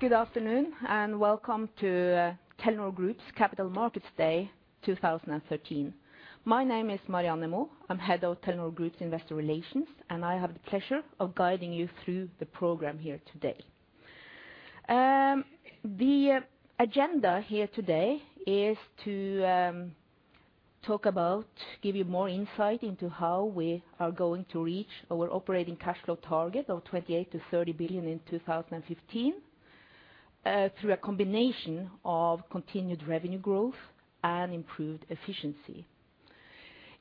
Good afternoon, and welcome to Telenor Group's Capital Markets Day 2013. My name is Marianne Moe. I'm head of Telenor Group's Investor Relations, and I have the pleasure of guiding you through the program here today. The agenda here today is to talk about, give you more insight into how we are going to reach our operating cash flow target of 28 billion-30 billion in 2015, through a combination of continued revenue growth and improved efficiency.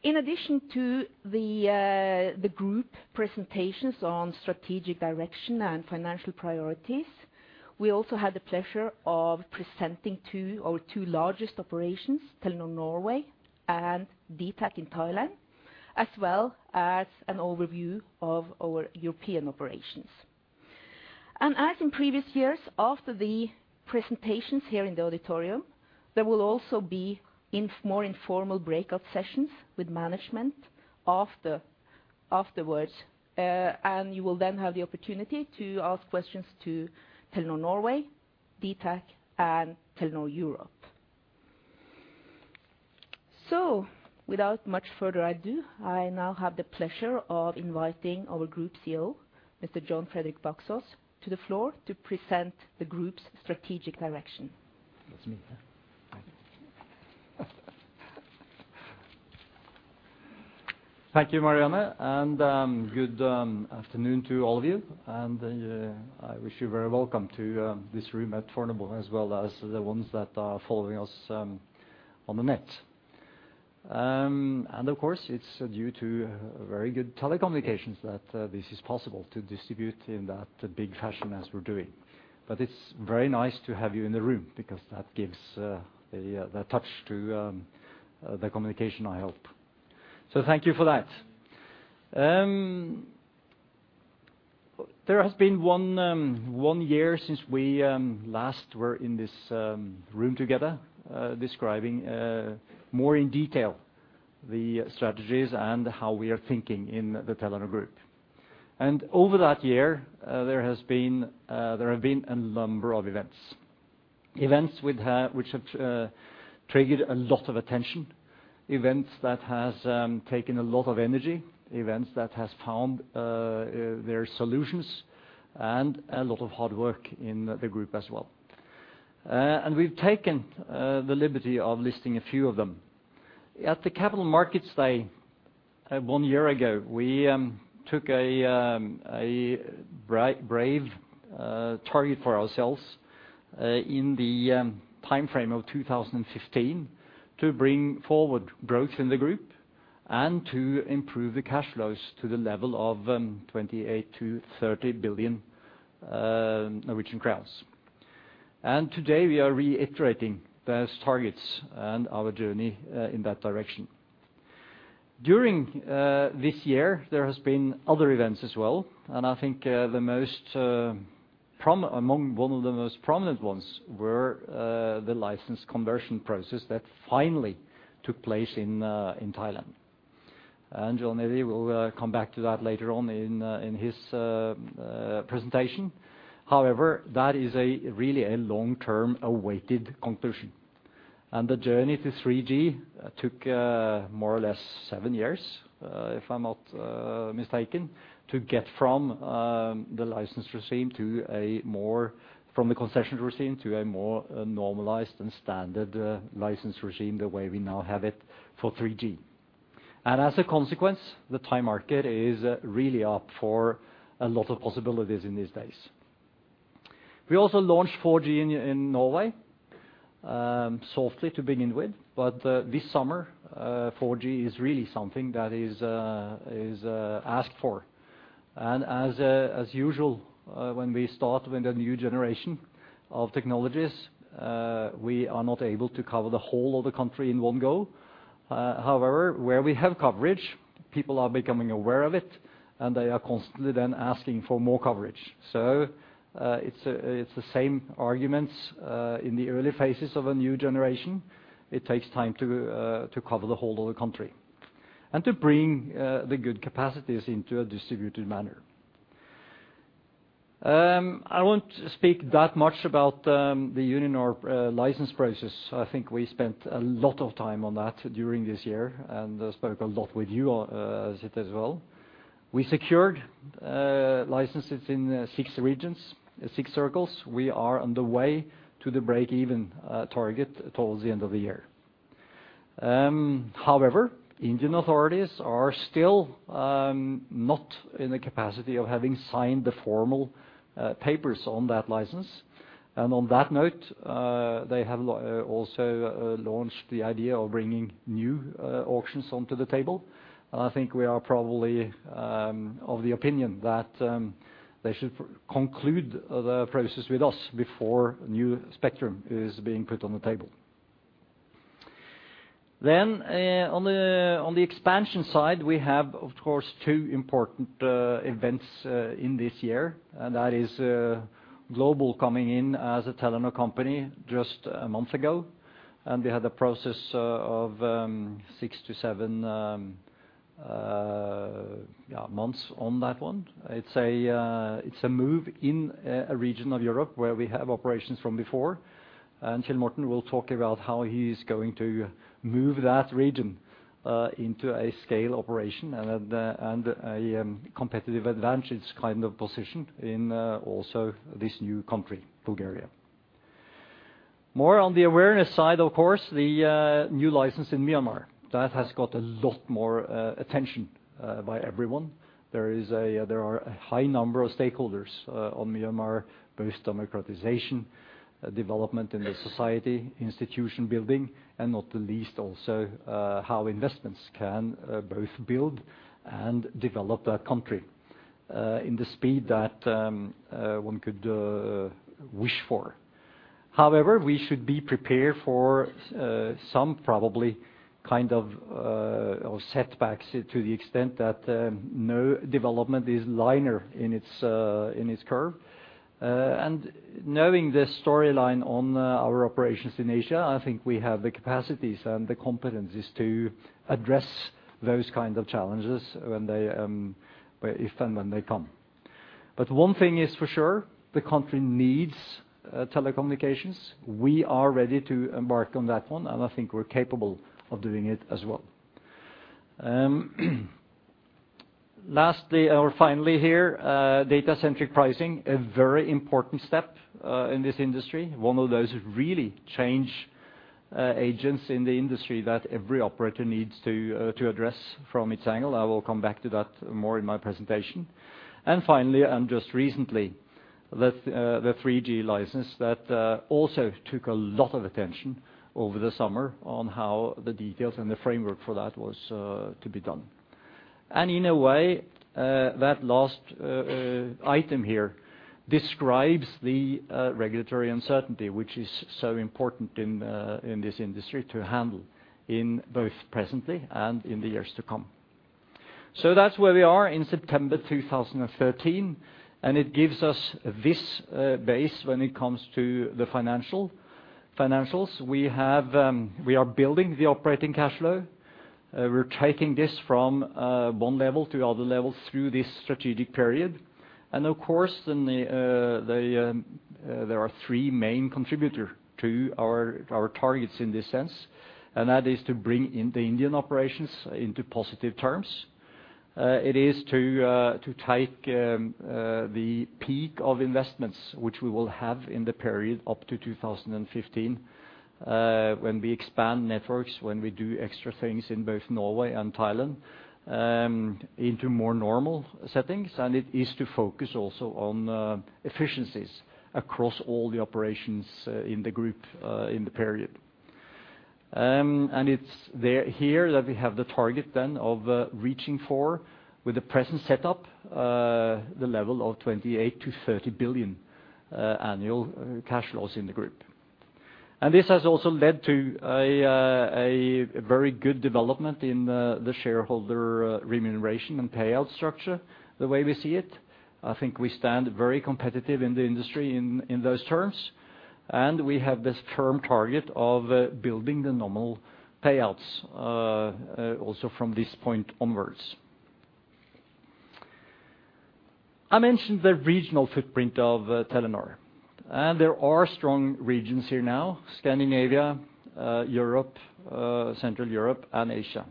In addition to the group presentations on strategic direction and financial priorities, we also have the pleasure of presenting two, our two largest operations, Telenor Norway and dtac in Thailand, as well as an overview of our European operations. As in previous years, after the presentations here in the auditorium, there will also be in more informal breakout sessions with management afterwards. You will then have the opportunity to ask questions to Telenor Norway, dtac, and Telenor Europe. Without much further ado, I now have the pleasure of inviting our Group CEO, Mr. Sigve Brekke, to the floor to present the group's strategic direction. Thank you, Marianne, and good afternoon to all of you, and I wish you very welcome to this room at Fornebu, as well as the ones that are following us on the net. And of course, it's due to very good telecommunications that this is possible to distribute in that big fashion as we're doing. But it's very nice to have you in the room, because that gives the touch to the communication, I hope. So thank you for that. There has been one year since we last were in this room together, describing more in detail the strategies and how we are thinking in the Telenor Group. Over that year, there has been, there have been a number of events, events which have triggered a lot of attention, events that has taken a lot of energy, events that has found their solutions, and a lot of hard work in the group as well. We've taken the liberty of listing a few of them. At the Capital Markets Day, one year ago, we took a brave target for ourselves, in the time frame of 2015, to bring forward growth in the group and to improve the cash flows to the level of 28 billion-30 billion Norwegian crowns. Today, we are reiterating those targets and our journey in that direction. During this year, there has been other events as well, and I think, the most, among one of the most prominent ones were, the license conversion process that finally took place in, in Thailand. And Jon Eddy will come back to that later on in, in his, presentation. However, that is a really a long-term awaited conclusion, and the journey to 3G took, more or less seven years, if I'm not, mistaken, to get from the concession regime to a more normalized and standard, license regime, the way we now have it for 3G. And as a consequence, the Thai market is really up for a lot of possibilities in these days. We also launched 4G in Norway softly to begin with, but this summer 4G is really something that is asked for. And as usual when we start with a new generation of technologies we are not able to cover the whole of the country in one go. However, where we have coverage, people are becoming aware of it, and they are constantly then asking for more coverage. So it's the same arguments in the early phases of a new generation. It takes time to cover the whole of the country and to bring the good capacities into a distributed manner. I won't speak that much about the Uninor license process. I think we spent a lot of time on that during this year, and I spoke a lot with you on it as well. We secured licenses in six regions, six circles. We are on the way to the break-even target towards the end of the year. However, Indian authorities are still not in the capacity of having signed the formal papers on that license, and on that note, they have also launched the idea of bringing new auctions onto the table. I think we are probably of the opinion that they should conclude the process with us before new spectrum is being put on the table. Then, on the expansion side, we have, of course, two important events in this year, and that is, Globul coming in as a Telenor company just a month ago. And we had a process of 6 months -7 months on that one. It's a move in a region of Europe where we have operations from before, and Kjell Morten will talk about how he's going to move that region into a scale operation and then a competitive advantage kind of position in also this new country, Bulgaria. More on the awareness side, of course, the new license in Myanmar. That has got a lot more attention by everyone. There are a high number of stakeholders on Myanmar, both democratization, development in the society, institution building, and not the least also how investments can both build and develop that country in the speed that one could wish for. However, we should be prepared for some probably kind of setbacks to the extent that no development is linear in its curve. And knowing the storyline on our operations in Asia, I think we have the capacities and the competencies to address those kind of challenges when they if and when they come. But one thing is for sure, the country needs telecommunications. We are ready to embark on that one, and I think we're capable of doing it as well. Lastly, or finally here, data-centric pricing, a very important step in this industry. One of those really change agents in the industry that every operator needs to address from its angle. I will come back to that more in my presentation. And finally, and just recently, the 3G license that also took a lot of attention over the summer on how the details and the framework for that was to be done. And in a way, that last item here describes the regulatory uncertainty, which is so important in this industry to handle in both presently and in the years to come. So that's where we are in September 2013, and it gives us this base when it comes to the financials. We have, we are building the operating cash flow. We're taking this from one level to other levels through this strategic period. And of course, in the there are three main contributor to our targets in this sense, and that is to bring in the Indian operations into positive terms. It is to take the peak of investments, which we will have in the period up to 2015, when we expand networks, when we do extra things in both Norway and Thailand, into more normal settings, and it is to focus also on efficiencies across all the operations in the group in the period. And it's here that we have the target then of reaching for, with the present setup, the level of 28 billion-30 billion annual cash flows in the group. And this has also led to a very good development in the shareholder remuneration and payout structure, the way we see it. I think we stand very competitive in the industry in those terms, and we have this firm target of building the normal payouts also from this point onwards. I mentioned the regional footprint of Telenor, and there are strong regions here now: Scandinavia, Europe, Central Europe, and Asia.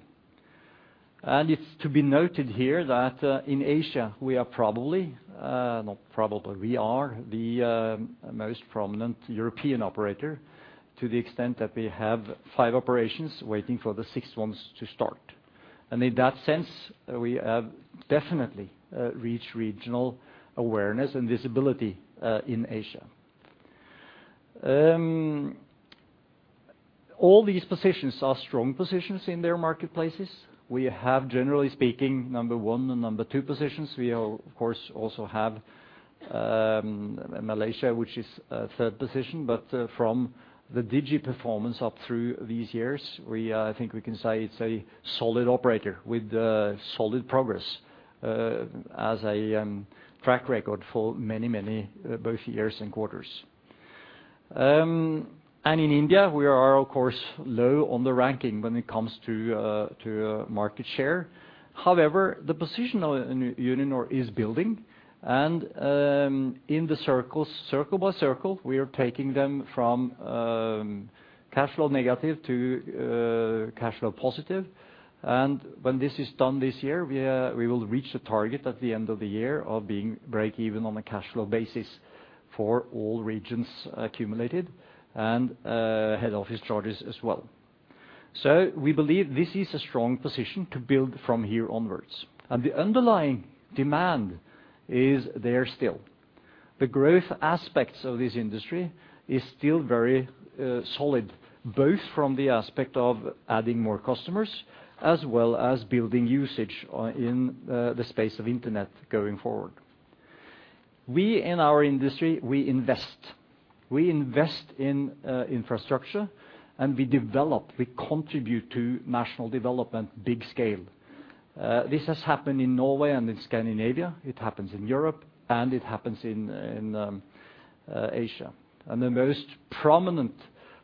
It's to be noted here that, in Asia, we are probably, not probably, we are the most prominent European operator to the extent that we have five operations waiting for the six ones to start. In that sense, we have definitely reached regional awareness and visibility in Asia. All these positions are strong positions in their marketplaces. We have, generally speaking, number one and number two positions. We of course also have Malaysia, which is a third position, but from the DiGi performance up through these years, we, I think we can say it's a solid operator with solid progress as a track record for many, many both years and quarters. In India, we are, of course, low on the ranking when it comes to to market share. However, the position of Uninor is building, and, in the circles, circle by circle, we are taking them from, cash flow negative to, cash flow positive. And when this is done this year, we, we will reach the target at the end of the year of being break even on a cash flow basis for all regions accumulated and, head office charges as well. So we believe this is a strong position to build from here onwards, and the underlying demand is there still. The growth aspects of this industry is still very, solid, both from the aspect of adding more customers, as well as building usage, in, the space of internet going forward. We, in our industry, we invest. We invest in, infrastructure, and we develop, we contribute to national development, big scale. This has happened in Norway and in Scandinavia, it happens in Europe, and it happens in Asia. And the most prominent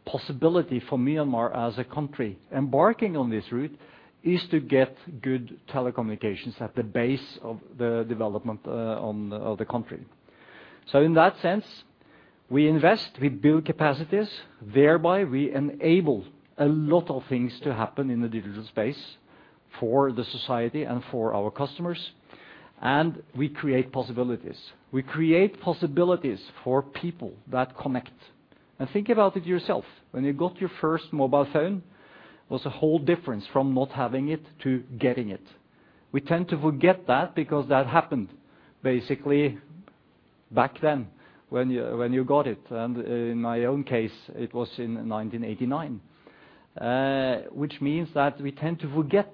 possibility for Myanmar as a country embarking on this route is to get good telecommunications at the base of the development of the country. So in that sense, we invest, we build capacities, thereby we enable a lot of things to happen in the digital space for the society and for our customers, and we create possibilities. We create possibilities for people that connect. And think about it yourself, when you got your first mobile phone, was a whole difference from not having it to getting it. We tend to forget that, because that happened basically back then when you, when you got it, and in my own case, it was in 1989. Which means that we tend to forget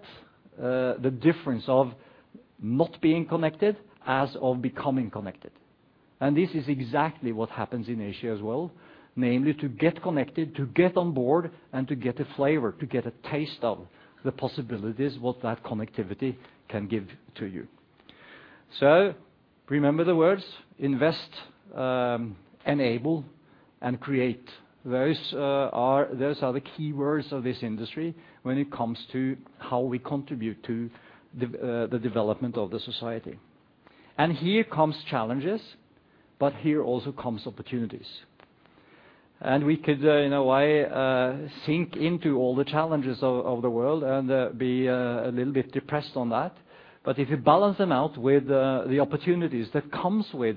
the difference of not being connected as of becoming connected. And this is exactly what happens in Asia as well, namely, to get connected, to get on board, and to get a flavor, to get a taste of the possibilities, what that connectivity can give to you. So remember the words: invest, enable, and create. Those are, those are the key words of this industry when it comes to how we contribute to the, the development of the society. And here comes challenges, but here also comes opportunities. And we could, in a way, sink into all the challenges of, of the world and, be a little bit depressed on that. But if you balance them out with the opportunities that comes with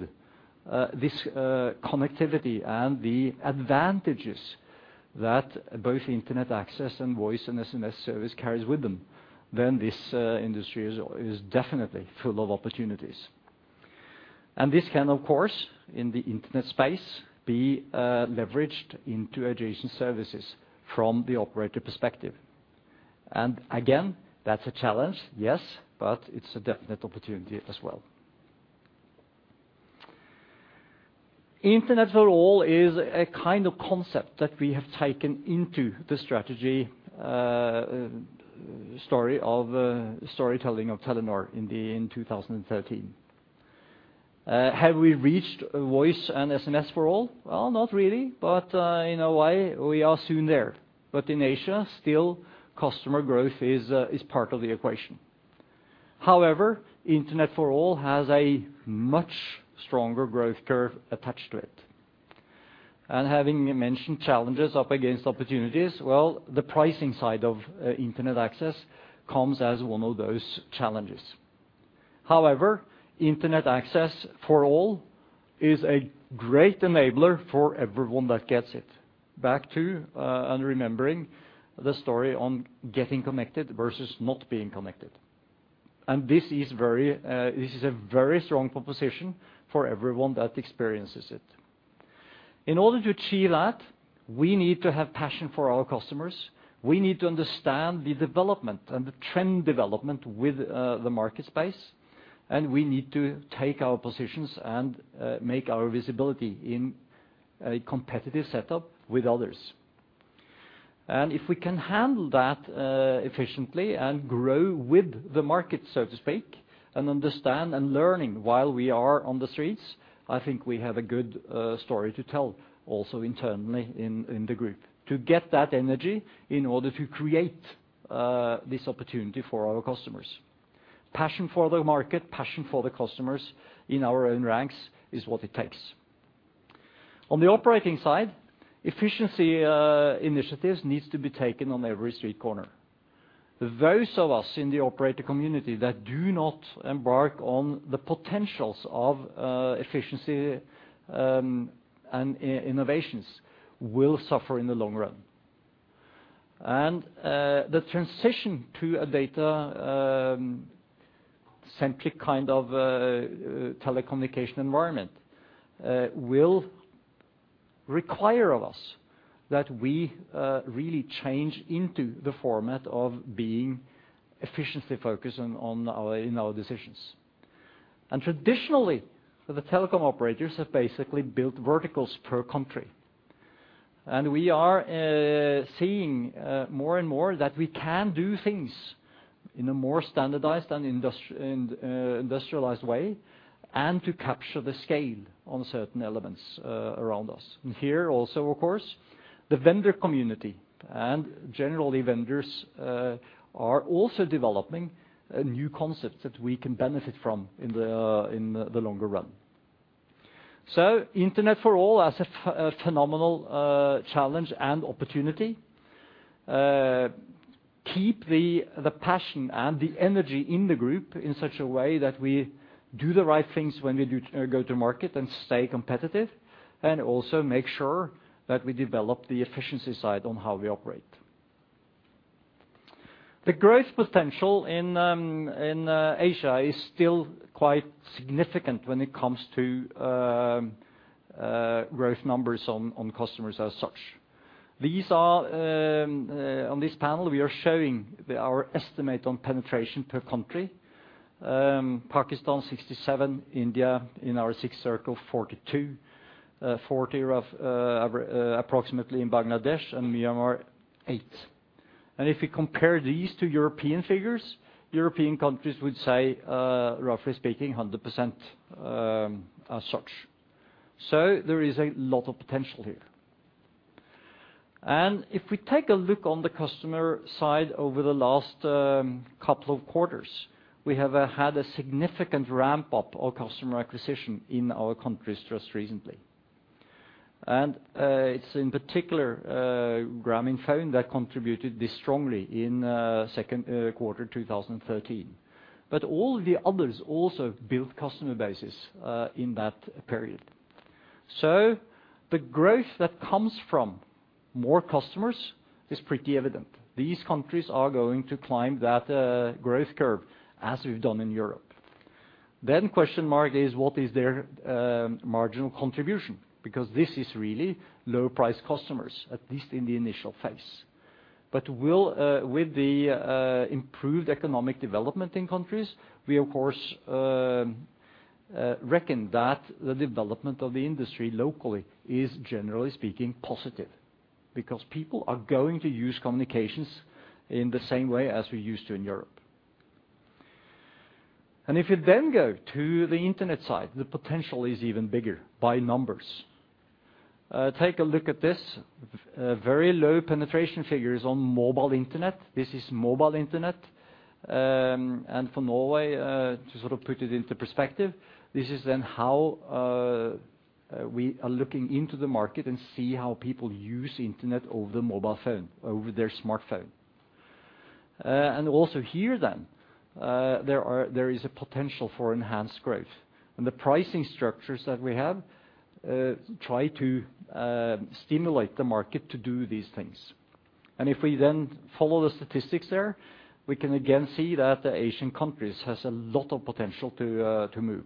this connectivity and the advantages that both internet access and voice and SMS service carries with them, then this industry is definitely full of opportunities. And this can, of course, in the internet space, be leveraged into adjacent services from the operator perspective. And again, that's a challenge, yes, but it's a definite opportunity as well. Internet for All is a kind of concept that we have taken into the strategy story of storytelling of Telenor in 2013. Have we reached voice and SMS for all? Well, not really, but in a way, we are soon there. But in Asia, still, customer growth is part of the equation. However, internet for all has a much stronger growth curve attached to it. Having mentioned challenges up against opportunities, well, the pricing side of internet access comes as one of those challenges. However, internet access for all is a great enabler for everyone that gets it. Back to, and remembering the story on getting connected versus not being connected. This is very, this is a very strong proposition for everyone that experiences it. In order to achieve that, we need to have passion for our customers, we need to understand the development and the trend development with the market space, and we need to take our positions and make our visibility in a competitive setup with others. And if we can handle that efficiently and grow with the market, so to speak, and understand and learning while we are on the streets, I think we have a good story to tell also internally in, in the group, to get that energy in order to create this opportunity for our customers. Passion for the market, passion for the customers in our own ranks is what it takes. On the operating side, efficiency initiatives needs to be taken on every street corner. Those of us in the operator community that do not embark on the potentials of efficiency and innovations will suffer in the long run. And the transition to a data centric kind of telecommunication environment will require of us that we really change into the format of being efficiency-focused on in our decisions. Traditionally, the telecom operators have basically built verticals per country. We are seeing more and more that we can do things in a more standardized and industrialized way, and to capture the scale on certain elements around us. Here also, of course, the vendor community, and generally, vendors, are also developing new concepts that we can benefit from in the longer run. So internet for all as a phenomenal challenge and opportunity, keep the passion and the energy in the group in such a way that we do the right things when we go to market and stay competitive, and also make sure that we develop the efficiency side on how we operate. The growth potential in Asia is still quite significant when it comes to growth numbers on customers as such. These are on this panel; we are showing our estimate on penetration per country. Pakistan, 67, India, in our sixth circle, 42, 40 roughly approximately in Bangladesh, and Myanmar, 8. And if you compare these to European figures, European countries would say, roughly speaking, 100%, as such. So there is a lot of potential here. And if we take a look on the customer side over the last couple of quarters, we have had a significant ramp-up of customer acquisition in our countries just recently. And it's in particular Grameenphone that contributed this strongly in second quarter 2013. But all the others also built customer bases in that period. So the growth that comes from more customers is pretty evident. These countries are going to climb that growth curve as we've done in Europe. The question is, what is their marginal contribution? Because this is really low-price customers, at least in the initial phase. But with the improved economic development in countries, we of course reckon that the development of the industry locally is, generally speaking, positive. Because people are going to use communications in the same way as we used to in Europe. And if you then go to the internet side, the potential is even bigger by numbers. Take a look at this very low penetration figures on mobile internet. This is mobile internet. And for Norway, to sort of put it into perspective, this is then how we are looking into the market and see how people use internet over the mobile phone, over their smartphone. And also here then, there is a potential for enhanced growth, and the pricing structures that we have try to stimulate the market to do these things. And if we then follow the statistics there, we can again see that the Asian countries has a lot of potential to to move.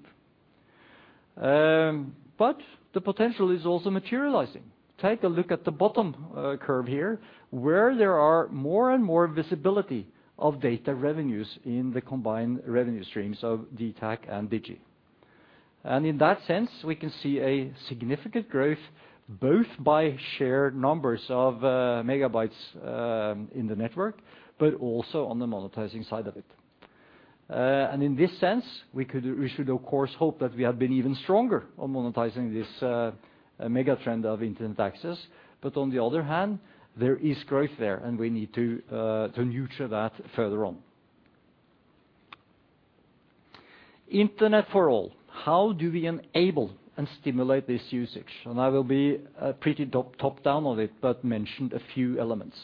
But the potential is also materializing. Take a look at the bottom curve here, where there are more and more visibility of data revenues in the combined revenue streams of dtac and Digi. In that sense, we can see a significant growth, both by shared numbers of megabytes in the network, but also on the monetizing side of it. And in this sense, we should, of course, hope that we have been even stronger on monetizing this mega trend of internet access. But on the other hand, there is growth there, and we need to nurture that further on. Internet for all. How do we enable and stimulate this usage? And I will be pretty top-down on it, but mention a few elements.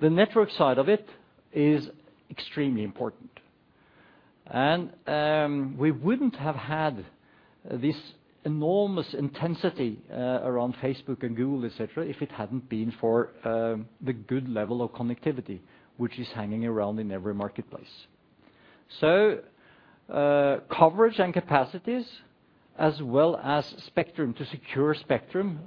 The network side of it is extremely important, and we wouldn't have had this enormous intensity around Facebook and Google, et cetera, if it hadn't been for the good level of connectivity, which is hanging around in every marketplace. Coverage and capacities, as well as spectrum, to secure spectrum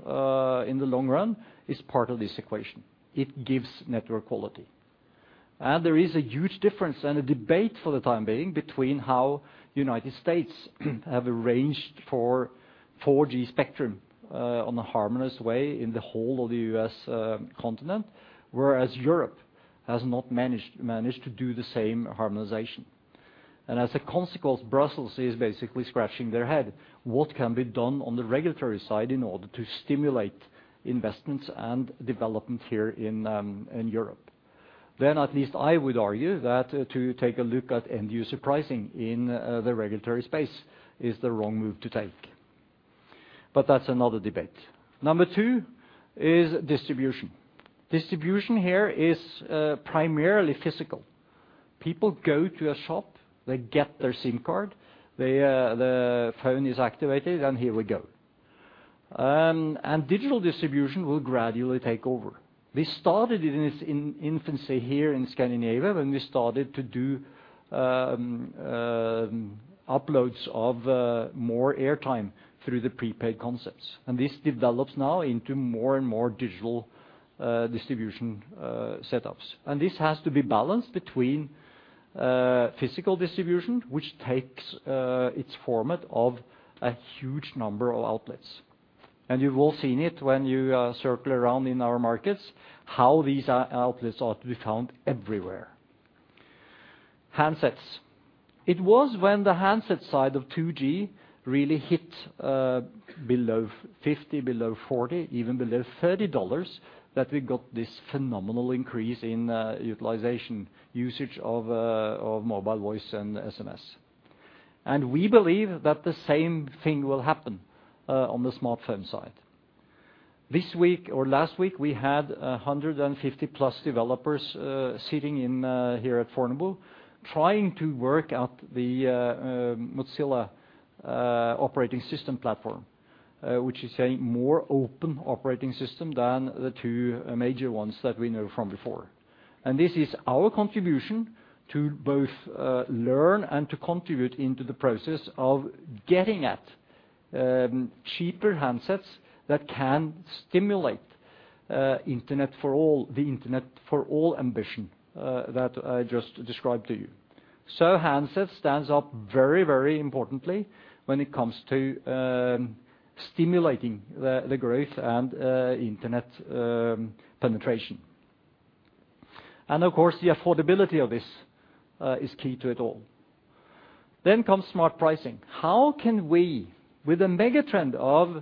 in the long run, is part of this equation. It gives network quality. And there is a huge difference and a debate for the time being, between how United States have arranged for 4G spectrum on a harmonious way in the whole of the U.S. continent, whereas Europe has not managed to do the same harmonization. And as a consequence, Brussels is basically scratching their head. What can be done on the regulatory side in order to stimulate investments and development here in Europe? At least I would argue that to take a look at end user pricing in the regulatory space is the wrong move to take. But that's another debate. Number 2 is distribution. Distribution here is primarily physical. People go to a shop, they get their SIM card, they, the phone is activated, and here we go. Digital distribution will gradually take over. This started in its infancy here in Scandinavia, when we started to do uploads of more airtime through the prepaid concepts, and this develops now into more and more digital distribution setups. This has to be balanced between physical distribution, which takes its format of a huge number of outlets. You've all seen it when you circle around in our markets, how these outlets are to be found everywhere. Handsets. It was when the handset side of 2G really hit below $50, below $40, even below $30, that we got this phenomenal increase in utilization, usage of mobile voice and SMS. We believe that the same thing will happen on the smartphone side. This week or last week, we had 150-plus developers sitting in here at Fornebu, trying to work out the Mozilla operating system platform, which is a more open operating system than the two major ones that we know from before. This is our contribution to both learn and to contribute into the process of getting at cheaper handsets that can stimulate internet for all—the internet for all ambition that I just described to you. Handsets stand up very, very importantly when it comes to stimulating the growth and internet penetration. Of course, the affordability of this is key to it all. Then comes smart pricing. How can we, with a mega trend as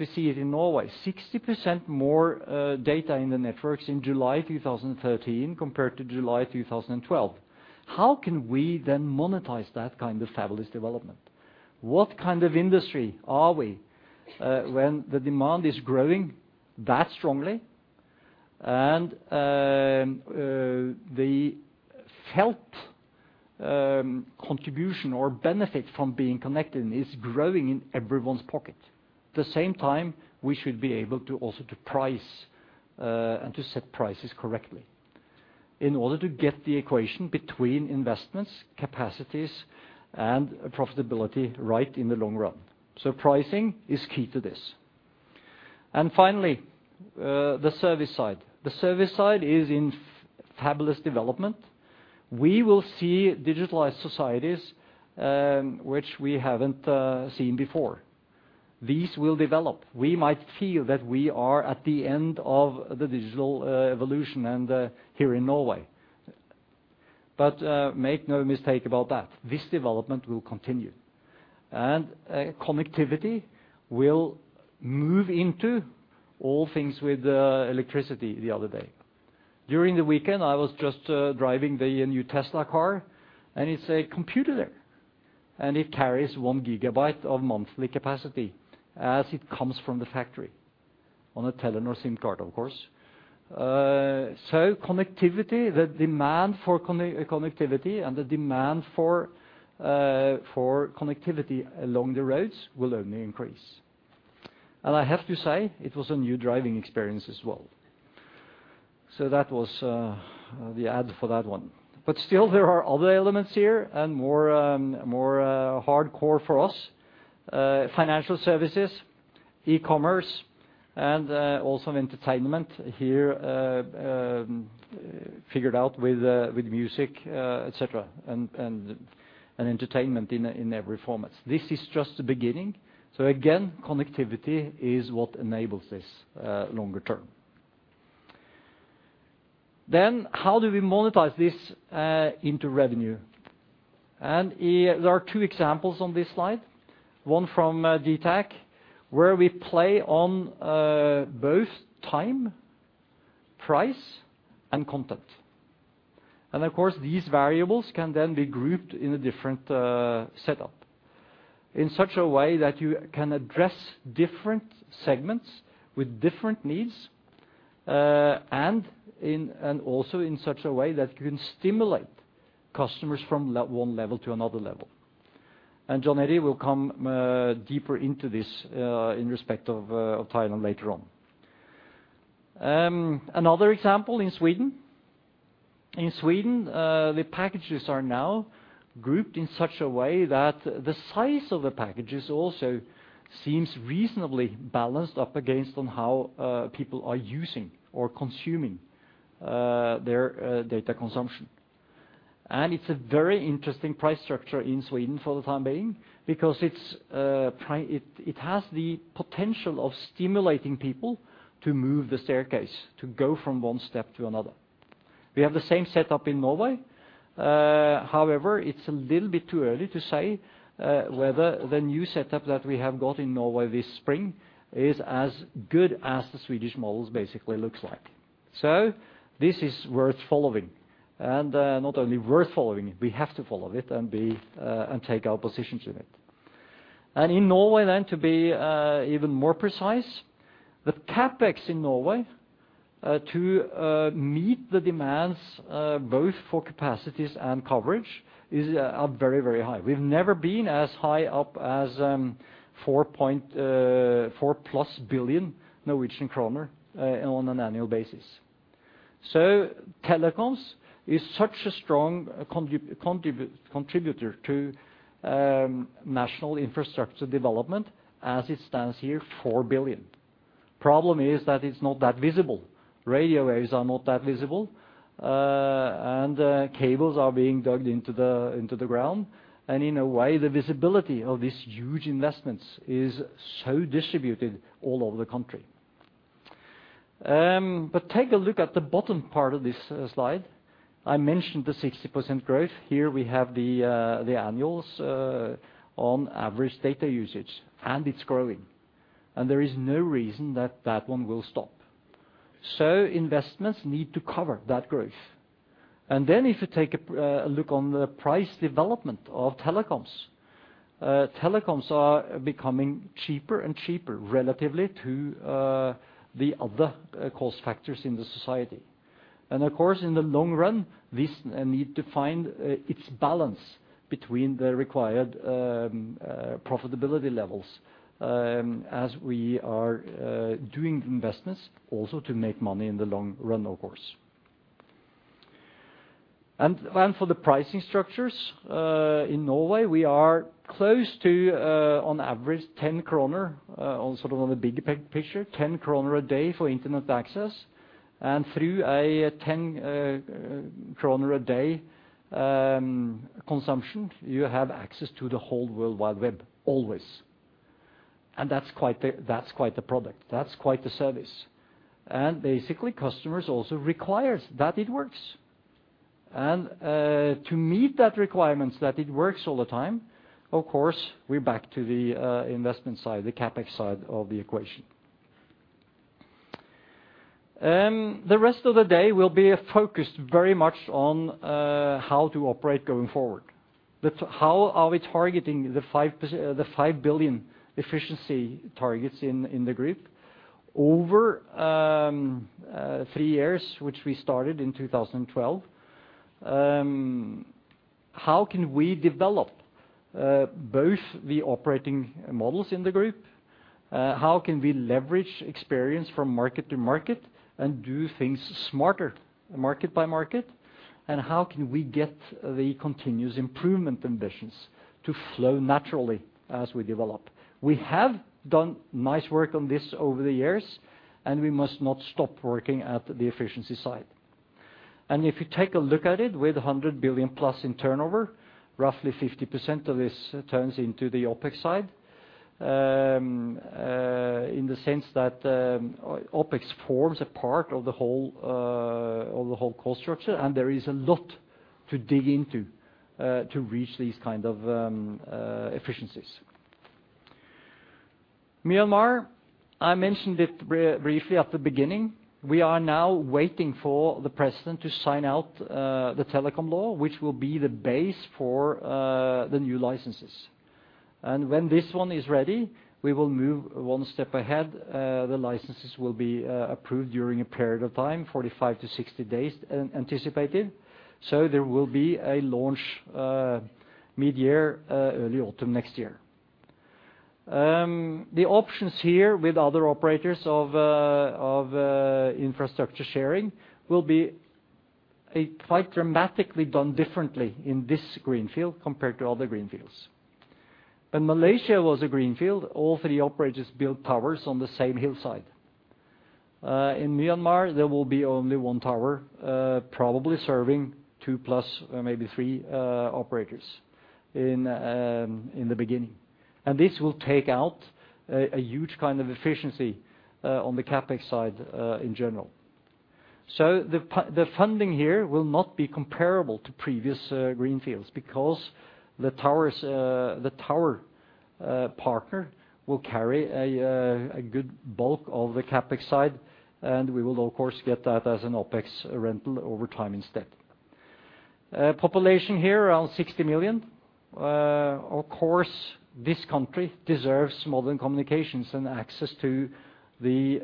we see it in Norway, 60% more data in the networks in July 2013, compared to July 2012. How can we then monetize that kind of fabulous development? What kind of industry are we, when the demand is growing that strongly, and the felt contribution or benefit from being connected is growing in everyone's pocket? At the same time, we should be able to also to price and to set prices correctly in order to get the equation between investments, capacities, and profitability right in the long run. So pricing is key to this. And finally, the service side. The service side is in fabulous development. We will see digitalized societies, which we haven't seen before. These will develop. We might feel that we are at the end of the digital evolution and here in Norway. But make no mistake about that, this development will continue, and connectivity will move into all things with electricity the other day. During the weekend, I was just driving the new Tesla car, and it's a computer there, and it carries 1 GB of monthly capacity as it comes from the factory on a Telenor SIM card, of course. So connectivity, the demand for connectivity and the demand for connectivity along the roads will only increase. And I have to say it was a new driving experience as well. So that was the ad for that one. But still there are other elements here, and more, more hardcore for us, financial services, e-commerce, and also entertainment here, figured out with music, et cetera, and entertainment in every format. This is just the beginning. So again, connectivity is what enables this, longer term. Then, how do we monetize this into revenue? And there are two examples on this slide, one from DTAC, where we play on both time, price, and content. And of course, these variables can then be grouped in a different setup, in such a way that you can address different segments with different needs, and also in such a way that you can stimulate customers from one level to another level. Jon Eddy will come deeper into this, in respect of Thailand later on. Another example in Sweden. In Sweden, the packages are now grouped in such a way that the size of the packages also seems reasonably balanced up against on how people are using or consuming their data consumption. It's a very interesting price structure in Sweden for the time being, because it has the potential of stimulating people to move the staircase, to go from one step to another. We have the same setup in Norway. However, it's a little bit too early to say whether the new setup that we have got in Norway this spring is as good as the Swedish models basically looks like. This is worth following, and not only worth following, we have to follow it and be, and take our positions in it. And in Norway, then, to be even more precise, the CapEx in Norway to meet the demands both for capacities and coverage is very, very high. We've never been as high up as four point four-plus billion Norwegian kroner on an annual basis. So telecoms is such a strong contributor to national infrastructure development as it stands here, 4 billion. Problem is that it's not that visible. Radio waves are not that visible, and cables are being dug into the into the ground. And in a way, the visibility of these huge investments is so distributed all over the country. But take a look at the bottom part of this slide. I mentioned the 60% growth. Here we have the annuals on average data usage, and it's growing, and there is no reason that one will stop. So investments need to cover that growth. Then if you take a look on the price development of telecoms, telecoms are becoming cheaper and cheaper relative to the other cost factors in the society. Of course, in the long run, this need to find its balance between the required profitability levels, as we are doing investments also to make money in the long run, of course. For the pricing structures in Norway, we are close to, on average, 10 kroner, on the big picture, 10 kroner a day for internet access... and through a 10 kroner a day consumption, you have access to the whole world wide web, always. And that's quite the product. That's quite the service. And basically, customers also requires that it works. And to meet that requirements, that it works all the time, of course, we're back to the investment side, the CapEx side of the equation. The rest of the day will be focused very much on how to operate going forward. But how are we targeting the 5 billion efficiency targets in the group? Over three years, which we started in 2012, how can we develop both the operating models in the group? How can we leverage experience from market to market and do things smarter, market by market? And how can we get the continuous improvement ambitions to flow naturally as we develop? We have done nice work on this over the years, and we must not stop working at the efficiency side. And if you take a look at it, with 100 billion-plus in turnover, roughly 50% of this turns into the OpEx side. In the sense that, OpEx forms a part of the whole, of the whole cost structure, and there is a lot to dig into, to reach these kind of efficiencies. Myanmar, I mentioned it briefly at the beginning. We are now waiting for the president to sign out, the telecom law, which will be the base for, the new licenses. When this one is ready, we will move one step ahead. The licenses will be, approved during a period of time, 45 days -60 days anticipated, so there will be a launch, mid-year, early autumn next year. The options here with other operators of infrastructure sharing, will be quite dramatically done differently in this greenfield compared to other greenfields. When Malaysia was a greenfield, all three operators built towers on the same hillside. In Myanmar, there will be only one tower, probably serving 2+, or maybe three, operators in the beginning. And this will take out a huge kind of efficiency, on the CapEx side, in general. So the funding here will not be comparable to previous Greenfields because the towers, the tower partner will carry a good bulk of the CapEx side, and we will, of course, get that as an OpEx rental over time instead. Population here, around 60 million. Of course, this country deserves modern communications and access to the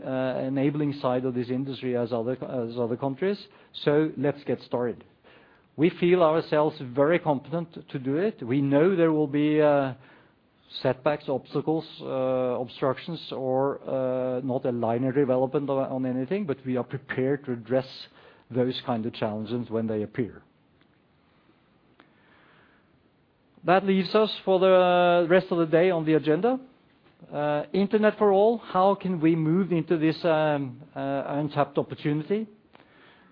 enabling side of this industry as other countries, so let's get started. We feel ourselves very confident to do it. We know there will be setbacks, obstacles, obstructions, or not a linear development on anything, but we are prepared to address those kind of challenges when they appear. That leaves us for the rest of the day on the agenda. Internet for all, how can we move into this untapped opportunity?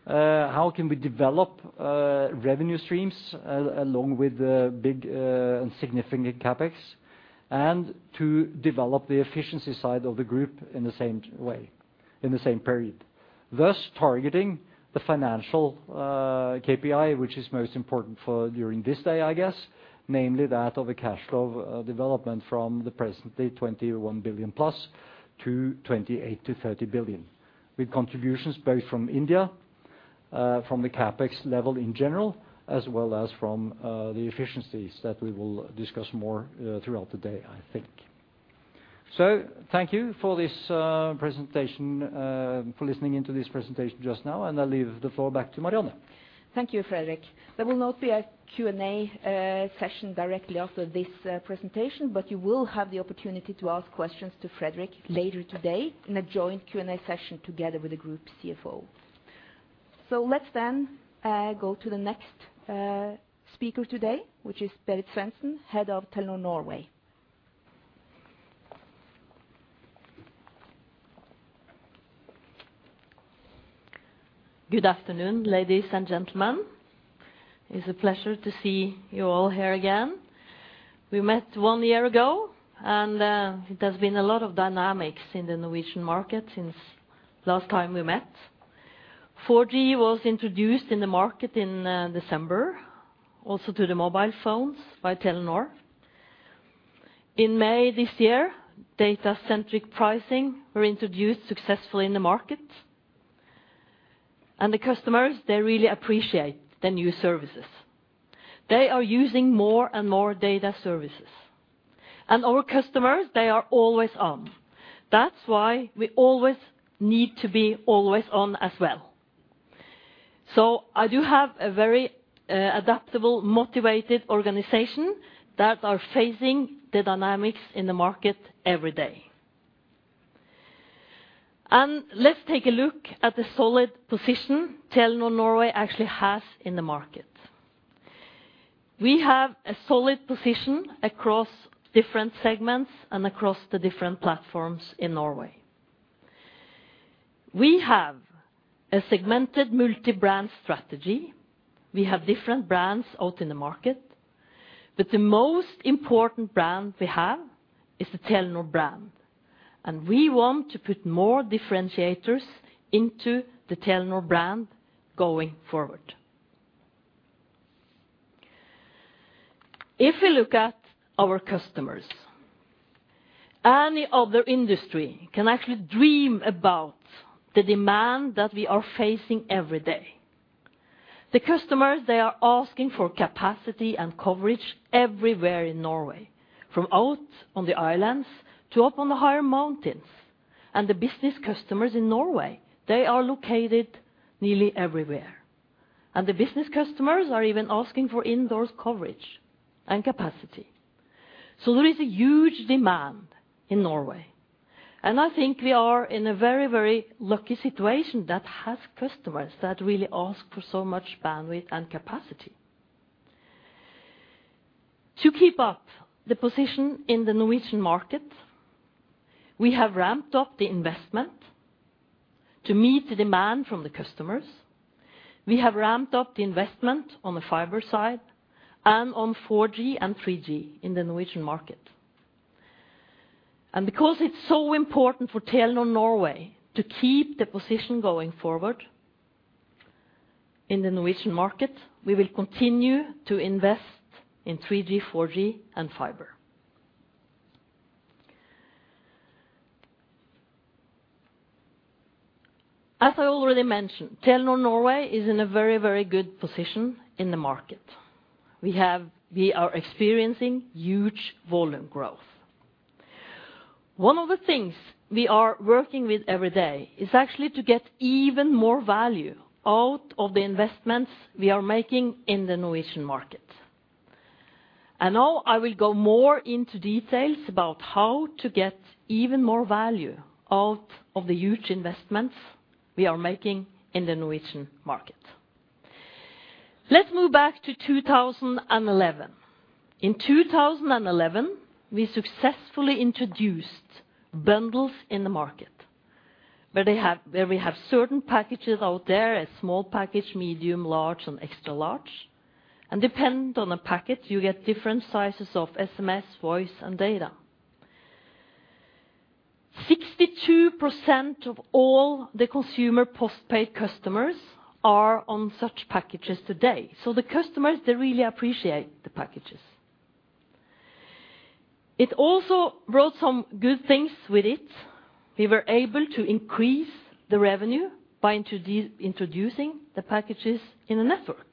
How can we develop revenue streams along with the big and significant CapEx, and to develop the efficiency side of the group in the same way, in the same period? Thus, targeting the financial KPI, which is most important for during this day, I guess, namely that of a cash flow development from the presently 21 billion-plus to 28 billion - 30 billion, with contributions both from India, from the CapEx level in general, as well as from the efficiencies that we will discuss more throughout the day, I think. So thank you for this presentation, for listening into this presentation just now, and I leave the floor back to Marianne. Thank you, Fredrik. There will not be a Q&A session directly after this presentation, but you will have the opportunity to ask questions to Fredrik later today in a joint Q&A session together with the group CFO. So let's then go to the next speaker today, which is Berit Svendsen, Head of Telenor Norway. Good afternoon, ladies and gentlemen. It's a pleasure to see you all here again. We met one year ago, and it has been a lot of dynamics in the Norwegian market since last time we met. 4G was introduced in the market in December, also to the mobile phones by Telenor. In May, this year, data-centric pricing were introduced successfully in the market. The customers, they really appreciate the new services. They are using more and more data services. Our customers, they are always on. That's why we always need to be always on as well. So I do have a very adaptable, motivated organization that are facing the dynamics in the market every day. Let's take a look at the solid position Telenor Norway actually has in the market. We have a solid position across different segments and across the different platforms in Norway. We have a segmented multi-brand strategy. We have different brands out in the market, but the most important brand we have is the Telenor brand, and we want to put more differentiators into the Telenor brand going forward. If you look at our customers, any other industry can actually dream about the demand that we are facing every day. The customers, they are asking for capacity and coverage everywhere in Norway, from out on the islands to up on the higher mountains, and the business customers in Norway, they are located nearly everywhere, and the business customers are even asking for indoor coverage and capacity. So there is a huge demand in Norway, and I think we are in a very, very lucky situation that has customers that really ask for so much bandwidth and capacity. To keep up the position in the Norwegian market, we have ramped up the investment to meet the demand from the customers. We have ramped up the investment on the fiber side and on 4G and 3G in the Norwegian market. Because it's so important for Telenor Norway to keep the position going forward in the Norwegian market, we will continue to invest in 3G, 4G, and fiber. As I already mentioned, Telenor Norway is in a very, very good position in the market. We are experiencing huge volume growth. One of the things we are working with every day is actually to get even more value out of the investments we are making in the Norwegian market. Now I will go more into details about how to get even more value out of the huge investments we are making in the Norwegian market. Let's move back to 2011. In 2011, we successfully introduced bundles in the market, where we have certain packages out there, a small package, medium, large, and extra large, and depend on the package, you get different sizes of SMS, voice, and data. 62% of all the consumer postpaid customers are on such packages today. So the customers, they really appreciate the packages. It also brought some good things with it. We were able to increase the revenue by introducing the packages in the network.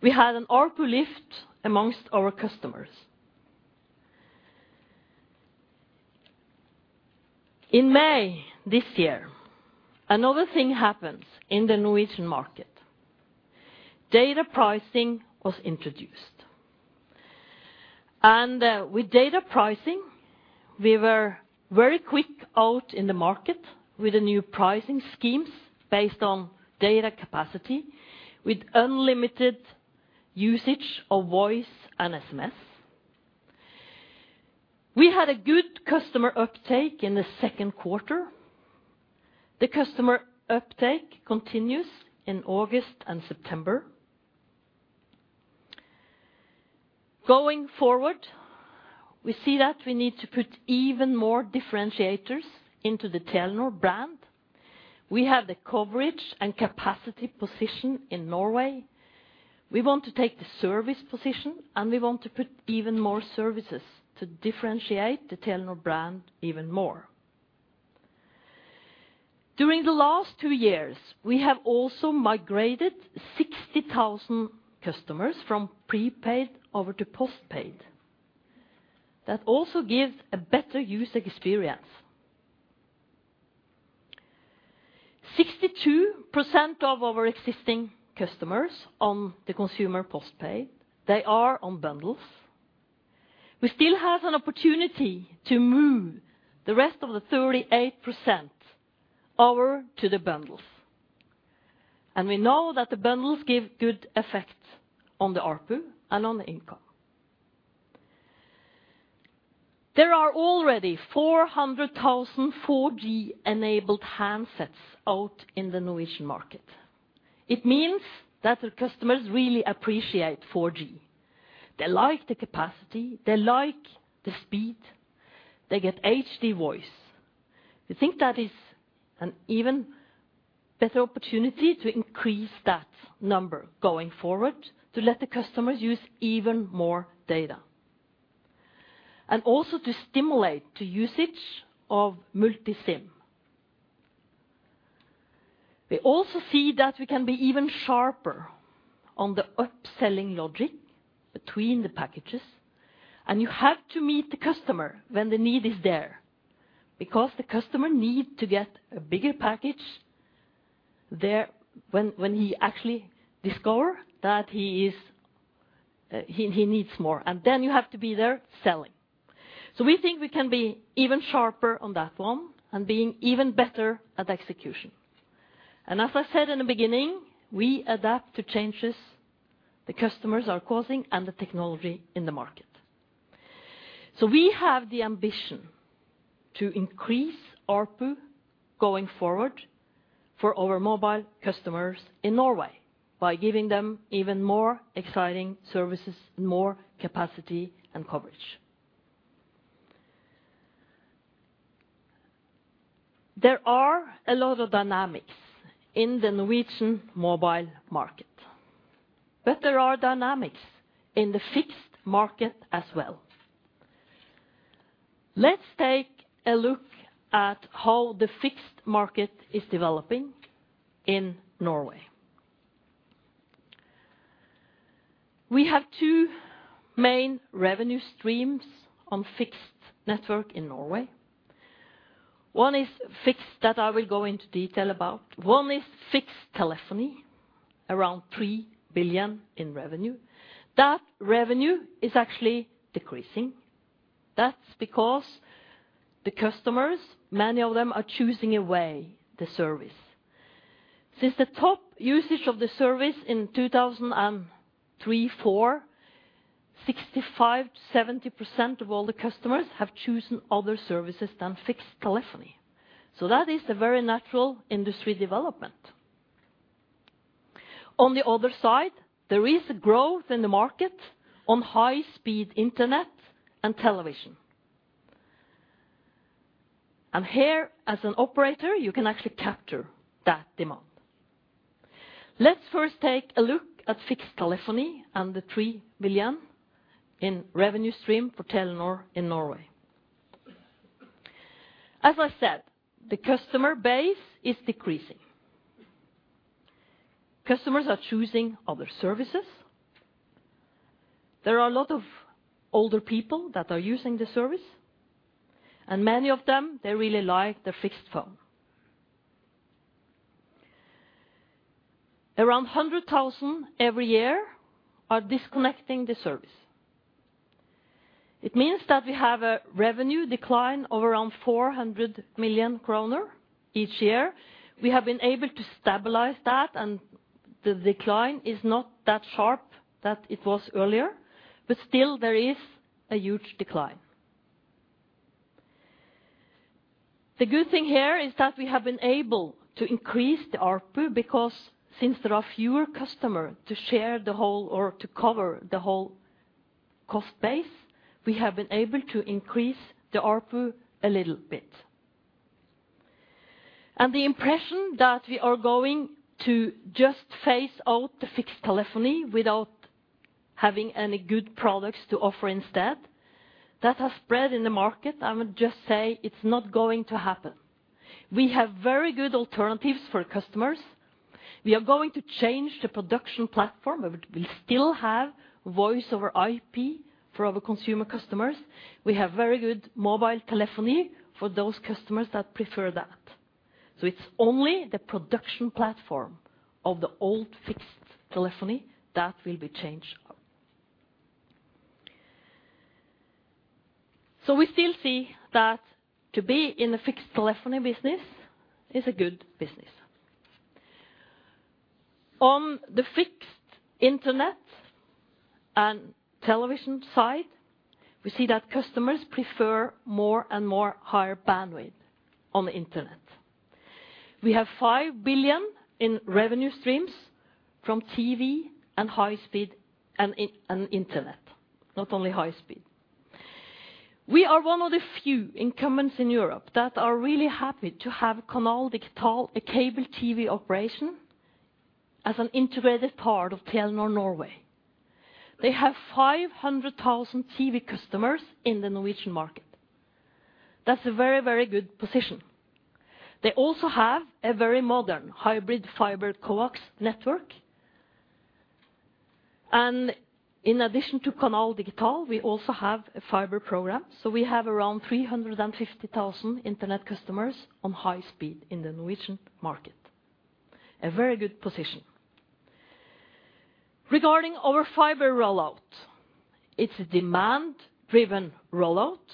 We had an ARPU lift amongst our customers. In May, this year, another thing happened in the Norwegian market. Data pricing was introduced, and with data pricing, we were very quick out in the market with the new pricing schemes based on data capacity, with unlimited usage of voice and SMS. We had a good customer uptake in the second quarter. The customer uptake continues in August and September. Going forward, we see that we need to put even more differentiators into the Telenor brand. We have the coverage and capacity position in Norway. We want to take the service position, and we want to put even more services to differentiate the Telenor brand even more. During the last two years, we have also migrated 60,000 customers from prepaid over to postpaid. That also gives a better user experience. 62% of our existing customers on the consumer postpaid, they are on bundles. We still have an opportunity to move the rest of the 38% over to the bundles, and we know that the bundles give good effect on the ARPU and on the income. There are already 400,000 4G-enabled handsets out in the Norwegian market. It means that the customers really appreciate 4G. They like the capacity, they like the speed, they get HD voice. We think that is an even better opportunity to increase that number going forward, to let the customers use even more data, and also to stimulate the usage of multi-SIM. We also see that we can be even sharper on the upselling logic between the packages, and you have to meet the customer when the need is there, because the customer needs to get a bigger package there when he actually discovers that he needs more, and then you have to be there selling. So we think we can be even sharper on that one and being even better at execution. And as I said in the beginning, we adapt to changes the customers are causing and the technology in the market. So we have the ambition to increase ARPU going forward for our mobile customers in Norway by giving them even more exciting services, more capacity and coverage. There are a lot of dynamics in the Norwegian mobile market, but there are dynamics in the fixed market as well. Let's take a look at how the fixed market is developing in Norway. We have two main revenue streams on fixed network in Norway. One is fixed, that I will go into detail about. One is fixed telephony, around 3 billion in revenue. That revenue is actually decreasing. That's because the customers, many of them, are choosing away the service. Since the top usage of the service in 2003-2004, 65%-70% of all the customers have chosen other services than fixed telephony. So that is a very natural industry development. On the other side, there is a growth in the market on high-speed internet and television. Here, as an operator, you can actually capture that demand. Let's first take a look at fixed telephony and the 3 billion revenue stream for Telenor in Norway. As I said, the customer base is decreasing. Customers are choosing other services. There are a lot of older people that are using the service, and many of them, they really like the fixed phone. Around 100,000 every year are disconnecting the service. It means that we have a revenue decline of around 400 million kroner each year. We have been able to stabilize that, and the decline is not that sharp that it was earlier, but still there is a huge decline. The good thing here is that we have been able to increase the ARPU, because since there are fewer customer to share the whole or to cover the whole cost base, we have been able to increase the ARPU a little bit. The impression that we are going to just phase out the fixed telephony without having any good products to offer instead, that has spread in the market. I would just say it's not going to happen. We have very good alternatives for customers. We are going to change the production platform, but we still have voice over IP for our consumer customers. We have very good mobile telephony for those customers that prefer that. It's only the production platform of the old fixed telephony that will be changed out. We still see that to be in the fixed telephony business is a good business. On the fixed internet and television side, we see that customers prefer more and more higher bandwidth on the internet. We have 5 billion in revenue streams from TV and high speed and internet, not only high speed. We are one of the few incumbents in Europe that are really happy to have Canal Digital, a cable TV operation, as an integrated part of Telenor Norway. They have 500,000 TV customers in the Norwegian market. That's a very, very good position. They also have a very modern hybrid fiber coax network. And in addition to Canal Digital, we also have a fiber program, so we have around 350,000 internet customers on high speed in the Norwegian market. A very good position. Regarding our fiber rollout, it's a demand-driven rollout.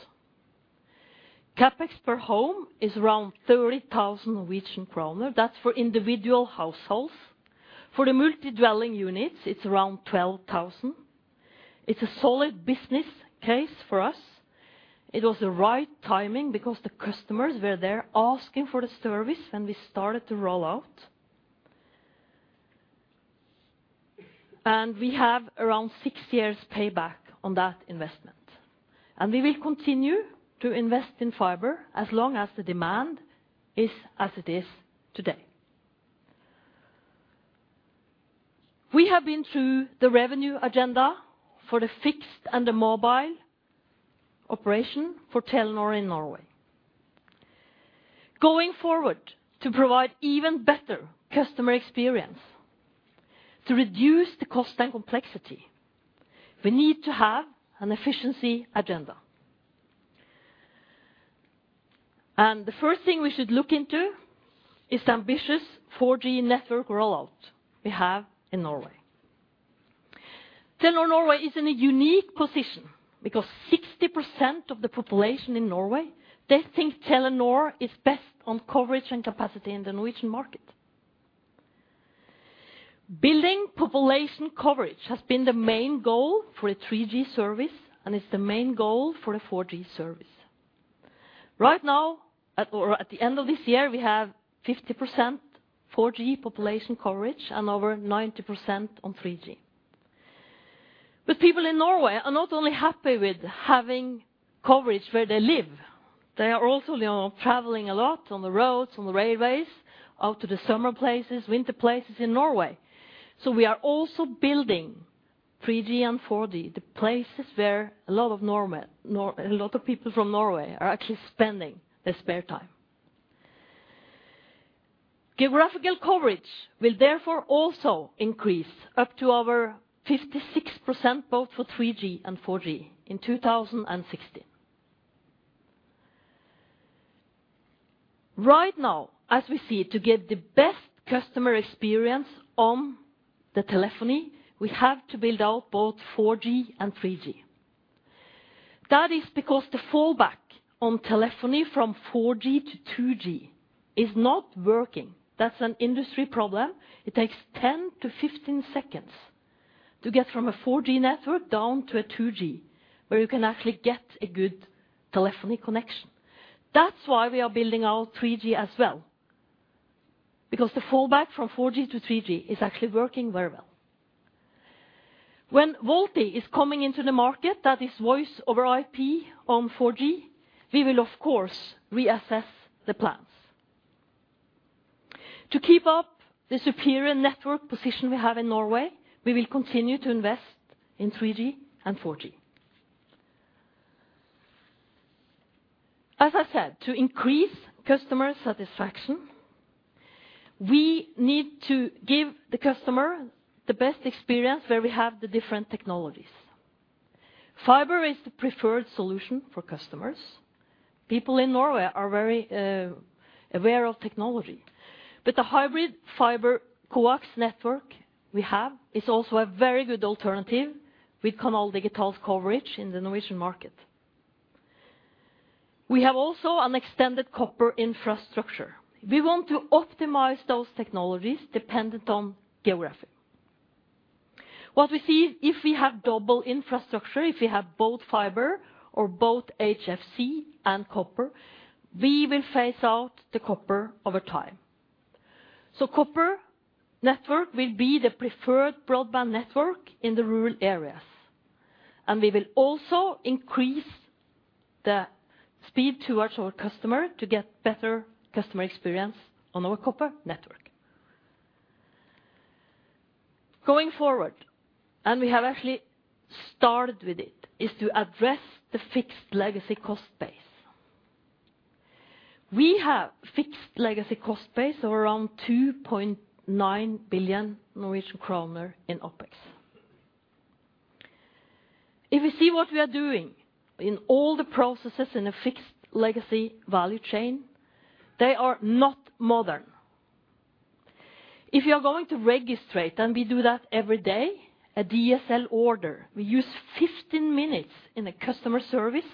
CapEx per home is around 30,000 Norwegian kroner. That's for individual households. For the multi-dwelling units, it's around 12,000. It's a solid business case for us. It was the right timing because the customers were there asking for the service, and we started to roll out. We have around 6 years' payback on that investment, and we will continue to invest in fiber as long as the demand is as it is today. We have been through the revenue agenda for the fixed and the mobile operation for Telenor in Norway. Going forward, to provide even better customer experience, to reduce the cost and complexity, we need to have an efficiency agenda.... The first thing we should look into is the ambitious 4G network rollout we have in Norway. Telenor Norway is in a unique position because 60% of the population in Norway, they think Telenor is best on coverage and capacity in the Norwegian market. Building population coverage has been the main goal for a 3G service, and it's the main goal for a 4G service. Right now, or at the end of this year, we have 50% 4G population coverage and over 90% on 3G. But people in Norway are not only happy with having coverage where they live, they are also traveling a lot on the roads, on the railways, out to the summer places, winter places in Norway. So we are also building 3G and 4G, the places where a lot of people from Norway are actually spending their spare time. Geographical coverage will therefore also increase up to over 56%, both for 3G and 4G in 2016. Right now, as we see, to get the best customer experience on the telephony, we have to build out both 4G and 3G. That is because the fallback on telephony from 4G to 2G is not working. That's an industry problem. It takes 10-15 seconds to get from a 4G network down to a 2G, where you can actually get a good telephony connection. That's why we are building out 3G as well, because the fallback from 4G to 3G is actually working very well. When VoLTE is coming into the market, that is voice over IP on 4G, we will of course reassess the plans. To keep up the superior network position we have in Norway, we will continue to invest in 3G and 4G. As I said, to increase customer satisfaction, we need to give the customer the best experience where we have the different technologies. Fiber is the preferred solution for customers. People in Norway are very aware of technology, but the hybrid fiber coax network we have is also a very good alternative with Canal Digital's coverage in the Norwegian market. We have also an extended copper infrastructure. We want to optimize those technologies dependent on geographic. What we see, if we have double infrastructure, if we have both fiber or both HFC and copper, we will phase out the copper over time. So copper network will be the preferred broadband network in the rural areas, and we will also increase the speed towards our customer to get better customer experience on our copper network. Going forward, and we have actually started with it, is to address the fixed legacy cost base. We have fixed legacy cost base of around 2.9 billion Norwegian kroner in OpEx. If you see what we are doing in all the processes in a fixed legacy value chain, they are not modern. If you are going to register, and we do that every day, a DSL order, we use 15 minutes in a customer service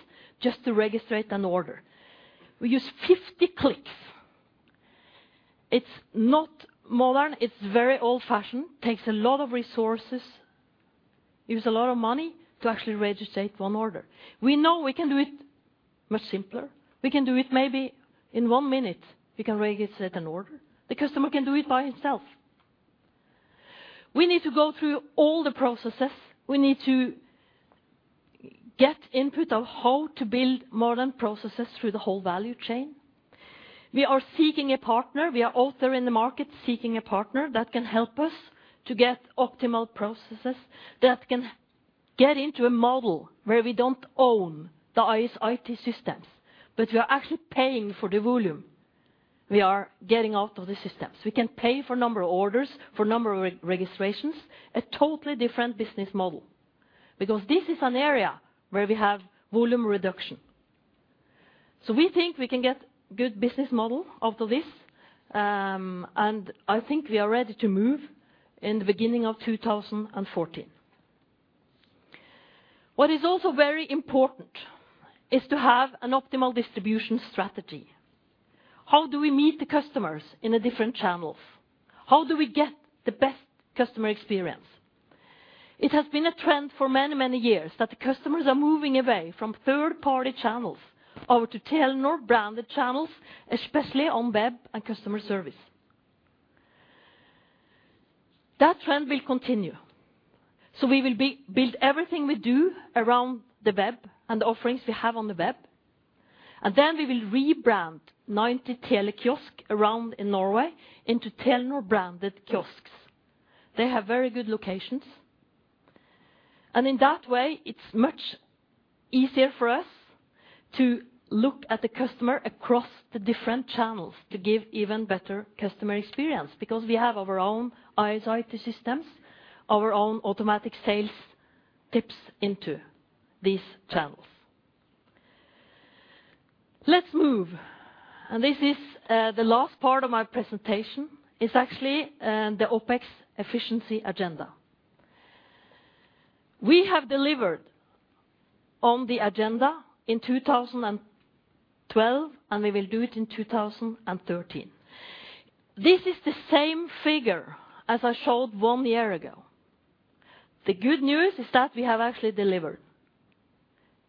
just to register an order. We use 50 clicks. It's not modern, it's very old-fashioned, takes a lot of resources, use a lot of money to actually register one order. We know we can do it much simpler. We can do it maybe in one minute, we can register an order. The customer can do it by himself. We need to go through all the processes. We need to get input on how to build modern processes through the whole value chain. We are seeking a partner. We are out there in the market seeking a partner that can help us to get optimal processes, that can get into a model where we don't own the IT systems, but we are actually paying for the volume we are getting out of the systems. We can pay for number of orders, for number of re-registrations, a totally different business model, because this is an area where we have volume reduction. So we think we can get good business model out of this, and I think we are ready to move in the beginning of 2014. What is also very important is to have an optimal distribution strategy. How do we meet the customers in the different channels? How do we get the best customer experience? It has been a trend for many, many years that the customers are moving away from third-party channels over to Telenor branded channels, especially on web and customer service. That trend will continue. So we will build everything we do around the web and the offerings we have on the web, and then we will rebrand 90 Tele kiosks around in Norway into Telenor branded kiosks. They have very good locations, and in that way, it's much easier for us to look at the customer across the different channels to give even better customer experience, because we have our own IT systems, our own automatic sales system taps into these channels. Let's move, and this is the last part of my presentation, is actually the OpEx efficiency agenda. We have delivered on the agenda in 2012, and we will do it in 2013. This is the same figure as I showed one year ago. The good news is that we have actually delivered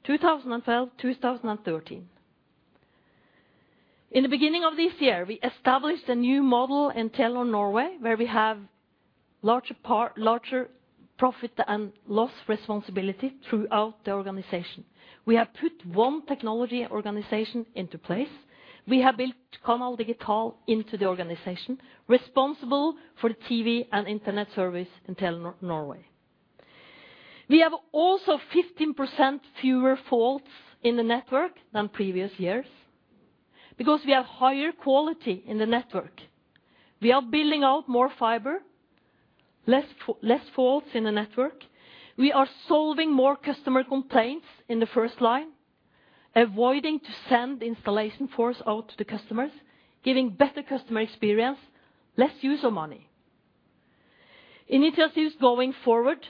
2012, 2013. In the beginning of this year, we established a new model in Telenor Norway, where we have larger profit and loss responsibility throughout the organization. We have put one technology organization into place. We have built Canal Digital into the organization, responsible for the TV and internet service in Telenor Norway. We have also 15% fewer faults in the network than previous years, because we have higher quality in the network. We are building out more fiber, less faults in the network. We are solving more customer complaints in the first line, avoiding to send installation force out to the customers, giving better customer experience, less use of money. Initiatives going forward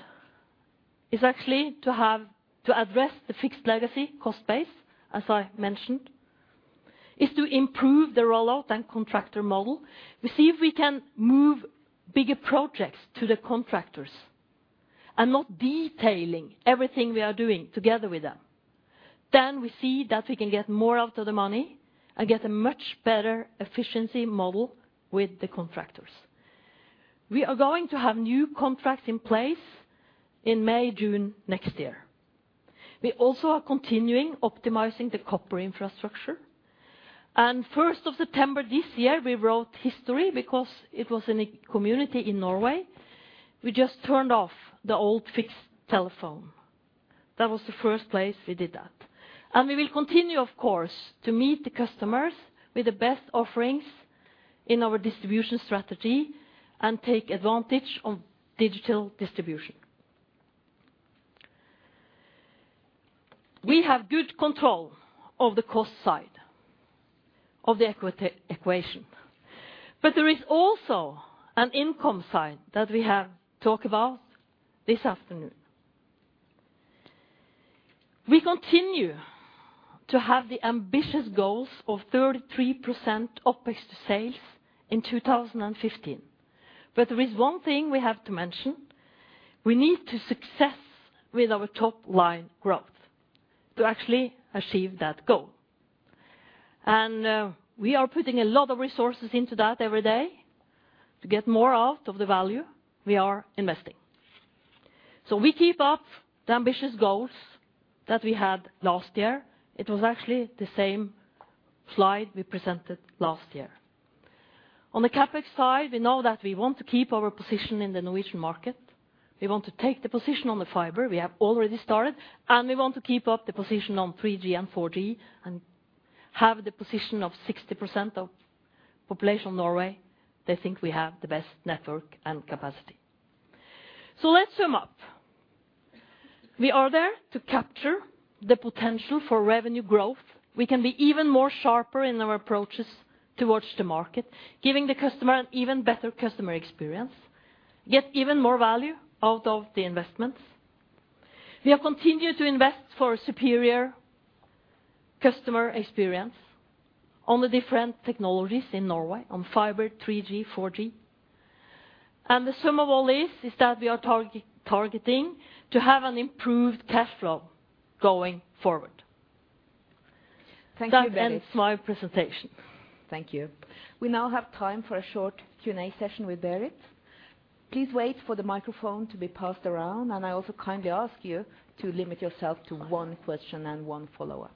is actually to have to address the fixed legacy cost base, as I mentioned, is to improve the rollout and contractor model. We see if we can move bigger projects to the contractors and not detailing everything we are doing together with them. Then we see that we can get more out of the money and get a much better efficiency model with the contractors. We are going to have new contracts in place in May, June next year. We also are continuing optimizing the copper infrastructure. And first of September this year, we wrote history because it was in a community in Norway, we just turned off the old fixed telephone. That was the first place we did that. And we will continue, of course, to meet the customers with the best offerings in our distribution strategy and take advantage of digital distribution. We have good control of the cost side of the equation, but there is also an income side that we have to talk about this afternoon. We continue to have the ambitious goals of 33% OpEx to sales in 2015. But there is one thing we have to mention, we need to succeed with our top line growth to actually achieve that goal. And, we are putting a lot of resources into that every day. To get more out of the value, we are investing. So we keep up the ambitious goals that we had last year. It was actually the same slide we presented last year. On the CapEx side, we know that we want to keep our position in the Norwegian market. We want to take the position on the fiber, we have already started, and we want to keep up the position on 3G and 4G, and have the position of 60% of population Norway, they think we have the best network and capacity. So let's sum up. We are there to capture the potential for revenue growth. We can be even more sharper in our approaches towards the market, giving the customer an even better customer experience, get even more value out of the investments. We have continued to invest for superior customer experience on the different technologies in Norway, on fiber, 3G, 4G. The sum of all this is that we are targeting to have an improved cash flow going forward. Thank you, Berit. That ends my presentation. Thank you. We now have time for a short Q&A session with Berit. Please wait for the microphone to be passed around, and I also kindly ask you to limit yourself to one question and one follow-up.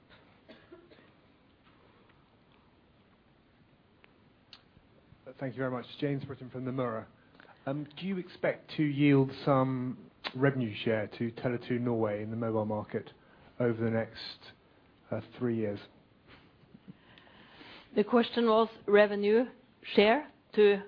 Thank you very much. James Britton from Nomura. Do you expect to yield some revenue share to Tele2 Norway in the mobile market over the next three years? The question was revenue share to?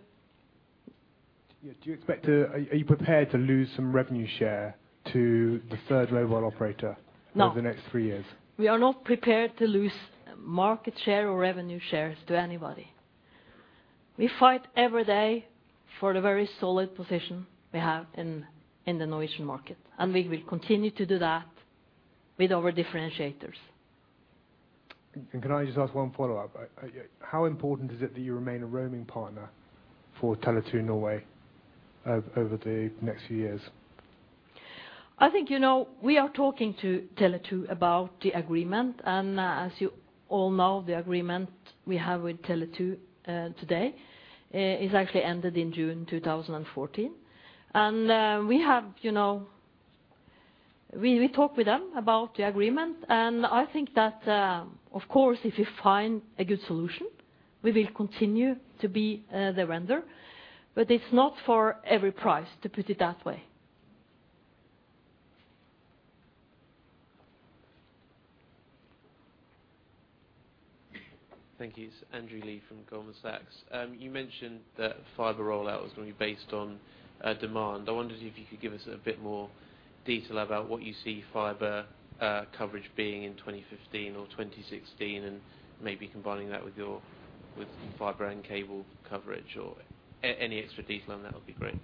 Yeah. Do you expect to— are you, are you prepared to lose some revenue share to the third mobile operator? No. over the next three years? We are not prepared to lose market share or revenue shares to anybody. We fight every day for the very solid position we have in the Norwegian market, and we will continue to do that with our differentiators. Can I just ask one follow-up? How important is it that you remain a roaming partner for Tele2 Norway over the next few years? I think, you know, we are talking to Tele2 about the agreement, and as you all know, the agreement we have with Tele2 today is actually ended in June 2014. And we have, you know... We talk with them about the agreement, and I think that, of course, if we find a good solution, we will continue to be the vendor, but it's not for every price, to put it that way.... Thank you. It's Andrew Lee from Goldman Sachs. You mentioned that fiber rollout was going to be based on demand. I wondered if you could give us a bit more detail about what you see fiber coverage being in 2015 or 2016, and maybe combining that with your, with fiber and cable coverage, or any extra detail on that will be great.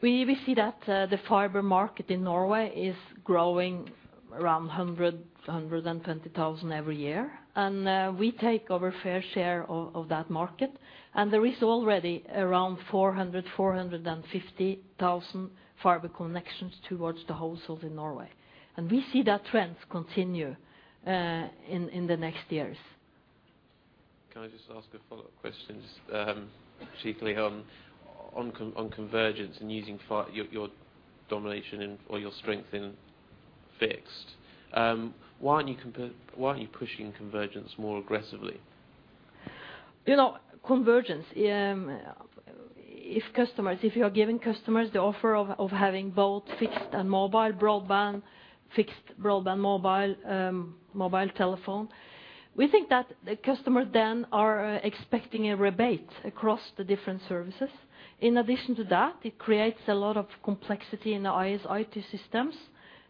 We see that the fiber market in Norway is growing around 100 thousand-120 thousand every year. We take our fair share of that market, and there is already around 400 thousands-450 thousand fiber connections towards the households in Norway. We see that trend continue in the next years. Can I just ask a follow-up question, chiefly on convergence and using your domination in or your strength in fixed? Why aren't you pushing convergence more aggressively? You know, convergence, if customers—if you are giving customers the offer of having both fixed and mobile broadband, fixed broadband, mobile, mobile telephone, we think that the customers then are expecting a rebate across the different services. In addition to that, it creates a lot of complexity in the IT systems,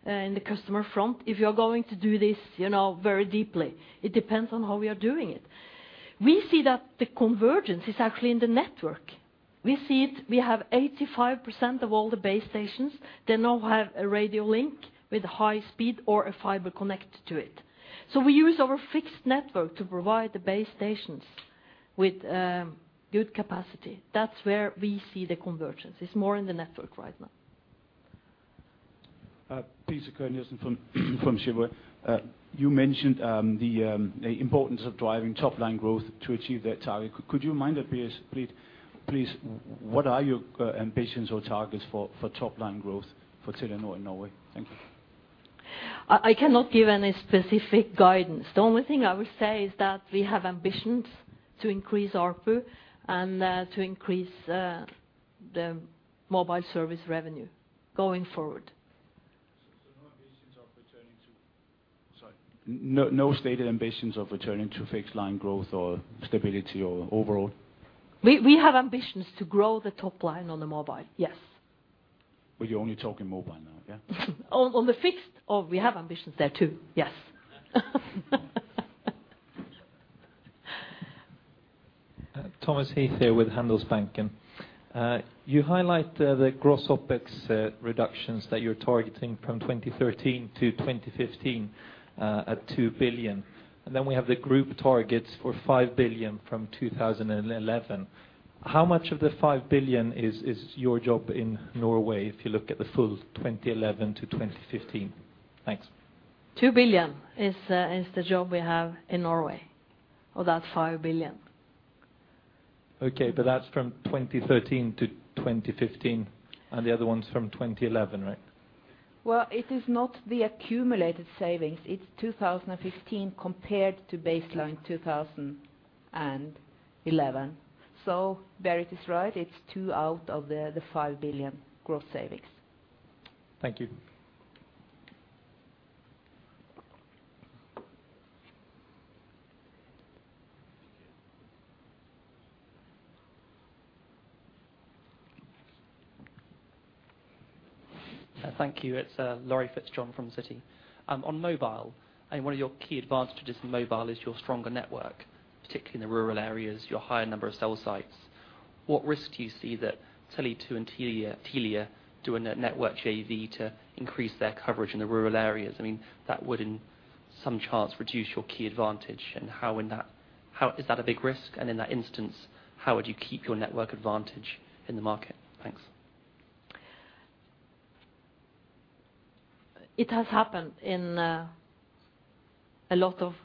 in the customer front, if you are going to do this, you know, very deeply. It depends on how we are doing it. We see that the convergence is actually in the network. We see it. We have 85% of all the base stations. They now have a radio link with high speed or a fiber connect to it. So we use our fixed network to provide the base stations with good capacity. That's where we see the convergence. It's more in the network right now. Peter Cornelius from Shiva. You mentioned the importance of driving top line growth to achieve that target. Could you mind repeat, please, what are your ambitions or targets for top line growth for Telenor in Norway? Thank you. I cannot give any specific guidance. The only thing I will say is that we have ambitions to increase ARPU and to increase the mobile service revenue going forward. So, no ambitions of returning to... Sorry. No, no stated ambitions of returning to fixed line growth or stability or overall? We have ambitions to grow the top line on the mobile, yes. But you're only talking mobile now, yeah? On the fixed, we have ambitions there, too. Yes. Thomas Heath here with Handelsbanken. You highlight the gross OpEx reductions that you're targeting from 2013 - 2015 at 2 billion. And then we have the group targets for 5 billion from 2011. How much of the 5 billion is your job in Norway, if you look at the full 2011 - 2015? Thanks. 2 billion is the job we have in Norway, of that 5 billion. Okay, but that's from 2013 - 2015, and the other one's from 2011, right? Well, it is not the accumulated savings. It's 2015 compared to baseline 2011. So there it is, right. It's 2 out of the 5 billion gross savings. Thank you. Thank you. It's Laurie Fitzjohn from Citi. On mobile, and one of your key advantages in mobile is your stronger network, particularly in the rural areas, your higher number of cell sites. What risk do you see that Telia and Tele2 doing a network JV to increase their coverage in the rural areas? I mean, that would in some sense reduce your key advantage. And how would that-- how-- is that a big risk? And in that instance, how would you keep your network advantage in the market? Thanks. It has happened in a lot of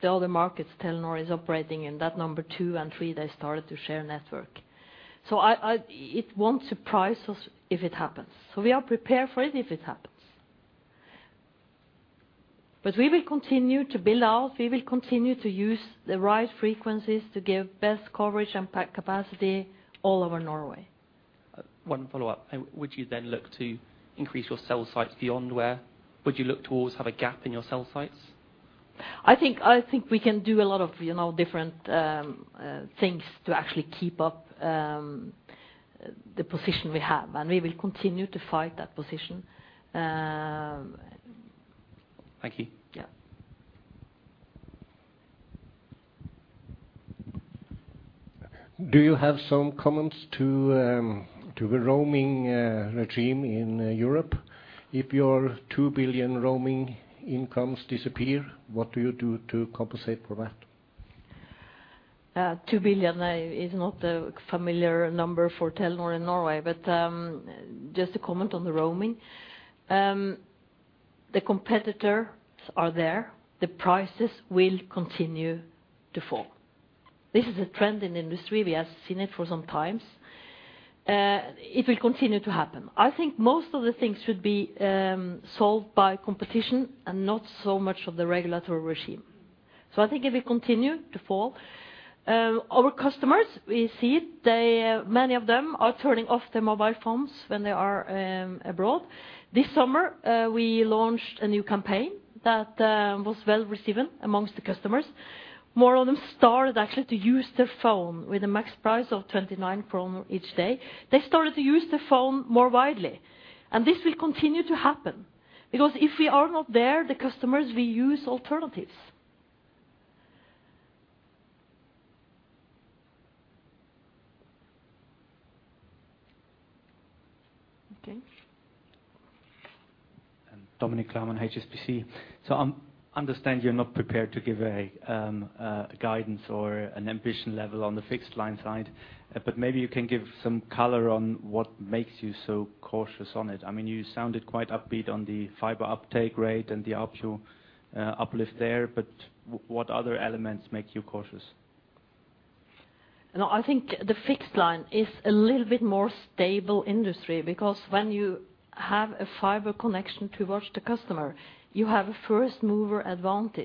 the other markets Telenor is operating in, that number two and three, they started to share network. So it won't surprise us if it happens, so we are prepared for it if it happens. But we will continue to build out. We will continue to use the right frequencies to give best coverage and pack capacity all over Norway. One follow-up. Would you then look to increase your cell sites beyond where? Would you look towards have a gap in your cell sites? I think we can do a lot of, you know, different things to actually keep up the position we have, and we will continue to fight that position. Thank you. Yeah. Do you have some comments to the roaming regime in Europe? If your 2 billion roaming incomes disappear, what do you do to compensate for that? 2 billion is not a familiar number for Telenor in Norway. But, just to comment on the roaming, the competitors are there. The prices will continue to fall. This is a trend in industry. We have seen it for some times. It will continue to happen. I think most of the things should be solved by competition and not so much of the regulatory regime. So I think it will continue to fall. Our customers, we see they, many of them are turning off their mobile phones when they are abroad. This summer, we launched a new campaign that was well-received amongst the customers. More of them started actually to use their phone with a max price of 29 each day. They started to use their phone more widely, and this will continue to happen, because if we are not there, the customers will use alternatives. Okay. Dominik Klarmann, HSBC. So I understand you're not prepared to give a guidance or an ambition level on the fixed line side, but maybe you can give some color on what makes you so cautious on it. I mean, you sounded quite upbeat on the fiber uptake rate and the actual uplift there, but what other elements make you cautious? No, you know,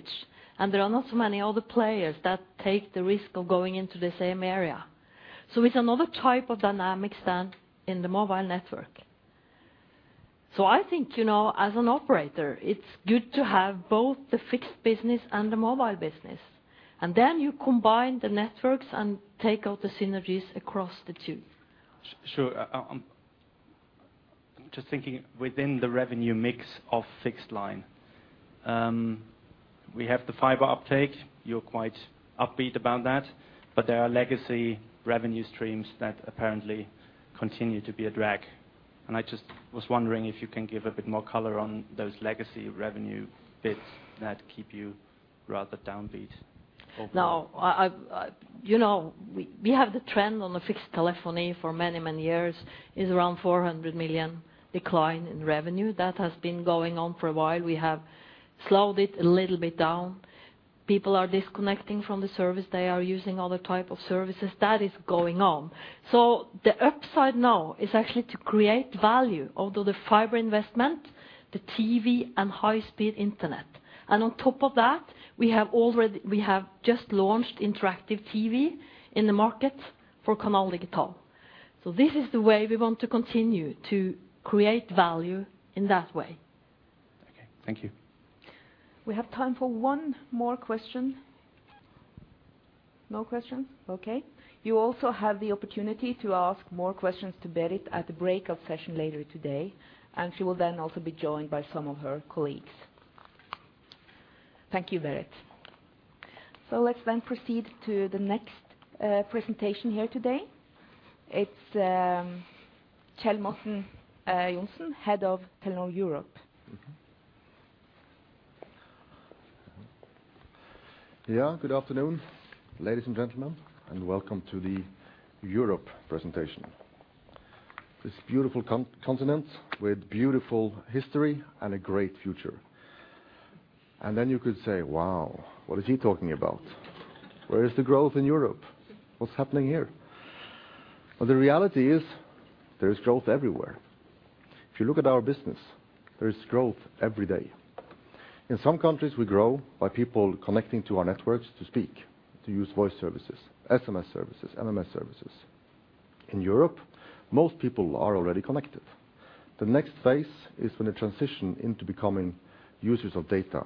we have the trend on the fixed telephony for many, many years, is around NOK 400 million decline in revenue. That has been going on for a while. We have slowed it a little bit down. People are disconnecting from the service. They are using other type of services. That is going on. So the upside now is actually to create value, although the fiber investment, the TV and high-speed internet, and on top of that, we have already, we have just launched interactive TV in the market for Canal Digital. So this is the way we want to continue to create value in that way. Okay, thank you. We have time for one more question. No questions? Okay. You also have the opportunity to ask more questions to Berit at the breakup session later today, and she will then also be joined by some of her colleagues. Thank you, Berit. Let's then proceed to the next presentation here today. It's Kjell Morten Johnsen, Head of Telenor Europe. Mm-hmm. Yeah, good afternoon, ladies and gentlemen, and welcome to the Europe presentation. This beautiful continent, with beautiful history and a great future. Then you could say: Wow, what is he talking about? Where is the growth in Europe? What's happening here? But the reality is, there is growth everywhere. If you look at our business, there is growth every day. In some countries, we grow by people connecting to our networks to speak, to use voice services, SMS services, MMS services. In Europe, most people are already connected. The next phase is when they transition into becoming users of data,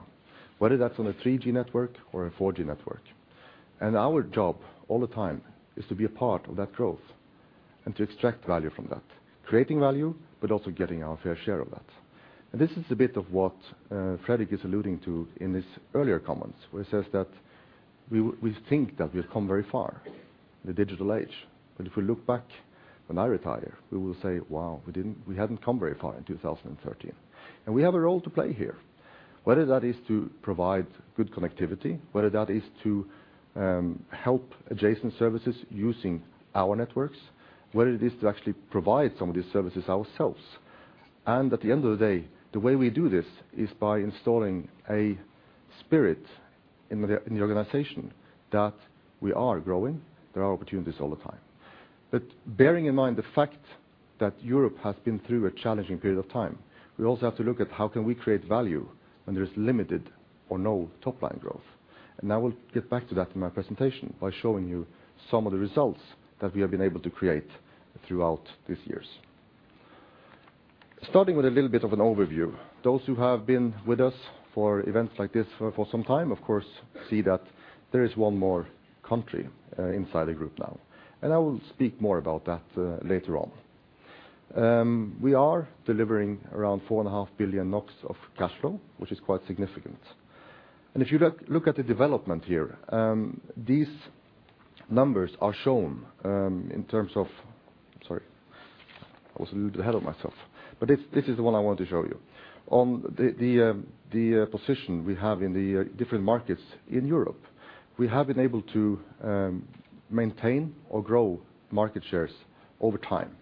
whether that's on a 3G network or a 4G network. And our job all the time is to be a part of that growth and to extract value from that, creating value, but also getting our fair share of that. This is a bit of what Fredrik is alluding to in his earlier comments, where he says that we, we think that we've come very far in the digital age, but if we look back, when I retire, we will say, "Wow, we didn't, we hadn't come very far in 2013." We have a role to play here, whether that is to provide good connectivity, whether that is to help adjacent services using our networks, whether it is to actually provide some of these services ourselves. At the end of the day, the way we do this is by installing a spirit in the, in the organization that we are growing. There are opportunities all the time. But bearing in mind the fact that Europe has been through a challenging period of time, we also have to look at how can we create value when there is limited or no top-line growth. And I will get back to that in my presentation by showing you some of the results that we have been able to create throughout these years. Starting with a little bit of an overview, those who have been with us for events like this for some time, of course, see that there is one more country inside the group now, and I will speak more about that later on. We are delivering around 4.5 billion NOK of cash flow, which is quite significant. And if you look at the development here, these numbers are shown in terms of... Sorry, I was a little ahead of myself, but this is the one I want to show you. On the position we have in the different markets in Europe, we have been able to maintain or grow market shares over time.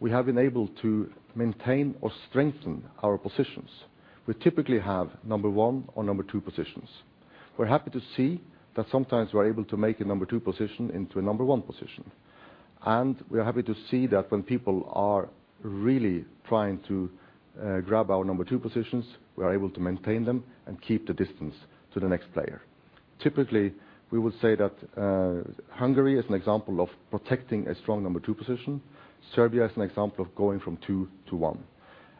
We have been able to maintain or strengthen our positions. We typically have number one or number two positions. We're happy to see that sometimes we're able to make a number two position into a number one position. And we are happy to see that when people are really trying to grab our number two positions, we are able to maintain them and keep the distance to the next player. Typically, we would say that Hungary is an example of protecting a strong number two position. Serbia is an example of going from two to one,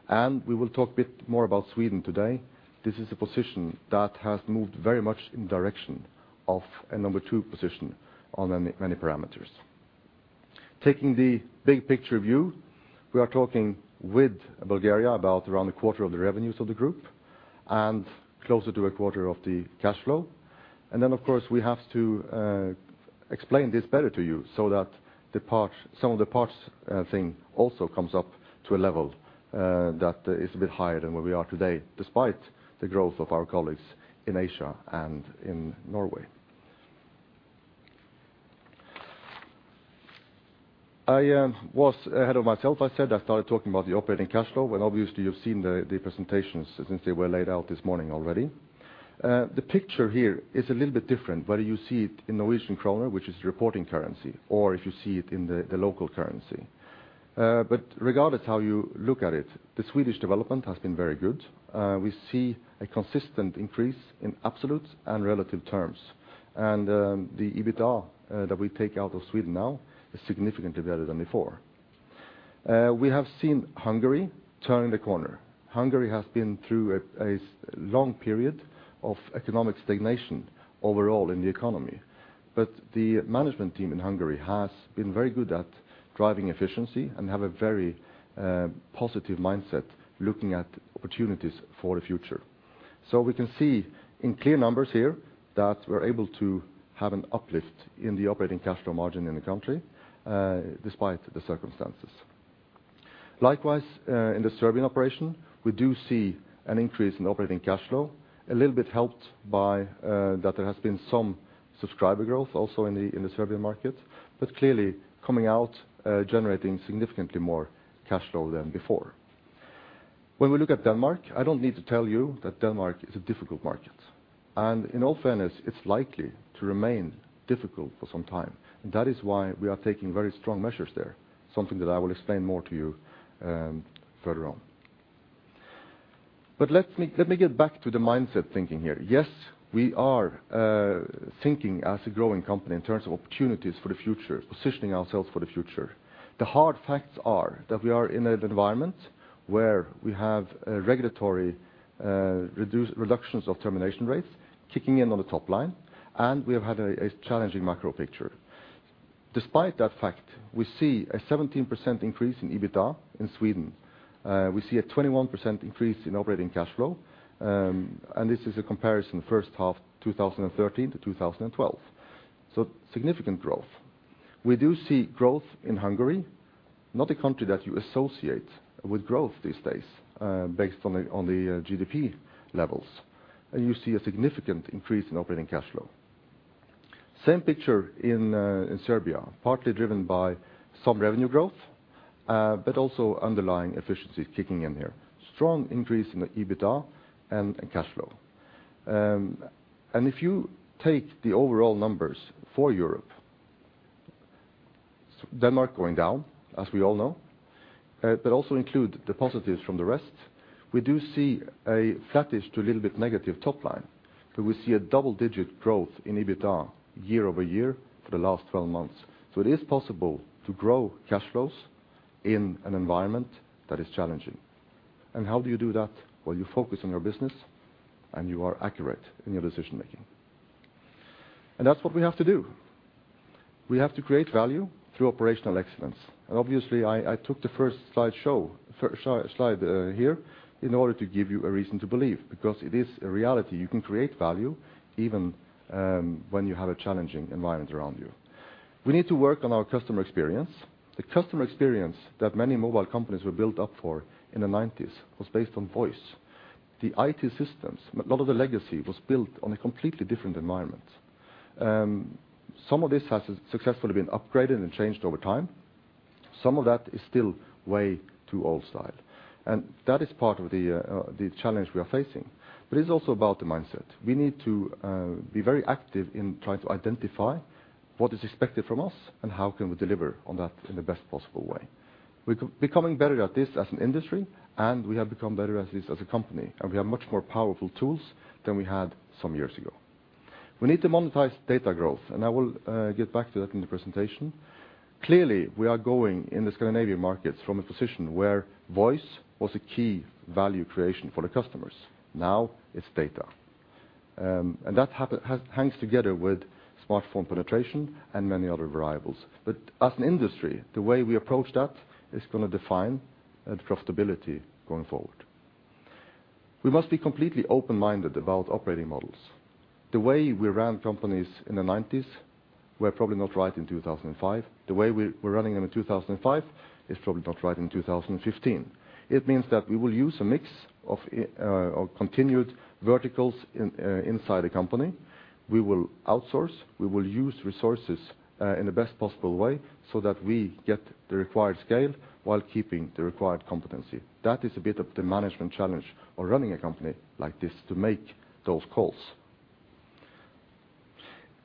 and we will talk a bit more about Sweden today. This is a position that has moved very much in direction of a number two position on many, many parameters. Taking the big picture view, we are talking with Bulgaria about around a quarter of the revenues of the group and closer to a quarter of the cash flow. And then, of course, we have to explain this better to you so that the parts, some of the parts, thing also comes up to a level that is a bit higher than where we are today, despite the growth of our colleagues in Asia and in Norway. I was ahead of myself. I said I started talking about the operating cash flow, when obviously you've seen the, the presentations since they were laid out this morning already. The picture here is a little bit different, whether you see it in Norwegian kroner, which is the reporting currency, or if you see it in the, the local currency. But regardless how you look at it, the Swedish development has been very good. We see a consistent increase in absolute and relative terms, and the EBITDA that we take out of Sweden now is significantly better than before. We have seen Hungary turning the corner. Hungary has been through a long period of economic stagnation overall in the economy, but the management team in Hungary has been very good at driving efficiency and have a very positive mindset looking at opportunities for the future. So we can see in clear numbers here that we're able to have an uplift in the operating cash flow margin in the country, despite the circumstances. Likewise, in the Serbian operation, we do see an increase in operating cash flow, a little bit helped by that there has been some subscriber growth also in the, in the Serbian market, but clearly coming out, generating significantly more cash flow than before. When we look at Denmark, I don't need to tell you that Denmark is a difficult market, and in all fairness, it's likely to remain difficult for some time, and that is why we are taking very strong measures there, something that I will explain more to you, further on. But let me, let me get back to the mindset thinking here. Yes, we are thinking as a growing company in terms of opportunities for the future, positioning ourselves for the future. The hard facts are that we are in an environment where we have regulatory reductions of termination rates kicking in on the top line, and we have had a challenging macro picture. Despite that fact, we see a 17% increase in EBITDA in Sweden. We see a 21% increase in operating cash flow, and this is a comparison, first half, 2013 - 2012, so significant growth. We do see growth in Hungary, not a country that you associate with growth these days, based on the GDP levels, and you see a significant increase in operating cash flow. Same picture in Serbia, partly driven by some revenue growth, but also underlying efficiency kicking in here. Strong increase in the EBITDA and in cash flow. And if you take the overall numbers for Europe, Denmark going down, as we all know, but also include the positives from the rest, we do see a flattish to a little bit negative top line, but we see a double-digit growth in EBITDA year-over-year for the last twelve months. So it is possible to grow cash flows in an environment that is challenging. And how do you do that? Well, you focus on your business, and you are accurate in your decision making. And that's what we have to do. We have to create value through operational excellence, and obviously, I took the first slide show, first slide, here in order to give you a reason to believe, because it is a reality. You can create value even when you have a challenging environment around you. We need to work on our customer experience. The customer experience that many mobile companies were built up for in the nineties was based on voice. The IT systems, a lot of the legacy was built on a completely different environment. Some of this has successfully been upgraded and changed over time. Some of that is still way too old style, and that is part of the challenge we are facing. But it's also about the mindset. We need to be very active in trying to identify what is expected from us and how can we deliver on that in the best possible way. We're becoming better at this as an industry, and we have become better at this as a company, and we have much more powerful tools than we had some years ago. We need to monetize data growth, and I will get back to that in the presentation. Clearly, we are going in the Scandinavian markets from a position where voice was a key value creation for the customers. Now it's data. And that hangs together with smartphone penetration and many other variables. But as an industry, the way we approach that is going to define that profitability going forward. We must be completely open-minded about operating models. The way we ran companies in the 1990s were probably not right in 2005. The way we're running them in 2005 is probably not right in 2015. It means that we will use a mix of continued verticals inside the company. We will outsource, we will use resources in the best possible way, so that we get the required scale while keeping the required competency. That is a bit of the management challenge of running a company like this, to make those calls.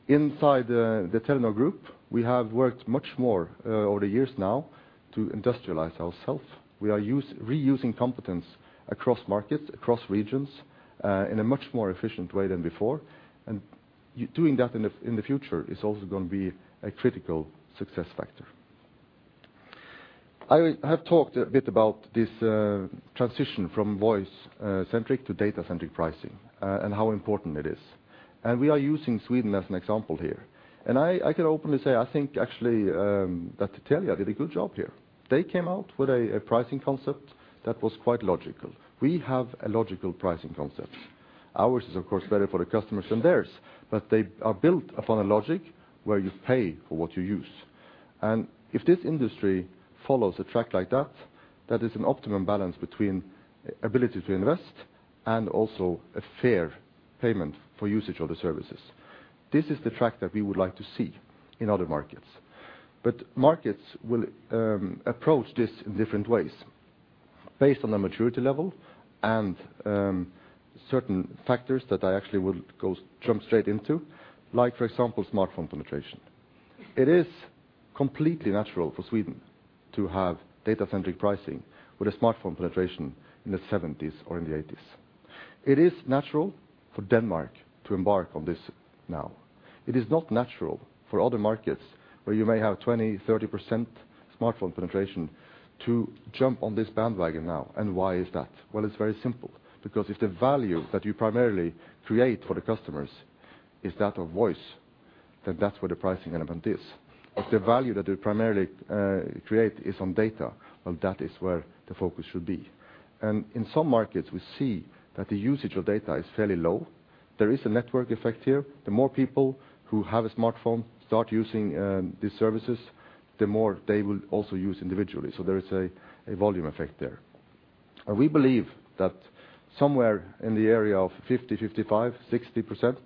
Inside the Telenor Group, we have worked much more over the years now to industrialize ourself. We are reusing competence across markets, across regions, in a much more efficient way than before, and doing that in the future is also going to be a critical success factor. I have talked a bit about this transition from voice-centric to data-centric pricing, and how important it is. And we are using Sweden as an example here. And I can openly say, I think actually, that Telia did a good job here. They came out with a pricing concept that was quite logical. We have a logical pricing concept. Ours is, of course, better for the customers than theirs, but they are built upon a logic where you pay for what you use. If this industry follows a track like that, that is an optimum balance between ability to invest and also a fair payment for usage of the services. This is the track that we would like to see in other markets. Markets will approach this in different ways based on the maturity level and certain factors that I actually will go jump straight into, like, for example, smartphone penetration. It is completely natural for Sweden to have data-centric pricing with a smartphone penetration in the 70% or 80%. It is natural for Denmark to embark on this now. It is not natural for other markets where you may have 20%, 30% smartphone penetration to jump on this bandwagon now. And why is that? Well, it's very simple. Because if the value that you primarily create for the customers is that of voice, then that's where the pricing element is. If the value that they primarily create is on data, well, that is where the focus should be. And in some markets, we see that the usage of data is fairly low. There is a network effect here. The more people who have a smartphone start using these services, the more they will also use individually. So there is a volume effect there. And we believe that somewhere in the area of 50%, 55%, 60%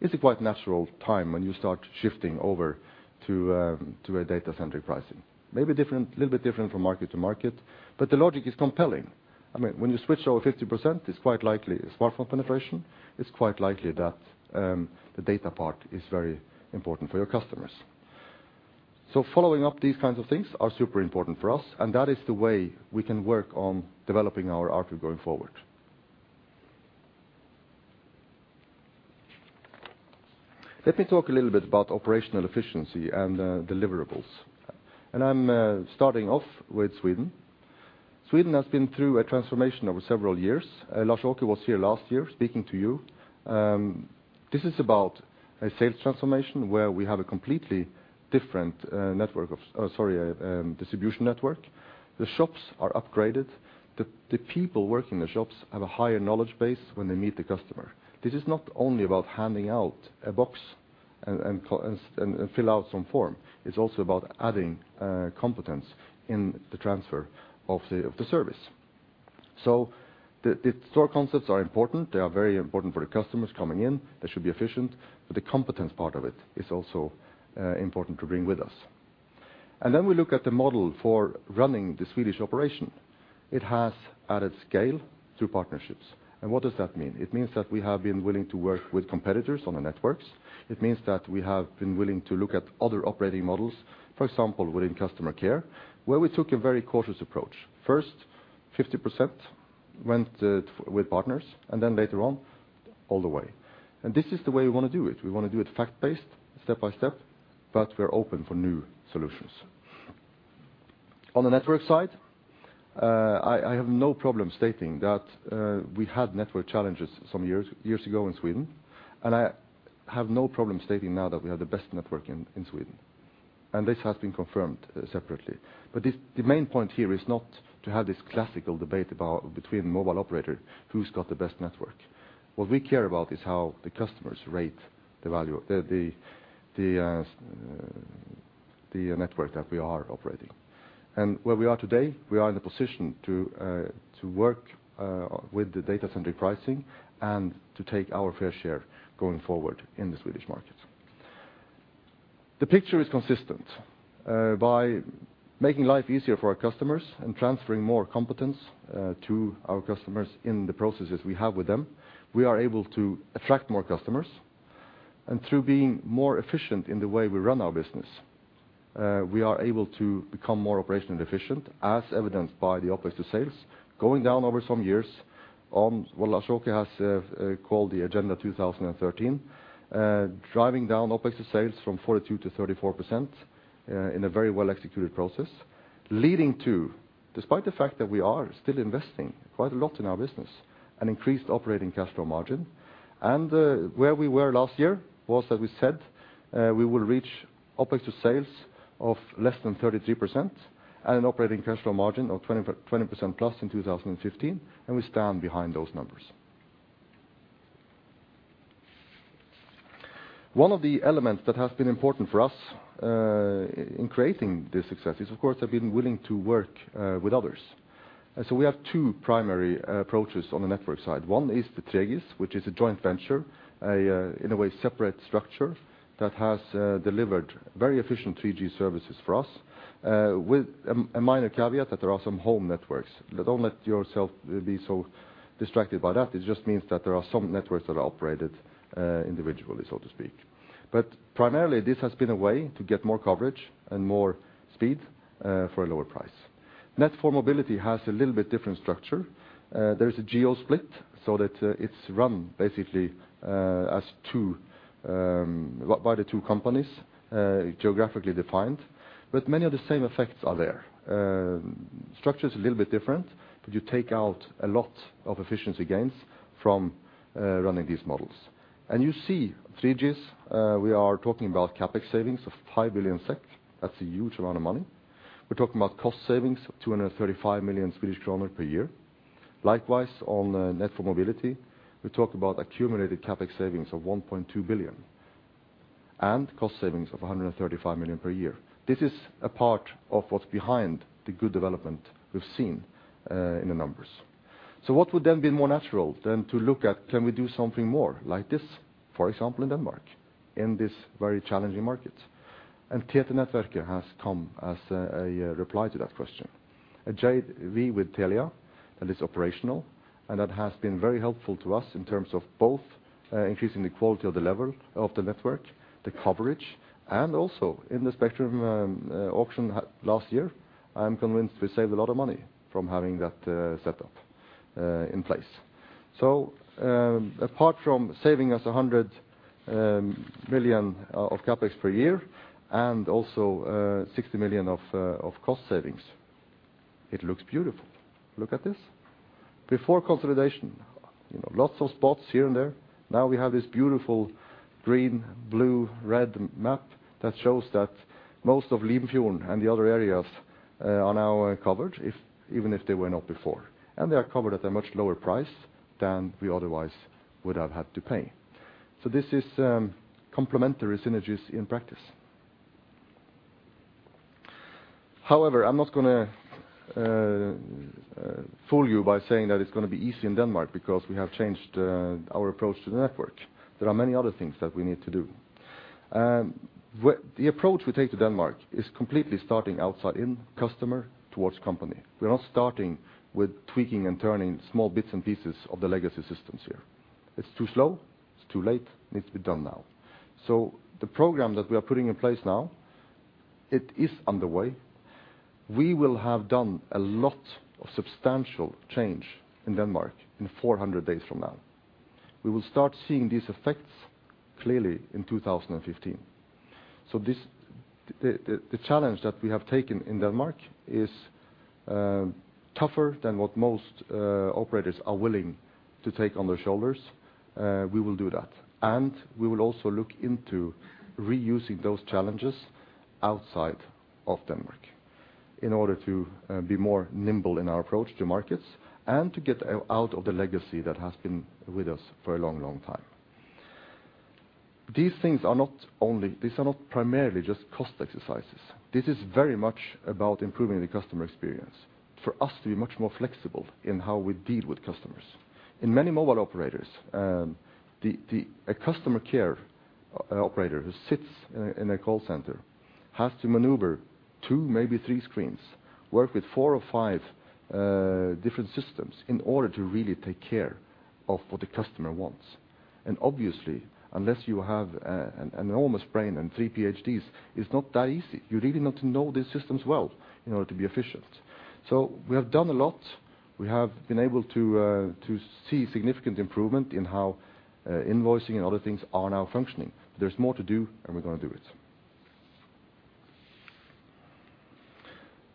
is a quite natural time when you start shifting over to a data-centric pricing. Maybe different, a little bit different from market to market, but the logic is compelling. I mean, when you switch over 50%, it's quite likely smartphone penetration; it's quite likely that the data part is very important for your customers. So following up, these kinds of things are super important for us, and that is the way we can work on developing our ARPU going forward. Let me talk a little bit about operational efficiency and deliverables. And I'm starting off with Sweden. Sweden has been through a transformation over several years. Lars Åke was here last year speaking to you. This is about a sales transformation where we have a completely different distribution network. The shops are upgraded, the people working in the shops have a higher knowledge base when they meet the customer. This is not only about handing out a box and complete and fill out some form. It's also about adding competence in the transfer of the service. So the store concepts are important. They are very important for the customers coming in. They should be efficient, but the competence part of it is also important to bring with us. And then we look at the model for running the Swedish operation. It has added scale through partnerships. And what does that mean? It means that we have been willing to work with competitors on the networks. It means that we have been willing to look at other operating models, for example, within customer care, where we took a very cautious approach. First, 50% went with partners, and then later on, all the way. And this is the way we want to do it. We want to do it fact-based, step by step, but we're open for new solutions. On the network side, I have no problem stating that we had network challenges some years ago in Sweden, and I have no problem stating now that we have the best network in Sweden, and this has been confirmed separately. But the main point here is not to have this classical debate about between mobile operator, who's got the best network? What we care about is how the customers rate the value, the network that we are operating. And where we are today, we are in a position to work with the data-centric pricing and to take our fair share going forward in the Swedish market. The picture is consistent. By making life easier for our customers and transferring more competence to our customers in the processes we have with them, we are able to attract more customers. And through being more efficient in the way we run our business, we are able to become more operationally efficient, as evidenced by the OpEx to sales going down over some years on what Lars Åke has called the Agenda 2013, driving down OpEx to sales from 42%-34% in a very well-executed process, leading to, despite the fact that we are still investing quite a lot in our business, an increased operating cash flow margin. Where we were last year was that we said we will reach OpEx to sales of less than 33% and an operating cash flow margin of 20% plus in 2015, and we stand behind those numbers. One of the elements that has been important for us in creating this success is, of course, have been willing to work with others. So we have two primary approaches on the network side. One is the 3GIS, which is a joint venture, in a way, separate structure that has delivered very efficient 3G services for us, with a minor caveat that there are some home networks. But don't let yourself be so distracted by that. It just means that there are some networks that are operated individually, so to speak. But primarily, this has been a way to get more coverage and more speed, for a lower price. Net4Mobility has a little bit different structure. There's a geo split so that, it's run basically, as two, by the two companies, geographically defined, but many of the same effects are there. Structure is a little bit different, but you take out a lot of efficiency gains from running these models. And you see 3Gs, we are talking about CapEx savings of 5 billion SEK. That's a huge amount of money. We're talking about cost savings of 235 million Swedish kronor per year. Likewise, on Net4Mobility, we talk about accumulated CapEx savings of 1.2 billion, and cost savings of 135 million per year. This is a part of what's behind the good development we've seen in the numbers. So what would then be more natural than to look at, can we do something more like this, for example, in Denmark, in this very challenging market? And TT-Netværket has come as a reply to that question. A joint V with Telia, that is operational, and that has been very helpful to us in terms of both increasing the quality of the level of the network, the coverage, and also in the spectrum auction last year. I'm convinced we saved a lot of money from having that set up in place. So, apart from saving us 100 million of CapEx per year and also 60 million of cost savings, it looks beautiful. Look at this. Before consolidation, you know, lots of spots here and there. Now we have this beautiful green, blue, red map that shows that most of Limfjorden and the other areas are now covered, if even if they were not before. They are covered at a much lower price than we otherwise would have had to pay. This is complementary synergies in practice. However, I'm not gonna fool you by saying that it's gonna be easy in Denmark because we have changed our approach to the network. There are many other things that we need to do. The approach we take to Denmark is completely starting outside in, customer towards company. We are not starting with tweaking and turning small bits and pieces of the legacy systems here. It's too slow, it's too late, it needs to be done now. So the program that we are putting in place now, it is underway. We will have done a lot of substantial change in Denmark in 400 days from now. We will start seeing these effects clearly in 2015. So this, the challenge that we have taken in Denmark is tougher than what most operators are willing to take on their shoulders. We will do that, and we will also look into reusing those challenges outside of Denmark in order to be more nimble in our approach to markets and to get out of the legacy that has been with us for a long, long time. These things are not only, these are not primarily just cost exercises. This is very much about improving the customer experience, for us to be much more flexible in how we deal with customers. In many mobile operators, the a customer care operator who sits in a call center has to maneuver 2, maybe 3 screens, work with 4 or 5 different systems in order to really take care of what the customer wants. Obviously, unless you have an enormous brain and 3 PhDs, it's not that easy. You really need to know these systems well in order to be efficient. So we have done a lot. We have been able to see significant improvement in how invoicing and other things are now functioning. There's more to do, and we're gonna do it.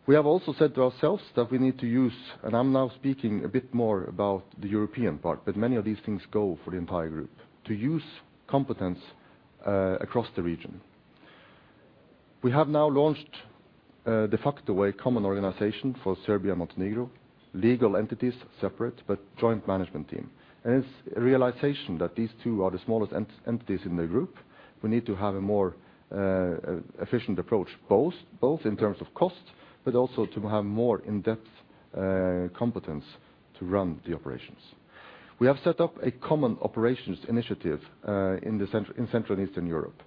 We have also said to ourselves that we need to use, and I'm now speaking a bit more about the European part, but many of these things go for the entire group, to use competence across the region. We have now launched de facto a common organization for Serbia and Montenegro, legal entities separate, but joint management team. It's a realization that these two are the smallest entities in the group. We need to have a more efficient approach, both in terms of cost, but also to have more in-depth competence to run the operations. We have set up a common operations initiative in Central and Eastern Europe.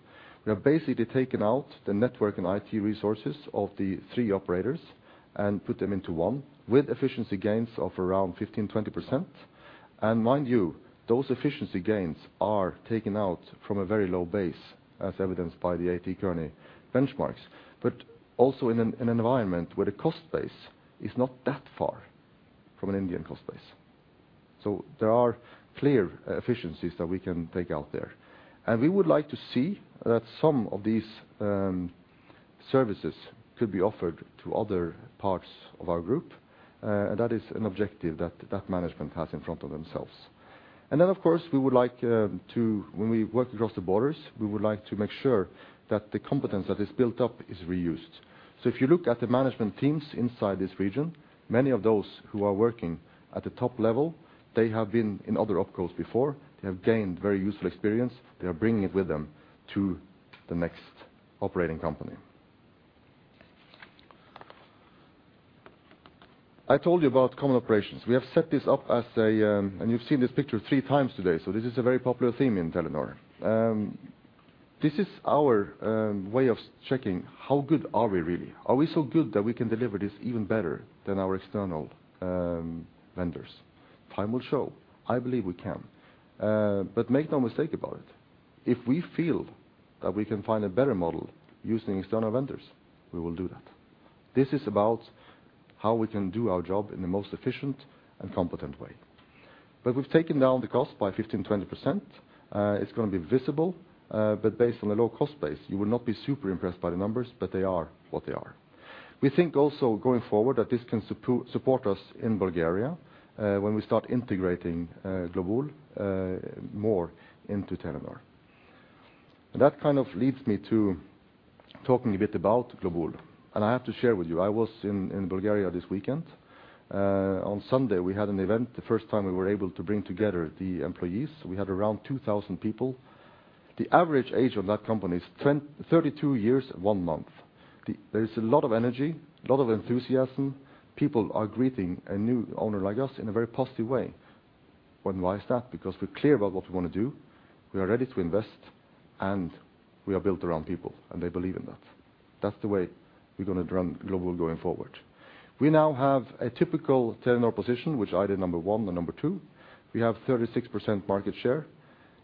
We have basically taken out the network and IT resources of the three operators and put them into one, with efficiency gains of around 15%-20%. Mind you, those efficiency gains are taken out from a very low base, as evidenced by the A.T. Kearney benchmarks, but also in an environment where the cost base is not that far from an Indian cost base. So there are clear efficiencies that we can take out there. We would like to see that some of these services could be offered to other parts of our group, and that is an objective that management has in front of themselves. Then, of course, we would like to, when we work across the borders, we would like to make sure that the competence that is built up is reused. So if you look at the management teams inside this region, many of those who are working at the top level, they have been in other opcos before. They have gained very useful experience. They are bringing it with them to the next operating company. I told you about common operations. We have set this up as a, and you've seen this picture three times today, so this is a very popular theme in Telenor. This is our way of checking how good are we really? Are we so good that we can deliver this even better than our external vendors? Time will show. I believe we can. But make no mistake about it, if we feel that we can find a better model using external vendors, we will do that. This is about how we can do our job in the most efficient and competent way. But we've taken down the cost by 15%-20%. It's gonna be visible, but based on the low cost base, you will not be super impressed by the numbers, but they are what they are. We think also, going forward, that this can support us in Bulgaria, when we start integrating Globul more into Telenor. That kind of leads me to talking a bit about Globul, and I have to share with you, I was in Bulgaria this weekend. On Sunday, we had an event, the first time we were able to bring together the employees. We had around 2,000 people. The average age of that company is 32 years and one month. There is a lot of energy, a lot of enthusiasm. People are greeting a new owner like us in a very positive way. And why is that? Because we're clear about what we want to do, we are ready to invest, and we are built around people, and they believe in that. That's the way we're gonna run Globul going forward. We now have a typical Telenor position, which either number 1 or number 2. We have 36% market share,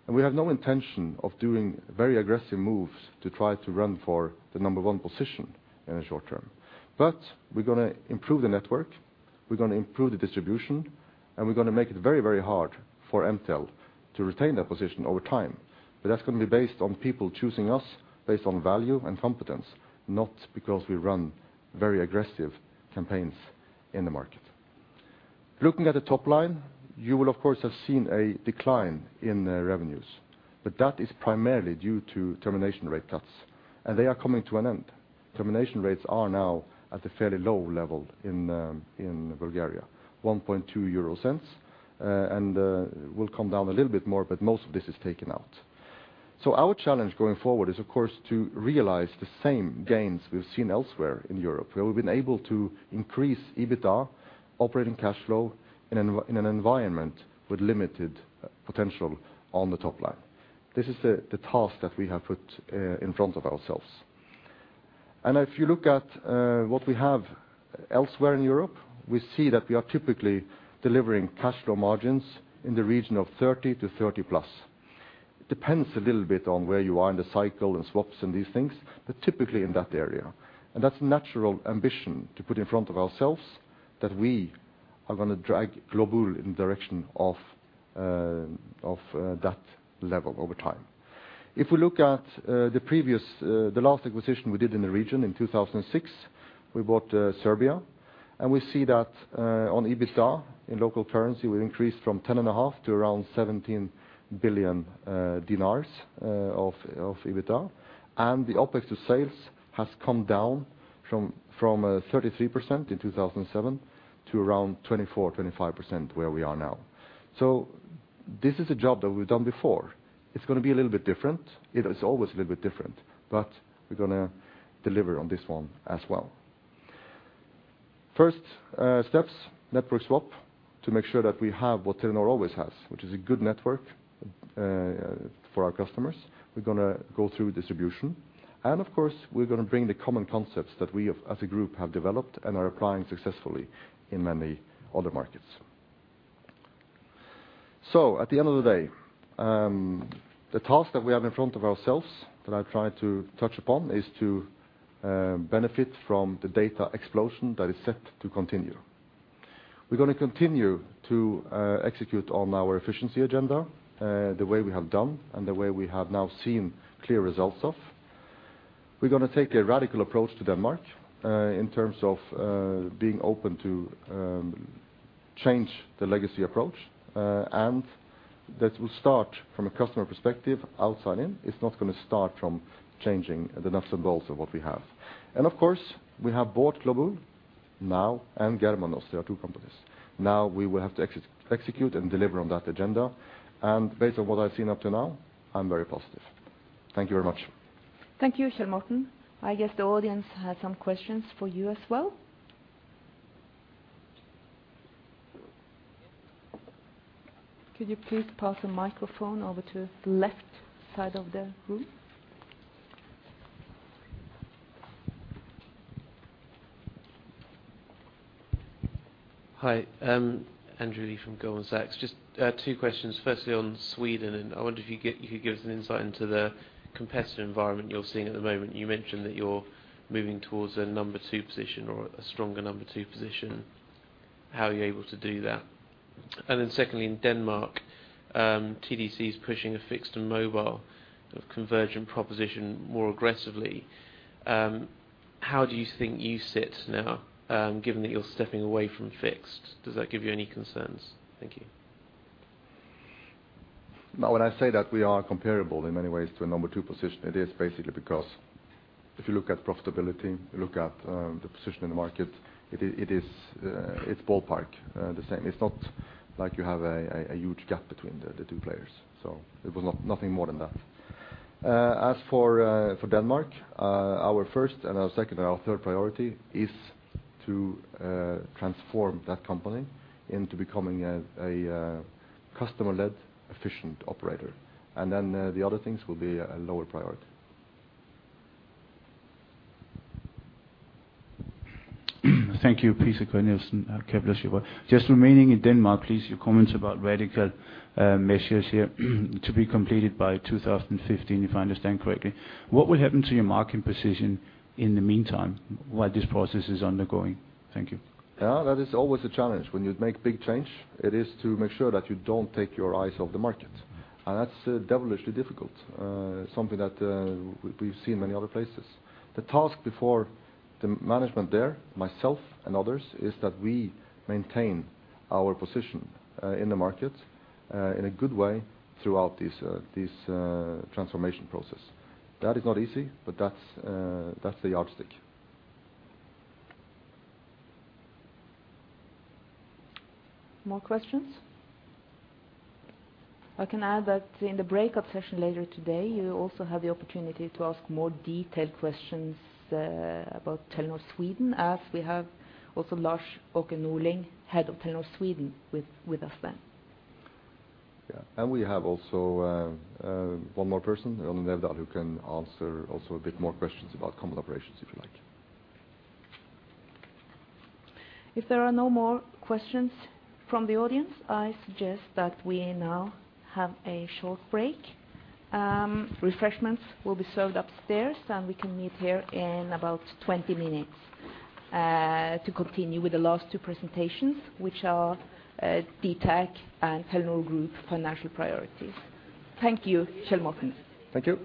and we have no intention of doing very aggressive moves to try to run for the number 1 position in the short term. But we're gonna improve the network, we're gonna improve the distribution, and we're gonna make it very, very hard for MTEL to retain that position over time. But that's gonna be based on people choosing us based on value and competence, not because we run very aggressive campaigns in the market. Looking at the top line, you will, of course, have seen a decline in the revenues, but that is primarily due to termination rate cuts, and they are coming to an end. Termination rates are now at a fairly low level in Bulgaria, 0.012, and will come down a little bit more, but most of this is taken out. So our challenge going forward is, of course, to realize the same gains we've seen elsewhere in Europe, where we've been able to increase EBITDA operating cash flow in an environment with limited potential on the top line. This is the task that we have put in front of ourselves. If you look at what we have elsewhere in Europe, we see that we are typically delivering cash flow margins in the region of 30%-30+%. It depends a little bit on where you are in the cycle and swaps and these things, but typically in that area. That's natural ambition to put in front of ourselves that we are gonna drag Globul in the direction of that level over time. If we look at the previous, the last acquisition we did in the region in 2006, we bought Serbia, and we see that on EBITDA, in local currency, we increased from RSD 10.5 billion to around RSD 17 billion dinars of EBITDA, and the OpEx to sales has come down from 33% in 2007 to around 24%-25%, where we are now. So this is a job that we've done before. It's gonna be a little bit different. It is always a little bit different, but we're gonna deliver on this one as well. First steps, network swap to make sure that we have what Telenor always has, which is a good network, for our customers. We're gonna go through distribution, and of course, we're gonna bring the common concepts that we have as a group, have developed and are applying successfully in many other markets. So at the end of the day, the task that we have in front of ourselves, that I've tried to touch upon, is to benefit from the data explosion that is set to continue. We're gonna continue to execute on our efficiency agenda, the way we have done and the way we have now seen clear results of. We're gonna take a radical approach to Denmark, in terms of being open to change the legacy approach, and that will start from a customer perspective outside in. It's not gonna start from changing the nuts and bolts of what we have. And of course, we have bought Globul now and Germanos. They are two companies. Now we will have to execute and deliver on that agenda, and based on what I've seen up to now, I'm very positive. Thank you very much. Thank you, Kjell Morten. I guess the audience has some questions for you as well. Could you please pass the microphone over to the left side of the room? Hi, Andrew Lee from Goldman Sachs. Just two questions. Firstly, on Sweden, and I wonder if you could give us an insight into the competitive environment you're seeing at the moment. You mentioned that you're moving towards a number two position or a stronger number two position. How are you able to do that? And then secondly, in Denmark, TDC is pushing a fixed and mobile sort of conversion proposition more aggressively. How do you think you sit now, given that you're stepping away from fixed? Does that give you any concerns? Thank you. Now, when I say that we are comparable in many ways to a number two position, it is basically because if you look at profitability, you look at the position in the market, it is, it's ballpark, the same. It's not like you have a huge gap between the two players, so it was nothing more than that. As for Denmark, our first and our second and our third priority is to transform that company into becoming a customer-led, efficient operator. And then, the other things will be a lower priority. Thank you, Peter Cornelius, Shiva. Just remaining in Denmark, please, your comments about radical measures here to be completed by 2015, if I understand correctly. What will happen to your market position in the meantime while this process is undergoing? Thank you. Yeah, that is always a challenge. When you make big change, it is to make sure that you don't take your eyes off the market. And that's devilishly difficult, something that, we've seen many other places. The task before the management there, myself and others, is that we maintain our position, in the market, in a good way throughout this, this, transformation process. That is not easy, but that's, that's the yardstick. More questions? I can add that in the breakup session later today, you also have the opportunity to ask more detailed questions about Telenor Sweden, as we have also Lars Åke Norling, head of Telenor Sweden, with us then. Yeah. And we have also, one more person, Ronny Nedal, who can answer also a bit more questions about common operations, if you like. If there are no more questions from the audience, I suggest that we now have a short break. Refreshments will be served upstairs, and we can meet here in about 20 minutes to continue with the last two presentations, which are dtac and Telenor Group financial priorities. Thank you, Kjell Morten. Thank you!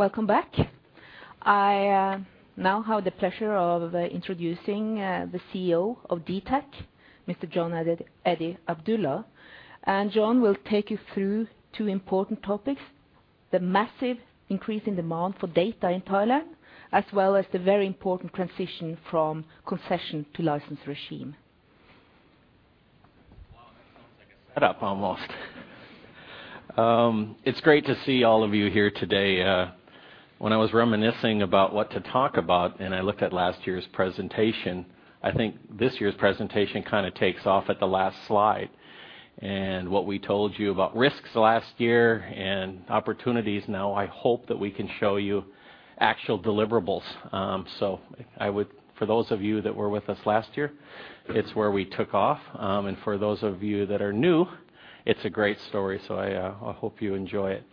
...Welcome back! I now have the pleasure of introducing the CEO of dtac, Mr. Jon Eddy Abdullah. Jon will take you through two important topics: the massive increase in demand for data in Thailand, as well as the very important transition from concession to license regime. Well, that sounds like a set up almost. It's great to see all of you here today. When I was reminiscing about what to talk about, and I looked at last year's presentation, I think this year's presentation kind of takes off at the last slide. What we told you about risks last year and opportunities, now I hope that we can show you actual deliverables. I would for those of you that were with us last year, it's where we took off. For those of you that are new, it's a great story, so I hope you enjoy it.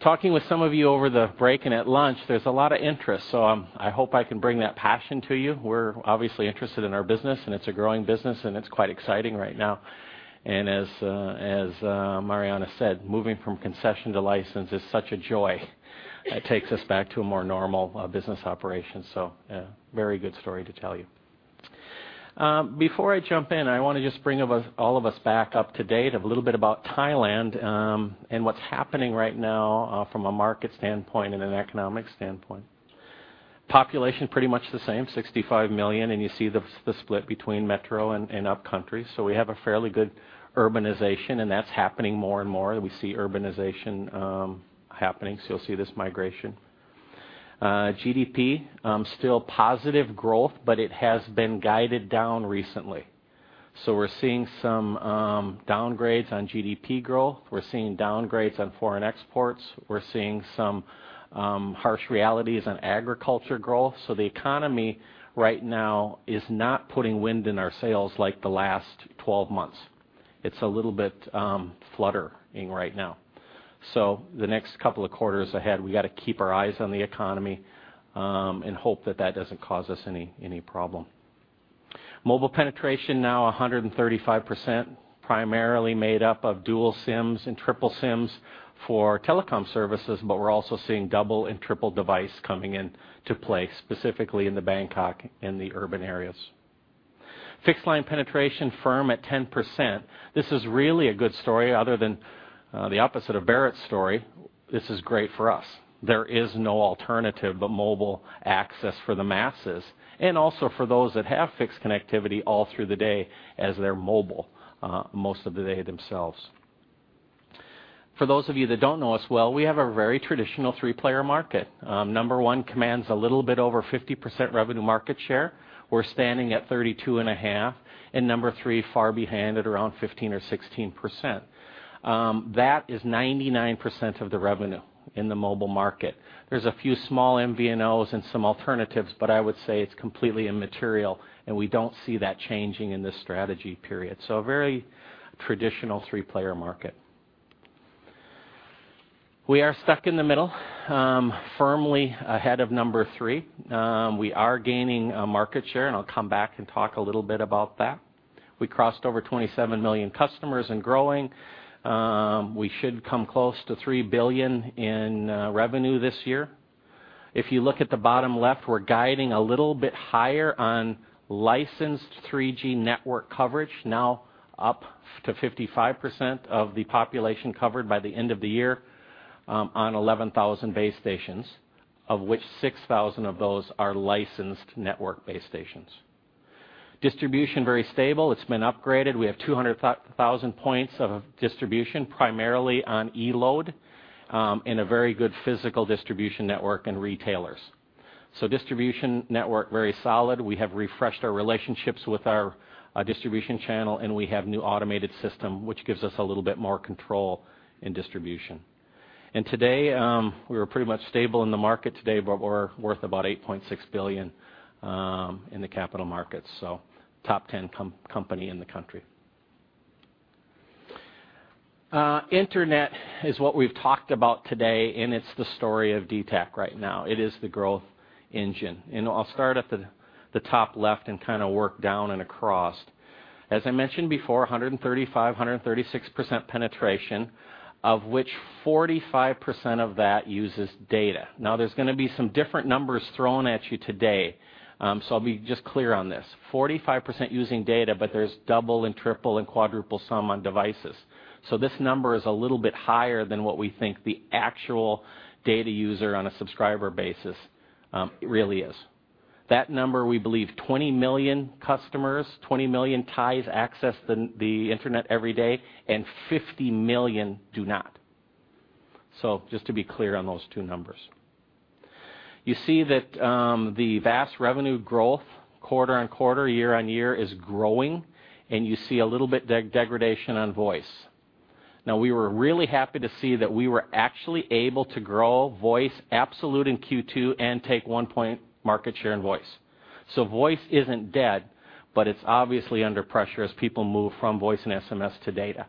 Talking with some of you over the break and at lunch, there's a lot of interest, so I hope I can bring that passion to you. We're obviously interested in our business, and it's a growing business, and it's quite exciting right now. And as Marianne said, moving from concession to license is such a joy that takes us back to a more normal business operation. So, very good story to tell you. Before I jump in, I wanna just bring all of us back up to date, a little bit about Thailand, and what's happening right now, from a market standpoint and an economic standpoint. Population, pretty much the same, 65 million, and you see the split between metro and upcountry. So we have a fairly good urbanization, and that's happening more and more. We see urbanization happening, so you'll see this migration. GDP, still positive growth, but it has been guided down recently. So we're seeing some downgrades on GDP growth. We're seeing downgrades on foreign exports. We're seeing some harsh realities on agriculture growth. So the economy right now is not putting wind in our sails like the last 12 months. It's a little bit fluttering right now. So the next couple of quarters ahead, we gotta keep our eyes on the economy and hope that that doesn't cause us any problem. Mobile penetration, now 135%, primarily made up of dual SIMs and triple SIMs for telecom services. But we're also seeing double and triple device coming in to play, specifically in the Bangkok and the urban areas. Fixed line penetration, firm at 10%. This is really a good story. Other than the opposite of Berit's story, this is great for us. There is no alternative but mobile access for the masses, and also for those that have fixed connectivity all through the day as they're mobile, most of the day themselves. For those of you that don't know us well, we have a very traditional three-player market. Number one commands a little bit over 50% revenue market share. We're standing at 32.5%, and number three, far behind at around 15% or 16%. That is 99% of the revenue in the mobile market. There's a few small MVNOs and some alternatives, but I would say it's completely immaterial, and we don't see that changing in this strategy period. So a very traditional three-player market. We are stuck in the middle, firmly ahead of number three. We are gaining market share, and I'll come back and talk a little bit about that. We crossed over 27 million customers and growing. We should come close to 3 billion in revenue this year. If you look at the bottom left, we're guiding a little bit higher on licensed 3G network coverage, now up to 55% of the population covered by the end of the year, on 11,000 base stations, of which 6,000 of those are licensed network base stations. Distribution, very stable. It's been upgraded. We have 200,000 points of distribution, primarily on eLoad, and a very good physical distribution network and retailers. So distribution network, very solid. We have refreshed our relationships with our distribution channel, and we have new automated system, which gives us a little bit more control in distribution. Today, we were pretty much stable in the market today, but we're worth about 8.6 billion in the capital markets, so top ten company in the country. Internet is what we've talked about today, and it's the story of dtac right now. It is the growth engine, and I'll start at the top left and kinda work down and across. As I mentioned before, 135%-136% penetration, of which 45% of that uses data. Now, there's gonna be some different numbers thrown at you today, so I'll be just clear on this. 45% using data, but there's double and triple and quadruple SIMs on devices. So this number is a little bit higher than what we think the actual data user on a subscriber basis really is. That number, we believe, 20 million customers; 20 million Thais access the internet every day, and 50 million Thais do not. So just to be clear on those two numbers. You see that the vast revenue growth, quarter-on-quarter, year-on-year, is growing, and you see a little bit degradation on voice. Now, we were really happy to see that we were actually able to grow voice absolute in Q2 and take 1 point market share in voice. So voice isn't dead, but it's obviously under pressure as people move from voice and SMS to data.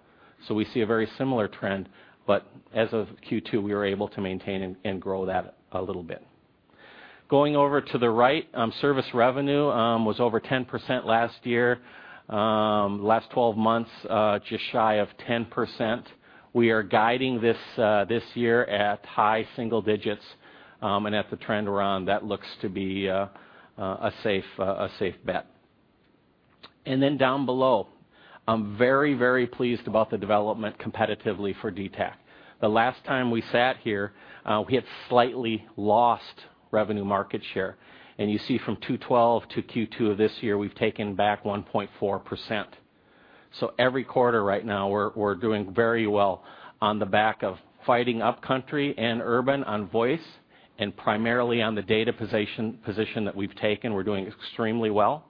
So we see a very similar trend, but as of Q2, we were able to maintain and grow that a little bit. Going over to the right, service revenue was over 10% last year. Last 12 months, just shy of 10%. We are guiding this this year at high single digits, and at the trend around that looks to be a safe bet. And then down below, I'm very, very pleased about the development competitively for dtac. The last time we sat here, we had slightly lost revenue market share, and you see from 2012 to Q2 of this year, we've taken back 1.4%. So every quarter right now, we're doing very well on the back of fighting upcountry and urban on voice, and primarily on the data position that we've taken, we're doing extremely well.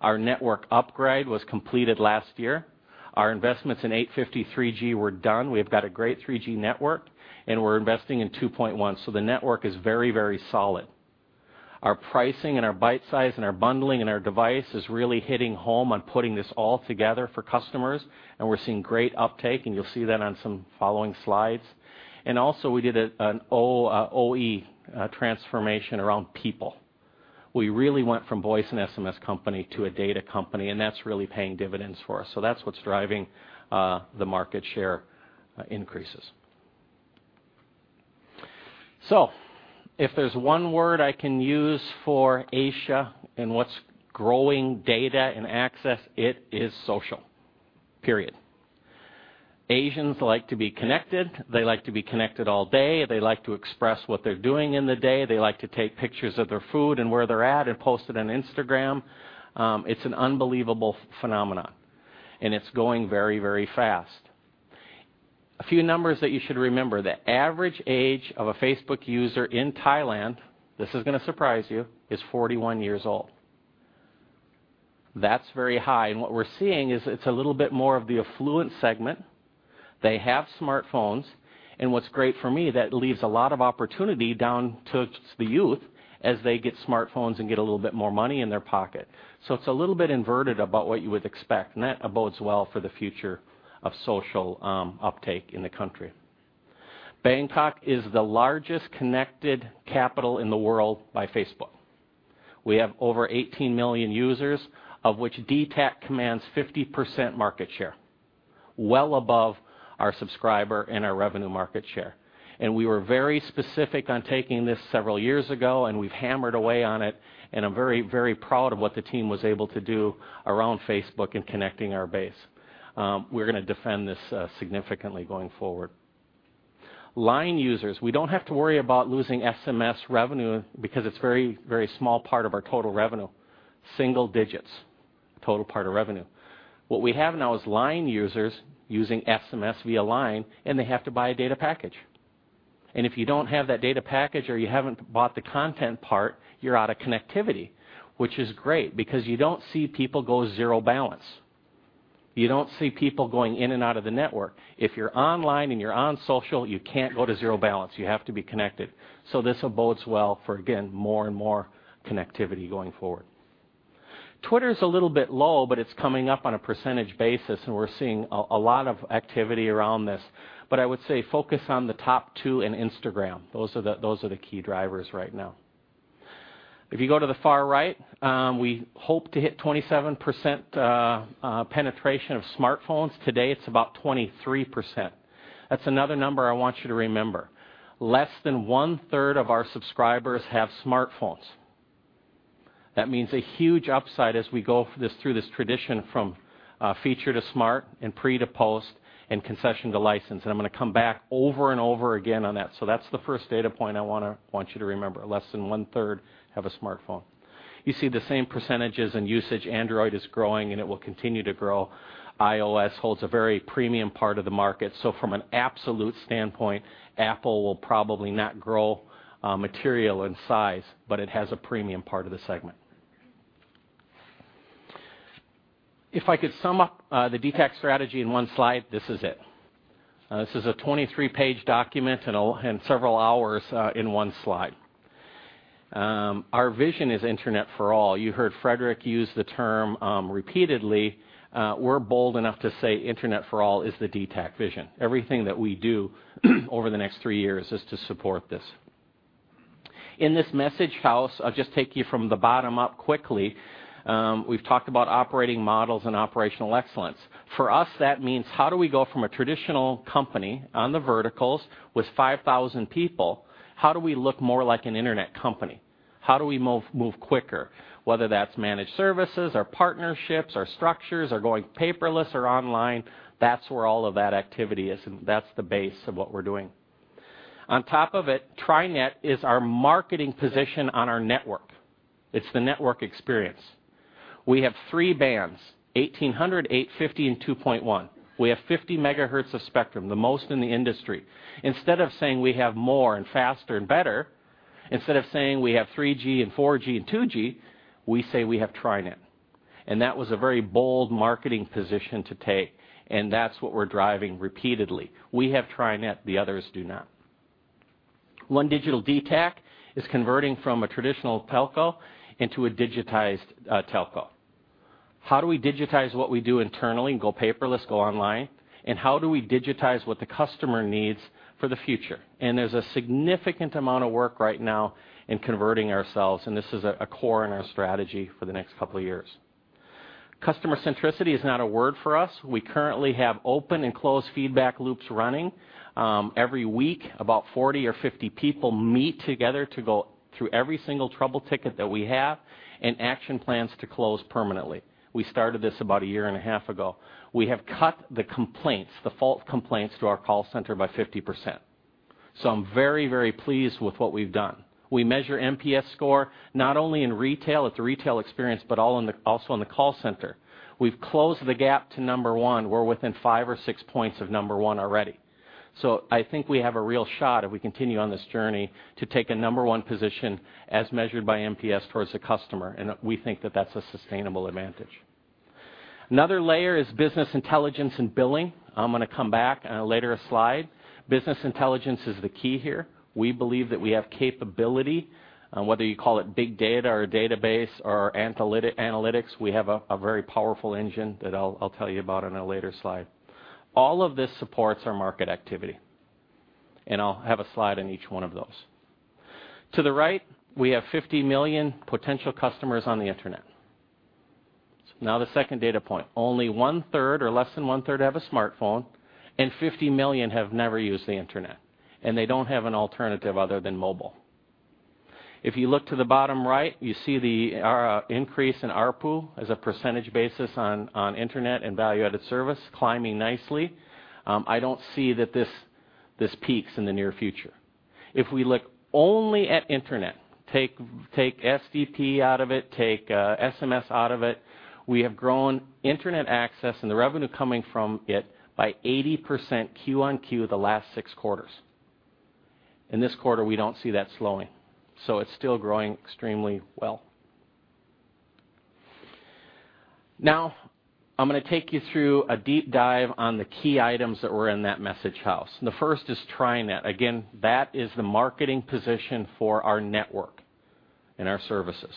Our network upgrade was completed last year. Our investments in 850 3G were done. We've got a great 3G network, and we're investing in 2.1, so the network is very, very solid. Our pricing and our bite size and our bundling and our device is really hitting home on putting this all together for customers, and we're seeing great uptake, and you'll see that on some following slides. Also, we did an OEM transformation around people. We really went from voice and SMS company to a data company, and that's really paying dividends for us. So that's what's driving the market share increases. So if there's one word I can use for Asia and what's growing data and access, it is social, period. Asians like to be connected. They like to be connected all day. They like to express what they're doing in the day. They like to take pictures of their food and where they're at and post it on Instagram. It's an unbelievable phenomenon, and it's going very, very fast. A few numbers that you should remember, the average age of a Facebook user in Thailand, this is gonna surprise you, is 41 years old. That's very high, and what we're seeing is it's a little bit more of the affluent segment. They have smartphones, and what's great for me, that leaves a lot of opportunity down to the youth as they get smartphones and get a little bit more money in their pocket. So it's a little bit inverted about what you would expect, and that bodes well for the future of social uptake in the country. Bangkok is the largest connected capital in the world by Facebook. We have over 18 million users, of which dtac commands 50% market share, well above our subscriber and our revenue market share. We were very specific on taking this several years ago, and we've hammered away on it, and I'm very, very proud of what the team was able to do around Facebook in connecting our base. We're gonna defend this significantly going forward. LINE users, we don't have to worry about losing SMS revenue because it's very, very small part of our total revenue, single digits, total part of revenue. What we have now is LINE users using SMS via LINE, and they have to buy a data package. And if you don't have that data package or you haven't bought the content part, you're out of connectivity, which is great because you don't see people go zero balance. You don't see people going in and out of the network. If you're online and you're on social, you can't go to zero balance. You have to be connected, so this bodes well for, again, more and more connectivity going forward. Twitter is a little bit low, but it's coming up on a percentage basis, and we're seeing a lot of activity around this. But I would say focus on the top two and Instagram. Those are the, those are the key drivers right now. If you go to the far right, we hope to hit 27% penetration of smartphones. Today, it's about 23%. That's another number I want you to remember. Less than one-third of our subscribers have smartphones. That means a huge upside as we go through this transition from feature to smart, and pre to post, and concession to license. And I'm gonna come back over and over again on that. So that's the first data point I wanna, want you to remember, less than one-third have a smartphone. You see the same percentages and usage. Android is growing, and it will continue to grow. iOS holds a very premium part of the market. So from an absolute standpoint, Apple will probably not grow, material in size, but it has a premium part of the segment. If I could sum up, the dtac strategy in one slide, this is it. This is a 23-page document and all, and several hours, in one slide. Our vision is Internet for all. You heard Fredrik use the term, repeatedly. We're bold enough to say Internet for all is the dtac vision. Everything that we do, over the next three years is to support this. In this message house, I'll just take you from the bottom up quickly. We've talked about operating models and operational excellence. For us, that means how do we go from a traditional company on the verticals with 5,000 people, how do we look more like an internet company? How do we move, move quicker, whether that's managed services or partnerships or structures or going paperless or online, that's where all of that activity is, and that's the base of what we're doing. On top of it, TriNet is our marketing position on our network. It's the network experience. We have three bands, 1,800, 850, and 2.1. We have 50 MHz of spectrum, the most in the industry. Instead of saying we have more and faster and better, instead of saying we have 3G and 4G and 2G, we say we have TriNet. That was a very bold marketing position to take, and that's what we're driving repeatedly. We have TriNet, the others do not. One digital dtac is converting from a traditional telco into a digitized telco. How do we digitize what we do internally and go paperless, go online, and how do we digitize what the customer needs for the future? There's a significant amount of work right now in converting ourselves, and this is a core in our strategy for the next couple of years. Customer centricity is not a word for us. We currently have open and closed feedback loops running. Every week, about 40 or 50 people meet together to go through every single trouble ticket that we have and action plans to close permanently. We started this about a year and a half ago. We have cut the complaints, the fault complaints to our call center, by 50%. So I'm very, very pleased with what we've done. We measure NPS score, not only in retail, at the retail experience, but all in the, also in the call center. We've closed the gap to number one. We're within five or six points of number one already. So I think we have a real shot, if we continue on this journey, to take a number one position as measured by NPS towards the customer, and we think that that's a sustainable advantage. Another layer is business intelligence and billing. I'm gonna come back on a later slide. Business intelligence is the key here. We believe that we have capability, and whether you call it big data or database or analytic, analytics, we have a very powerful engine that I'll tell you about in a later slide. All of this supports our market activity, and I'll have a slide on each one of those. To the right, we have 50 million potential customers on the Internet. Now, the second data point, only one-third or less than one-third have a smartphone, and 50 million have never used the Internet, and they don't have an alternative other than mobile. If you look to the bottom right, you see our increase in ARPU as a percentage basis on Internet and value-added service climbing nicely. I don't see that this peaks in the near future. If we look only at internet, take SDP out of it, take SMS out of it, we have grown internet access and the revenue coming from it by 80% quarter-on-quarter, the last 6 quarters. In this quarter, we don't see that slowing, so it's still growing extremely well. Now, I'm gonna take you through a deep dive on the key items that were in that message house, and the first is TriNet. Again, that is the marketing position for our network and our services.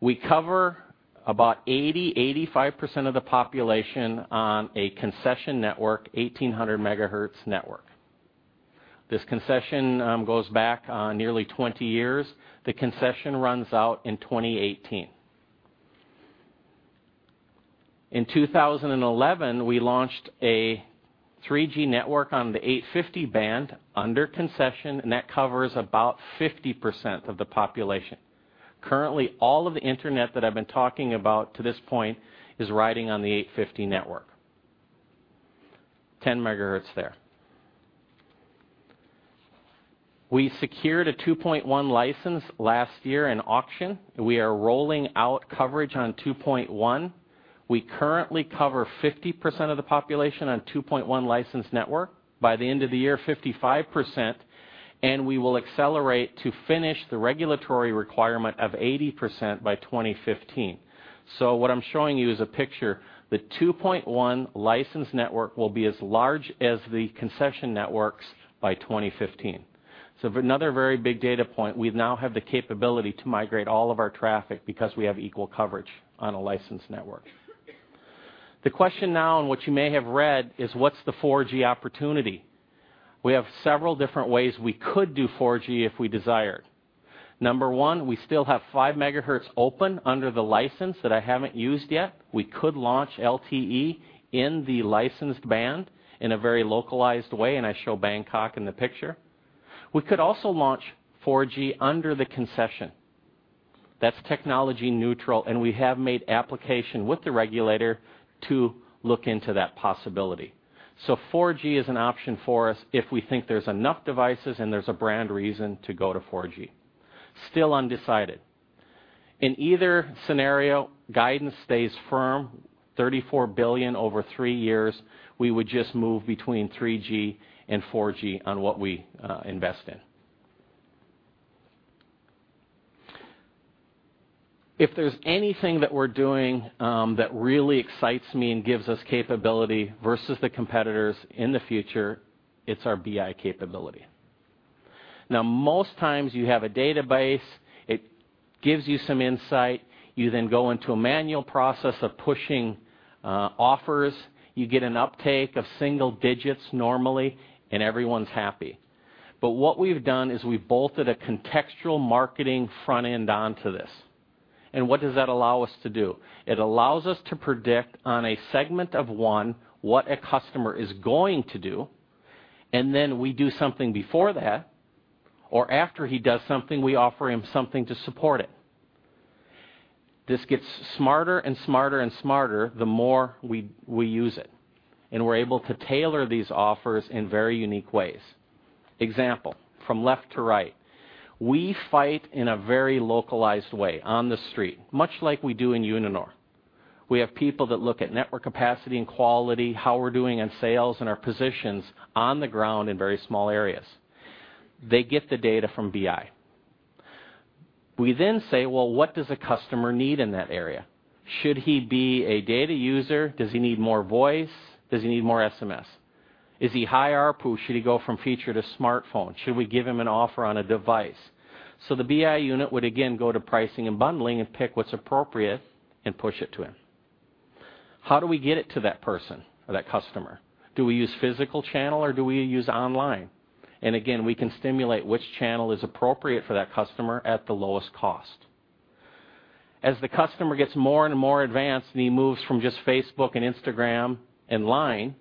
We cover about 80%-85% of the population on a concession network, 1,800 MHz network. This concession goes back nearly 20 years. The concession runs out in 2018. In 2011, we launched a 3G network on the 850 MHz band under concession, and that covers about 50% of the population. Currently, all of the Internet that I've been talking about to this point is riding on the 850 network. 10 MHz there. We secured a 2.1 license last year in auction. We are rolling out coverage on 2.1. We currently cover 50% of the population on 2.1 licensed network. By the end of the year, 55%, and we will accelerate to finish the regulatory requirement of 80% by 2015. So what I'm showing you is a picture. The 2.1 licensed network will be as large as the concession networks by 2015. So another very big data point, we now have the capability to migrate all of our traffic because we have equal coverage on a licensed network. The question now, and what you may have read, is what's the 4G opportunity? We have several different ways we could do 4G if we desired. Number 1, we still have 5 MHz open under the license that I haven't used yet. We could launch LTE in the licensed band in a very localized way, and I show Bangkok in the picture.... We could also launch 4G under the concession. That's technology neutral, and we have made application with the regulator to look into that possibility. So 4G is an option for us if we think there's enough devices and there's a brand reason to go to 4G. Still undecided. In either scenario, guidance stays firm, 34 billion over three years, we would just move between 3G and 4G on what we invest in. If there's anything that we're doing that really excites me and gives us capability versus the competitors in the future, it's our BI capability. Now, most times you have a database, it gives you some insight, you then go into a manual process of pushing, offers. You get an uptake of single digits normally, and everyone's happy. But what we've done is we've bolted a contextual marketing front end onto this. And what does that allow us to do? It allows us to predict on a segment of one, what a customer is going to do, and then we do something before that, or after he does something, we offer him something to support it. This gets smarter and smarter and smarter the more we use it, and we're able to tailor these offers in very unique ways. Example, from left to right, we fight in a very localized way on the street, much like we do in Uninor. We have people that look at network capacity and quality, how we're doing in sales and our positions on the ground in very small areas. They get the data from BI. We then say, well, what does a customer need in that area? Should he be a data user? Does he need more voice? Does he need more SMS? Is he high ARPU? Should he go from feature to smartphone? Should we give him an offer on a device? So the BI unit would again go to pricing and bundling and pick what's appropriate and push it to him. How do we get it to that person or that customer? Do we use physical channel or do we use online? And again, we can stimulate which channel is appropriate for that customer at the lowest cost. As the customer gets more and more advanced, and he moves from just Facebook and Instagram and LINE,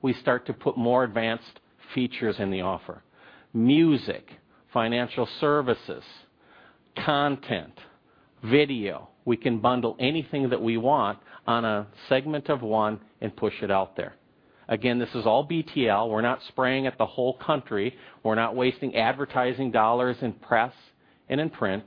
we start to put more advanced features in the offer. Music, financial services, content, video. We can bundle anything that we want on a segment of one and push it out there. Again, this is all BTL. We're not spraying at the whole country. We're not wasting advertising dollars in press and in print,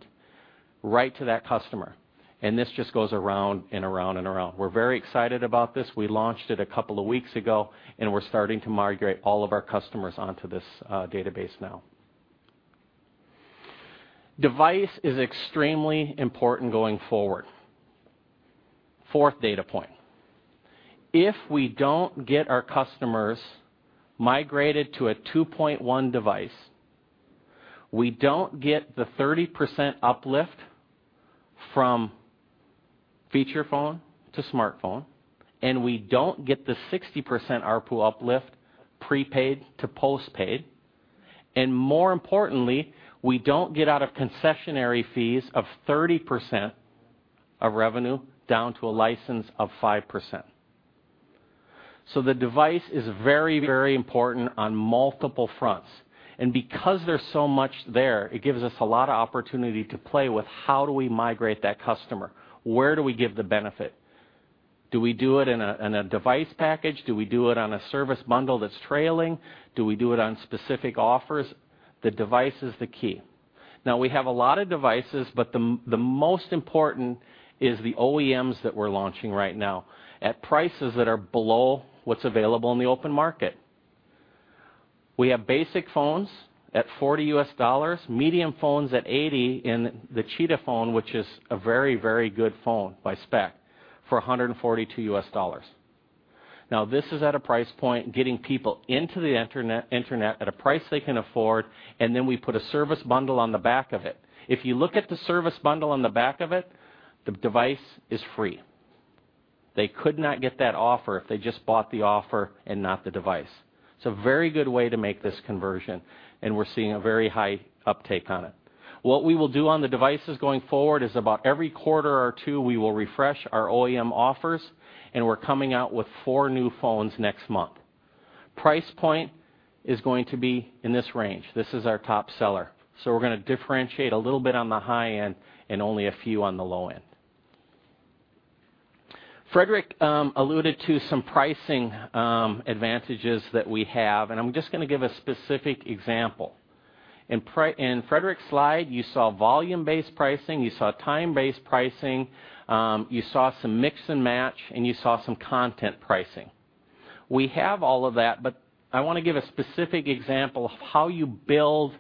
right to that customer. And this just goes around and around and around. We're very excited about this. We launched it a couple of weeks ago, and we're starting to migrate all of our customers onto this, database now. Device is extremely important going forward. Fourth data point. If we don't get our customers migrated to a 2.1 device, we don't get the 30% uplift from feature phone to smartphone, and we don't get the 60% ARPU uplift, prepaid to postpaid, and more importantly, we don't get out of concessionary fees of 30% of revenue down to a license of 5%. So the device is very, very important on multiple fronts, and because there's so much there, it gives us a lot of opportunity to play with how do we migrate that customer? Where do we give the benefit? Do we do it in a, in a device package? Do we do it on a service bundle that's trailing? Do we do it on specific offers? The device is the key. Now, we have a lot of devices, but the most important is the OEMs that we're launching right now at prices that are below what's available in the open market. We have basic phones at $40, medium phones at $80, and the Cheetah phone, which is a very, very good phone by spec, for $142. Now, this is at a price point, getting people into the internet, internet at a price they can afford, and then we put a service bundle on the back of it. If you look at the service bundle on the back of it, the device is free. They could not get that offer if they just bought the offer and not the device. It's a very good way to make this conversion, and we're seeing a very high uptake on it. What we will do on the devices going forward is about every quarter or two, we will refresh our OEM offers, and we're coming out with four new phones next month. Price point is going to be in this range. This is our top seller, so we're going to differentiate a little bit on the high end and only a few on the low end. Fredrik alluded to some pricing advantages that we have, and I'm just going to give a specific example. In Fredrik's slide, you saw volume-based pricing, you saw time-based pricing, you saw some mix and match, and you saw some content pricing. We have all of that, but I want to give a specific example of how you build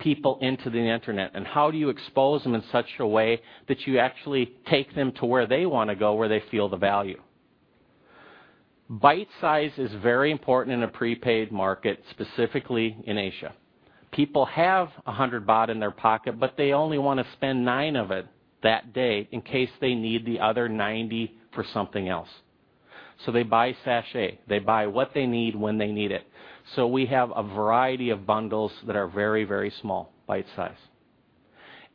people into the internet, and how do you expose them in such a way that you actually take them to where they want to go, where they feel the value. Bite-size is very important in a prepaid market, specifically in Asia. People have 100 baht in their pocket, but they only want to spend 9 of it that day in case they need the other 90 for something else. So they buy sachet. They buy what they need when they need it. So we have a variety of bundles that are very, very small, bite-size....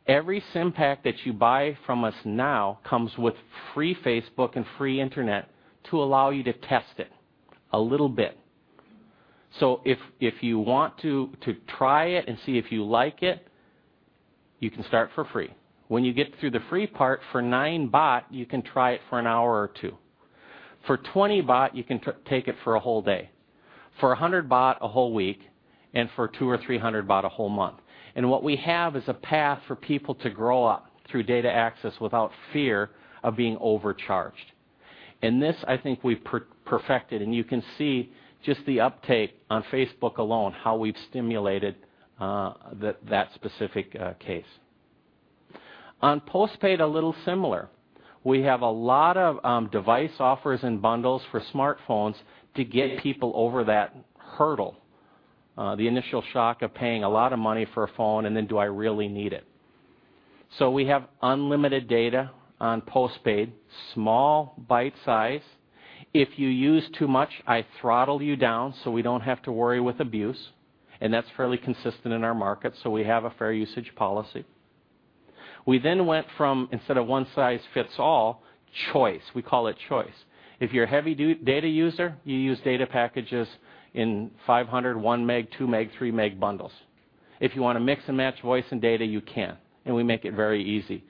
Every SIM pack that you buy from us now comes with free Facebook and free internet to allow you to test it a little bit. So if you want to try it and see if you like it, you can start for free. When you get through the free part, for 9 baht, you can try it for an hour or two. For 20 baht, you can take it for a whole day, for 100 baht, a whole week, and for 200 THB-300 THB, a whole month. And what we have is a path for people to grow up through data access without fear of being overcharged. And this, I think we've perfected, and you can see just the uptake on Facebook alone, how we've stimulated that specific case. On postpaid, a little similar. We have a lot of device offers and bundles for smartphones to get people over that hurdle, the initial shock of paying a lot of money for a phone, and then do I really need it? So we have unlimited data on postpaid, small bite size. If you use too much, I throttle you down so we don't have to worry with abuse, and that's fairly consistent in our market, so we have a fair usage policy. We then went from, instead of one size fits all, choice, we call it choice. If you're a heavy dude data user, you use data packages in 500, 1 meg, 2 meg, 3 meg bundles. If you wanna mix and match voice and data, you can, and we make it very easy.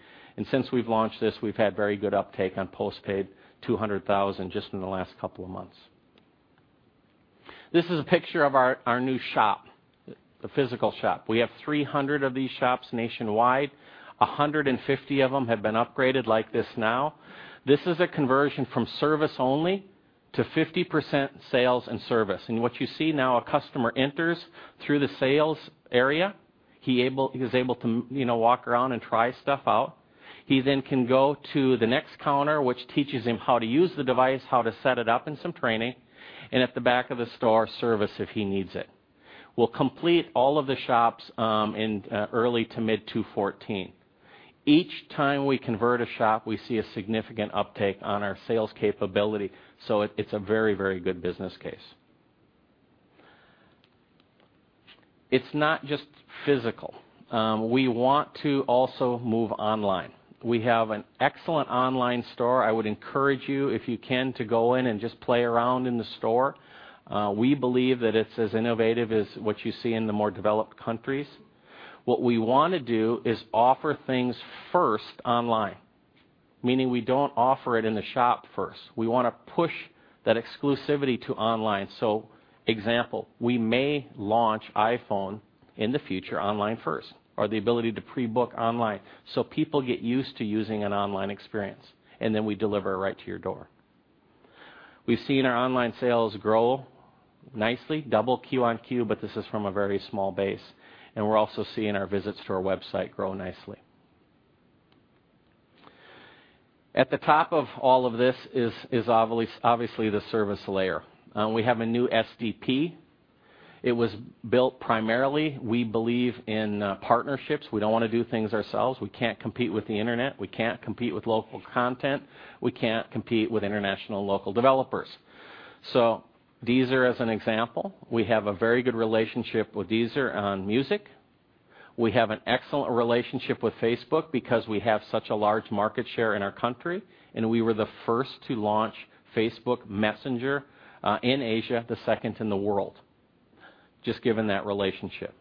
Since we've launched this, we've had very good uptake on postpaid, 200,000 just in the last couple of months. This is a picture of our new shop, the physical shop. We have 300 of these shops nationwide. 150 of them have been upgraded like this now. This is a conversion from service only to 50% sales and service. What you see now, a customer enters through the sales area. He's able to, you know, walk around and try stuff out. He then can go to the next counter, which teaches him how to use the device, how to set it up, and some training, and at the back of the store, service, if he needs it. We'll complete all of the shops in early to mid-2014. Each time we convert a shop, we see a significant uptake on our sales capability, so it's a very, very good business case. It's not just physical. We want to also move online. We have an excellent online store. I would encourage you, if you can, to go in and just play around in the store. We believe that it's as innovative as what you see in the more developed countries. What we wanna do is offer things first online, meaning we don't offer it in the shop first. We wanna push that exclusivity to online. So example, we may launch iPhone in the future, online first, or the ability to pre-book online so people get used to using an online experience, and then we deliver it right to your door. We've seen our online sales grow nicely, double Q-on-Q, but this is from a very small base, and we're also seeing our visits to our website grow nicely. At the top of all of this is obviously the service layer. We have a new SDP. It was built primarily. We believe in partnerships. We don't wanna do things ourselves. We can't compete with the internet, we can't compete with local content, we can't compete with international local developers. So Deezer, as an example, we have a very good relationship with Deezer on music. We have an excellent relationship with Facebook because we have such a large market share in our country, and we were the first to launch Facebook Messenger in Asia, the second in the world, just given that relationship.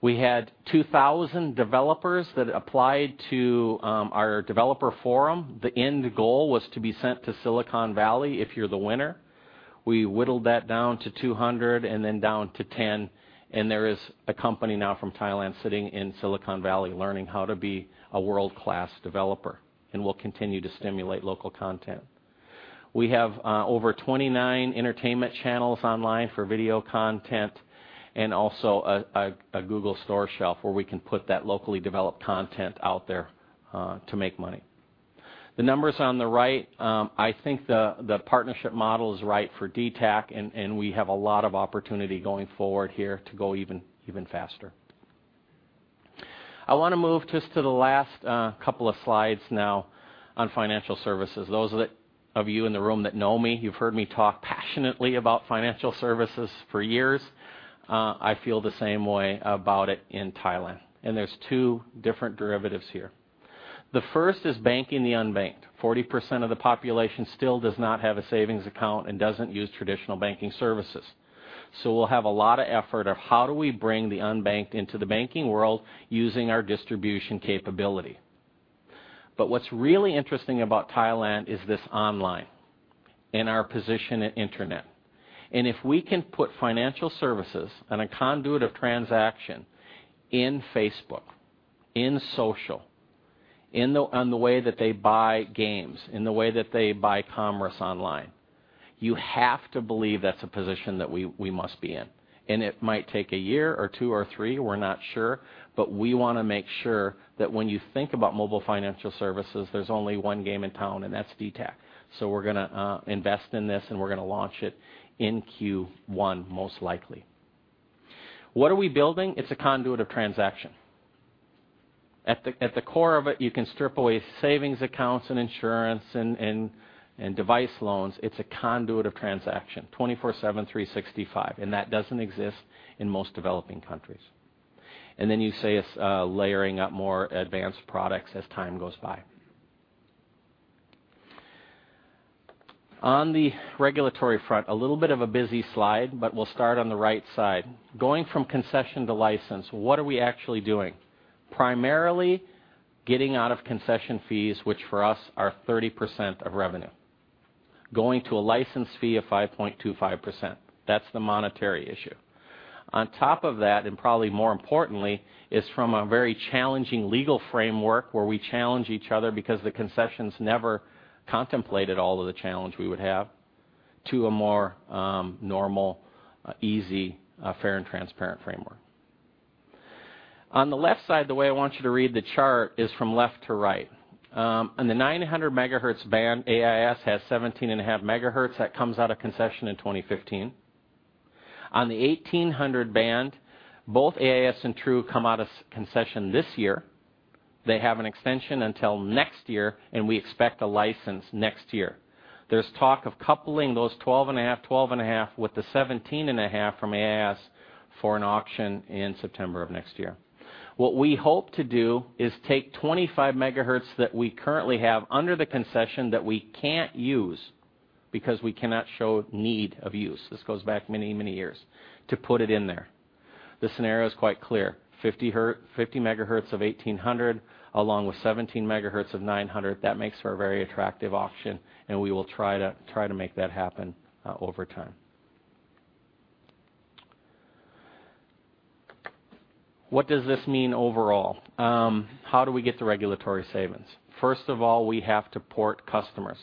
We had 2,000 developers that applied to our developer forum. The end goal was to be sent to Silicon Valley if you're the winner. We whittled that down to 200 and then down to 10, and there is a company now from Thailand, sitting in Silicon Valley, learning how to be a world-class developer, and we'll continue to stimulate local content. We have over 29 entertainment channels online for video content and also a Google Store Shelf, where we can put that locally developed content out there to make money. The numbers on the right, I think the partnership model is right for dtac, and we have a lot of opportunity going forward here to go even faster. I wanna move just to the last couple of slides now on financial services. Those of you in the room that know me, you've heard me talk passionately about financial services for years. I feel the same way about it in Thailand, and there's two different derivatives here. The first is banking the unbanked. 40% of the population still does not have a savings account and doesn't use traditional banking services. So we'll have a lot of effort of how do we bring the unbanked into the banking world using our distribution capability. But what's really interesting about Thailand is this online and our position in internet. And if we can put financial services and a conduit of transaction in Facebook, in social, in, on the way that they buy games, in the way that they buy commerce online, you have to believe that's a position that we, we must be in. It might take a year or two or three, we're not sure, but we wanna make sure that when you think about mobile financial services, there's only one game in town, and that's DTAC. So we're gonna invest in this, and we're gonna launch it in Q1, most likely. What are we building? It's a conduit of transaction. At the core of it, you can strip away savings accounts and insurance and device loans. It's a conduit of transaction, 24/7, 365, and that doesn't exist in most developing countries. Then you see us layering up more advanced products as time goes by. On the regulatory front, a little bit of a busy slide, but we'll start on the right side. Going from concession to license, what are we actually doing? Primarily, getting out of concession fees, which for us are 30% of revenue, going to a license fee of 5.25%. That's the monetary issue. On top of that, and probably more importantly, is from a very challenging legal framework where we challenge each other because the concessions never contemplated all of the challenge we would have, to a more, normal, easy, fair and transparent framework. On the left side, the way I want you to read the chart is from left to right. On the 900 MHz band, AIS has 17.5 MHz, that comes out of concession in 2015. On the 1800 MHz band, both AIS and True come out of concession this year. They have an extension until next year, and we expect a license next year. There's talk of coupling those 12.5, 12.5, with the 17.5 from AIS for an auction in September of next year. What we hope to do is take 25 MHz that we currently have under the concession that we can't use, because we cannot show need of use, this goes back many, many years, to put it in there. The scenario is quite clear, 50 MHz of 1,800, along with 17 MHz of 900, that makes for a very attractive auction, and we will try to make that happen over time. What does this mean overall? How do we get the regulatory savings? First of all, we have to port customers.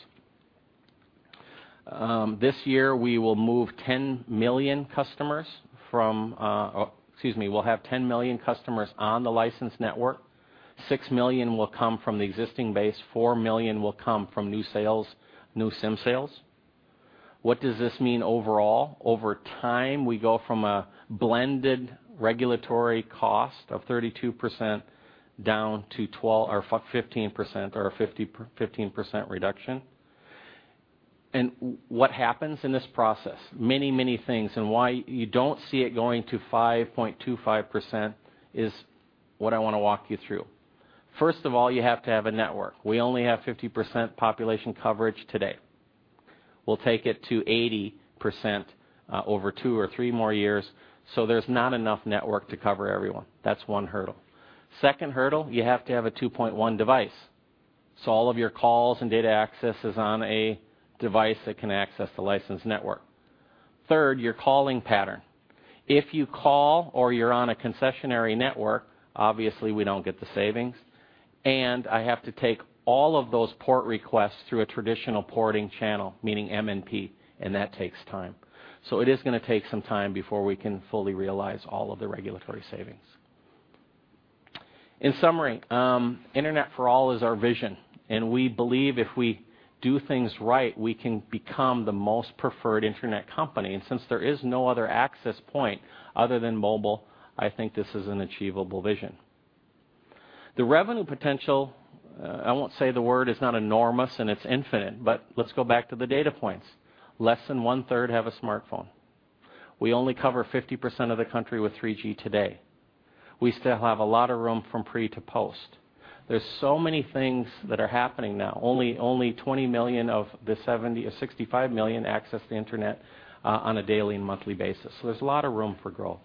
This year, we will move 10 million customers from... Excuse me, we'll have 10 million customers on the license network. Six million will come from the existing base, four million will come from new sales, new SIM sales. What does this mean overall? Over time, we go from a blended regulatory cost of 32% down to 12 or 15% or a 50% reduction. What happens in this process? Many, many things. Why you don't see it going to 5.25% is what I want to walk you through. First of all, you have to have a network. We only have 50% population coverage today. We'll take it to 80% over 2 or 3 more years, so there's not enough network to cover everyone. That's one hurdle. Second hurdle, you have to have a 2.1 device, so all of your calls and data access is on a device that can access the licensed network. Third, your calling pattern. If you call or you're on a concessionary network, obviously, we don't get the savings, and I have to take all of those port requests through a traditional porting channel, meaning MNP, and that takes time. So it is gonna take some time before we can fully realize all of the regulatory savings. In summary, Internet for all is our vision, and we believe if we do things right, we can become the most preferred internet company. And since there is no other access point other than mobile, I think this is an achievable vision. The revenue potential, I won't say the word, is not enormous, and it's infinite, but let's go back to the data points. Less than one-third have a smartphone. We only cover 50% of the country with 3G today. We still have a lot of room from pre to post. There's so many things that are happening now. Only 20 million of the 70 or 65 million access the Internet on a daily and monthly basis, so there's a lot of room for growth.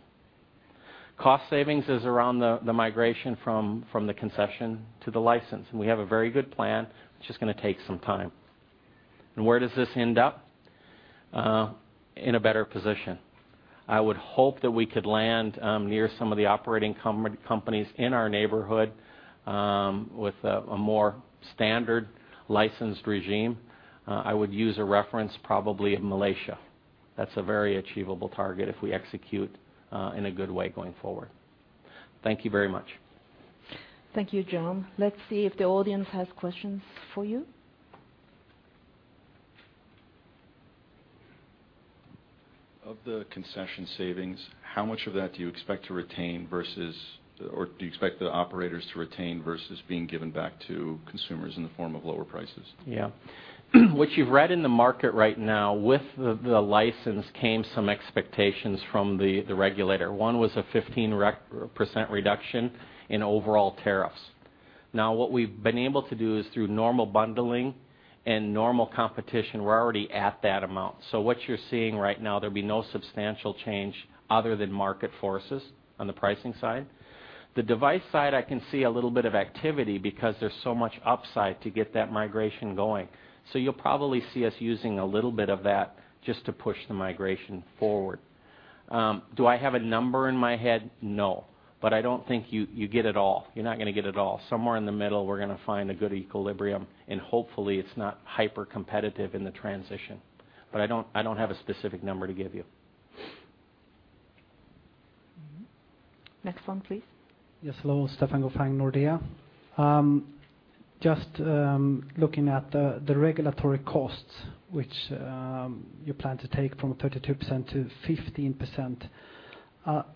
Cost savings is around the migration from the concession to the license, and we have a very good plan, which is gonna take some time. And where does this end up? In a better position. I would hope that we could land near some of the operating companies in our neighborhood with a more standard licensed regime. I would use a reference, probably in Malaysia. That's a very achievable target if we execute in a good way going forward. Thank you very much. Thank you, John. Let's see if the audience has questions for you. Of the concession savings, how much of that do you expect to retain versus... Or do you expect the operators to retain versus being given back to consumers in the form of lower prices? Yeah. What you've read in the market right now, with the license, came some expectations from the regulator. One was a 15% reduction in overall tariffs. Now, what we've been able to do is through normal bundling and normal competition, we're already at that amount. So what you're seeing right now, there'll be no substantial change other than market forces on the pricing side. The device side, I can see a little bit of activity because there's so much upside to get that migration going. So you'll probably see us using a little bit of that just to push the migration forward. Do I have a number in my head? No, but I don't think you get it all. You're not gonna get it all. Somewhere in the middle, we're gonna find a good equilibrium, and hopefully, it's not hypercompetitive in the transition. But I don't, I don't have a specific number to give you. Mm-hmm. Next one, please. Yes, hello, Stefan Gauffin, Nordea. Just looking at the regulatory costs, which you plan to take from 32%-15%.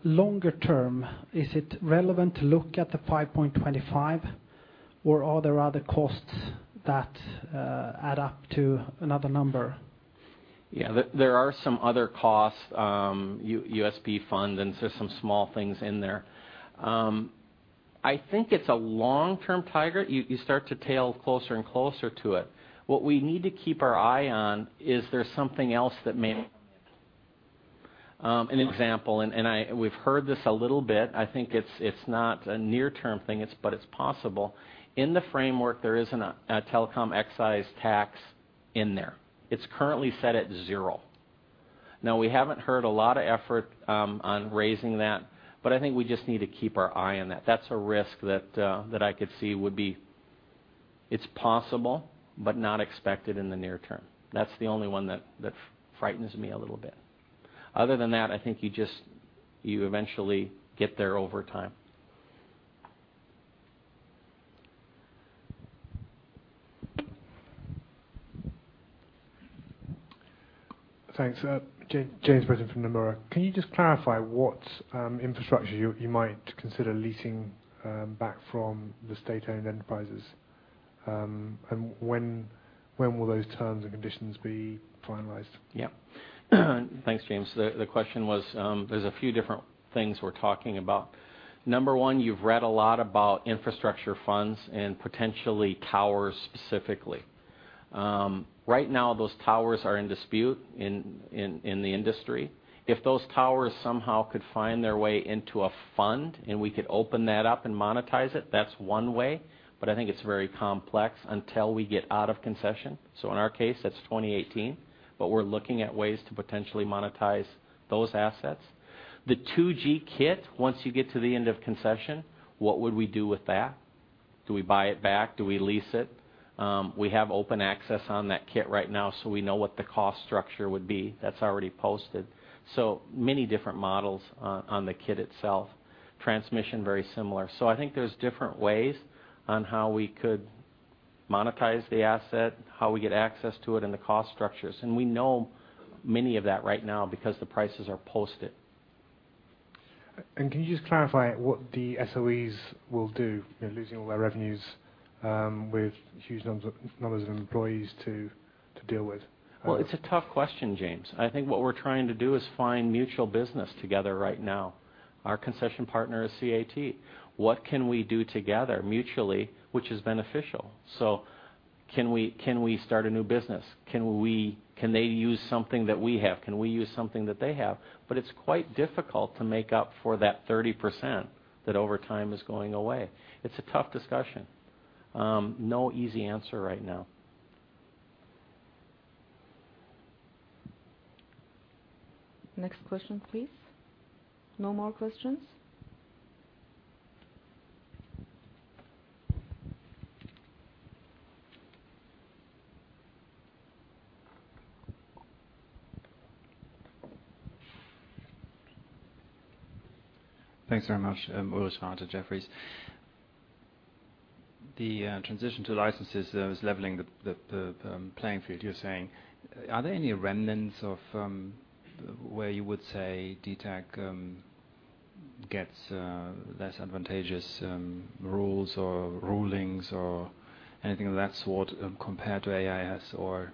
Longer term, is it relevant to look at the 5.25%, or are there other costs that add up to another number?... Yeah, there are some other costs, USP fund, and just some small things in there. I think it's a long-term tiger. You start to tail closer and closer to it. What we need to keep our eye on is there something else that may, an example, and we've heard this a little bit. I think it's not a near-term thing, but it's possible. In the framework, there isn't a telecom excise tax in there. It's currently set at zero. Now, we haven't heard a lot of effort on raising that, but I think we just need to keep our eye on that. That's a risk that I could see would be... It's possible, but not expected in the near term. That's the only one that frightens me a little bit. Other than that, I think you just, you eventually get there over time. Thanks. James Britton from Nomura. Can you just clarify what infrastructure you might consider leasing back from the state-owned enterprises? And when will those terms and conditions be finalized? Yeah. Thanks, James. The question was, there's a few different things we're talking about. Number one, you've read a lot about infrastructure funds and potentially towers specifically. Right now, those towers are in dispute in the industry. If those towers somehow could find their way into a fund, and we could open that up and monetize it, that's one way, but I think it's very complex until we get out of concession. So in our case, that's 2018, but we're looking at ways to potentially monetize those assets. The 2G kit, once you get to the end of concession, what would we do with that? Do we buy it back? Do we lease it? We have open access on that kit right now, so we know what the cost structure would be. That's already posted. So many different models on, on the kit itself. Transmission, very similar. So I think there's different ways on how we could monetize the asset, how we get access to it, and the cost structures. And we know many of that right now because the prices are posted. Can you just clarify what the SOEs will do? They're losing all their revenues, with huge numbers of employees to deal with. Well, it's a tough question, James. I think what we're trying to do is find mutual business together right now. Our concession partner is CAT. What can we do together mutually, which is beneficial? So can we, can we start a new business? Can we, can they use something that we have? Can we use something that they have? But it's quite difficult to make up for that 30% that over time is going away. It's a tough discussion. No easy answer right now. Next question, please. No more questions? Thanks very much. Ulrich Rathe, Jefferies. The transition to licenses is leveling the playing field, you're saying. Are there any remnants of where you would say dtac gets less advantageous rules or rulings or anything of that sort compared to AIS or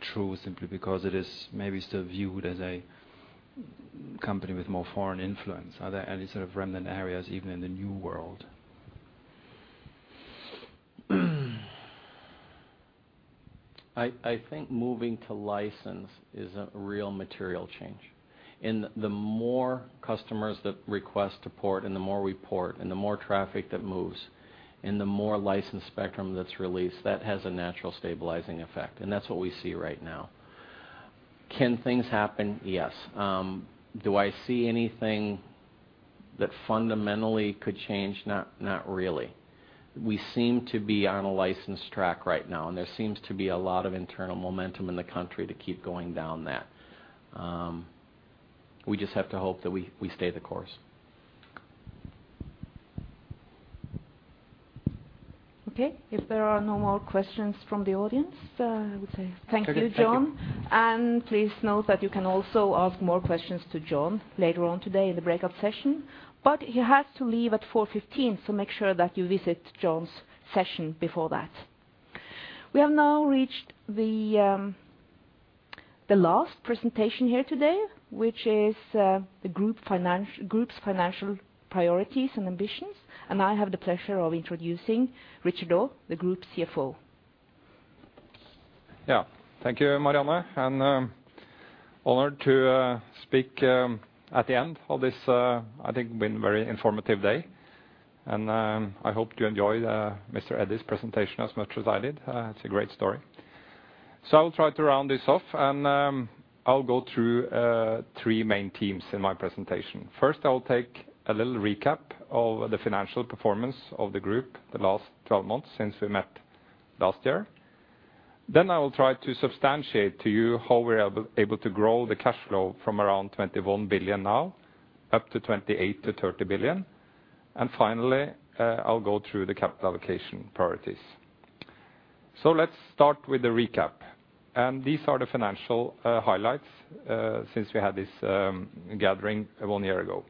True, simply because it is maybe still viewed as a company with more foreign influence? Are there any sort of remnant areas, even in the new world? I think moving to license is a real material change. The more customers that request to port, and the more we port, and the more traffic that moves, and the more licensed spectrum that's released, that has a natural stabilizing effect, and that's what we see right now. Can things happen? Yes. Do I see anything that fundamentally could change? Not really. We seem to be on a licensed track right now, and there seems to be a lot of internal momentum in the country to keep going down that. We just have to hope that we stay the course. Okay. If there are no more questions from the audience, I would say thank you, Jon. Thank you. Please note that you can also ask more questions to Jon later on today in the breakout session, but he has to leave at 4:15 P.M., so make sure that you visit Jon's session before that. We have now reached the last presentation here today, which is the group's financial priorities and ambitions, and I have the pleasure of introducing Richard Olav, the group's CFO. Yeah. Thank you, Marianne, and honored to speak at the end of this. I think been very informative day. And I hope you enjoyed Mr. Eddy's presentation as much as I did. It's a great story. So I will try to round this off, and I'll go through three main themes in my presentation. First, I will take a little recap of the financial performance of the group, the last 12 months since we met last year. Then I will try to substantiate to you how we're able, able to grow the cash flow from around 21 billion now up to 28 billion-30 billion. And finally, I'll go through the capital allocation priorities. So let's start with the recap, and these are the financial highlights since we had this gathering one year ago.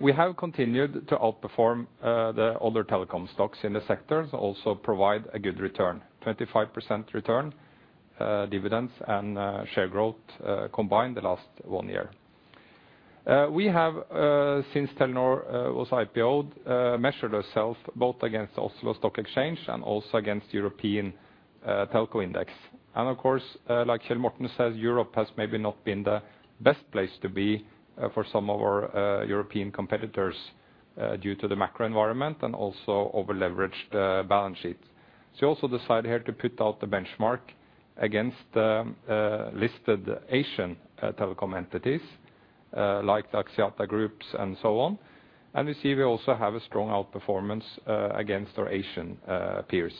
We have continued to outperform the other telecom stocks in the sectors, also provide a good return, 25% return, dividends and share growth combined the last one year. We have since Telenor was IPO'd measured ourselves both against Oslo Stock Exchange and also against European Telco Index. And of course, like Kjell Morten says, Europe has maybe not been the best place to be for some of our European competitors due to the macro environment and also over-leveraged balance sheets. So we also decided here to put out the benchmark against the listed Asian telecom entities like the Axiata Groups and so on. We see we also have a strong outperformance against our Asian peers.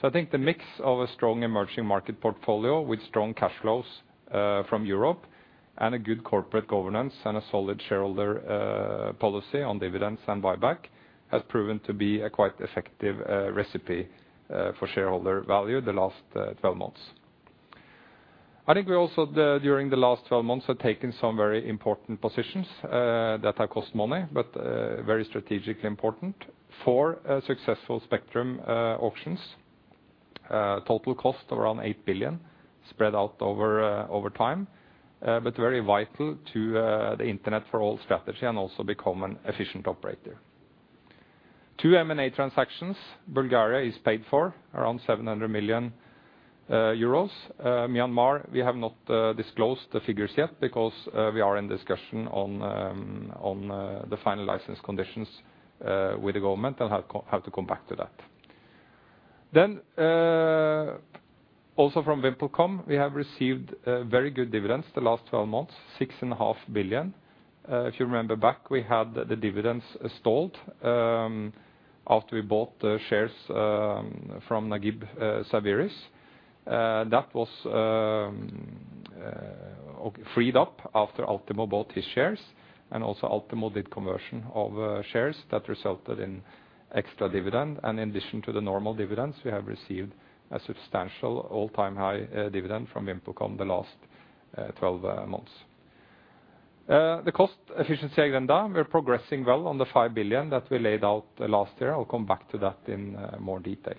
So I think the mix of a strong emerging market portfolio with strong cash flows from Europe, and a good corporate governance, and a solid shareholder policy on dividends and buyback, has proven to be a quite effective recipe for shareholder value the last 12 months. I think we also, during the last 12 months, have taken some very important positions that have cost money, but very strategically important for successful spectrum auctions. Total cost around 8 billion, spread out over over time, but very vital to the Internet for all strategy and also become an efficient operator. Two M&A transactions, Bulgaria is paid for around 700 million euros. Myanmar, we have not disclosed the figures yet because we are in discussion on the final license conditions with the government, and have to come back to that. Also from VimpelCom, we have received very good dividends the last 12 months, 6.5 billion. If you remember back, we had the dividends stalled after we bought the shares from Naguib Sawiris. That was okay, freed up after Altimo bought his shares, and also Altimo did conversion of shares that resulted in extra dividend. In addition to the normal dividends, we have received a substantial all-time high dividend from VimpelCom the last 12 months. The cost efficiency agenda, we're progressing well on the 5 billion that we laid out last year. I'll come back to that in more detail.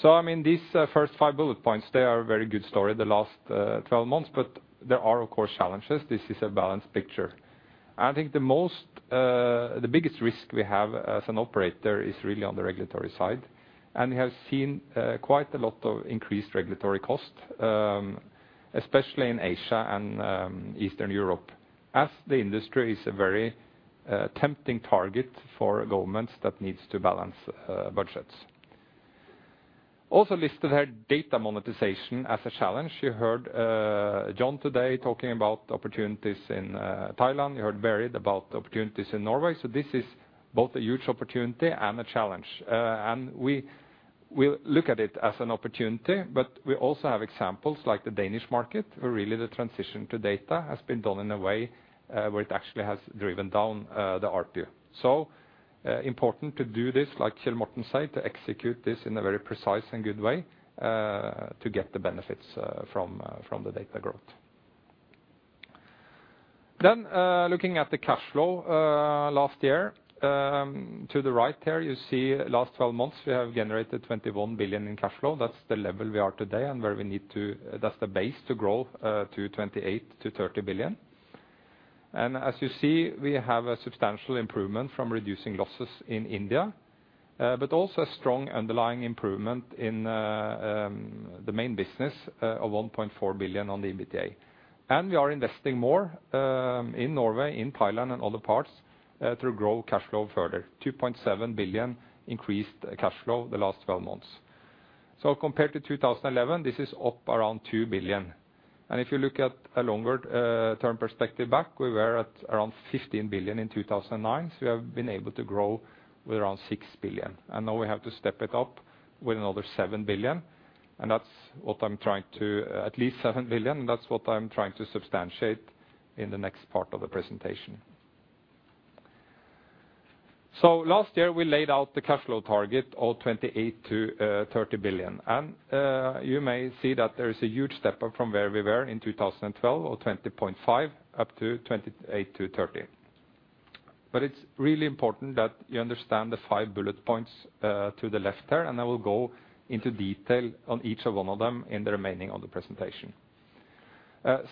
So, I mean, these first five bullet points, they are a very good story the last 12 months, but there are, of course, challenges. This is a balanced picture. I think the most the biggest risk we have as an operator is really on the regulatory side, and we have seen quite a lot of increased regulatory cost, especially in Asia and Eastern Europe, as the industry is a very tempting target for governments that needs to balance budgets. Also listed here, data monetization as a challenge. You heard Jon today talking about opportunities in Thailand. You heard Berit about opportunities in Norway. So this is both a huge opportunity and a challenge. And we will look at it as an opportunity, but we also have examples like the Danish market, where really the transition to data has been done in a way, where it actually has driven down the ARPU. So, important to do this, like Kjell Morten said, to execute this in a very precise and good way, to get the benefits from the data growth. Then, looking at the cash flow last year. To the right here, you see last 12 months, we have generated 21 billion in cash flow. That's the level we are today and where we need to. That's the base to grow to 28 billion-30 billion. As you see, we have a substantial improvement from reducing losses in India, but also a strong underlying improvement in the main business of 1.4 billion on the EBITDA. We are investing more in Norway, in Thailand, and other parts to grow cash flow further. 2.7 billion increased cash flow the last twelve months. Compared to 2011, this is up around 2 billion. If you look at a longer term perspective back, we were at around 15 billion in 2009, so we have been able to grow with around 6 billion. Now we have to step it up with another 7 billion, and that's what I'm trying to... At least 7 billion, that's what I'm trying to substantiate in the next part of the presentation. So last year, we laid out the cash flow target of 28 billion-30 billion. And you may see that there is a huge step up from where we were in 2012, or 20.5%, up to 28 billion- 30 billion. But it's really important that you understand the 5 bullet points to the left there, and I will go into detail on each of one of them in the remaining of the presentation.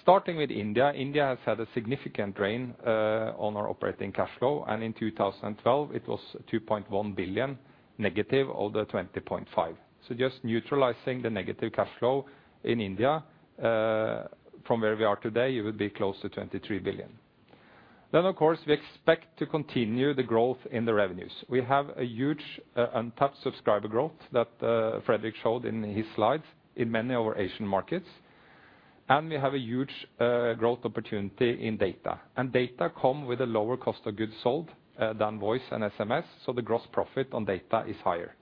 Starting with India, India has had a significant drain on our operating cash flow, and in 2012, it was -2.1 billion, or the 20.5%. So just neutralizing the negative cash flow in India from where we are today, it would be close to 23 billion. Then, of course, we expect to continue the growth in the revenues. We have a huge, and tough subscriber growth that, Fredrik showed in his slides in many of our Asian markets, and we have a huge, growth opportunity in data. And data come with a lower cost of goods sold, than voice and SMS, so the gross profit on data is higher.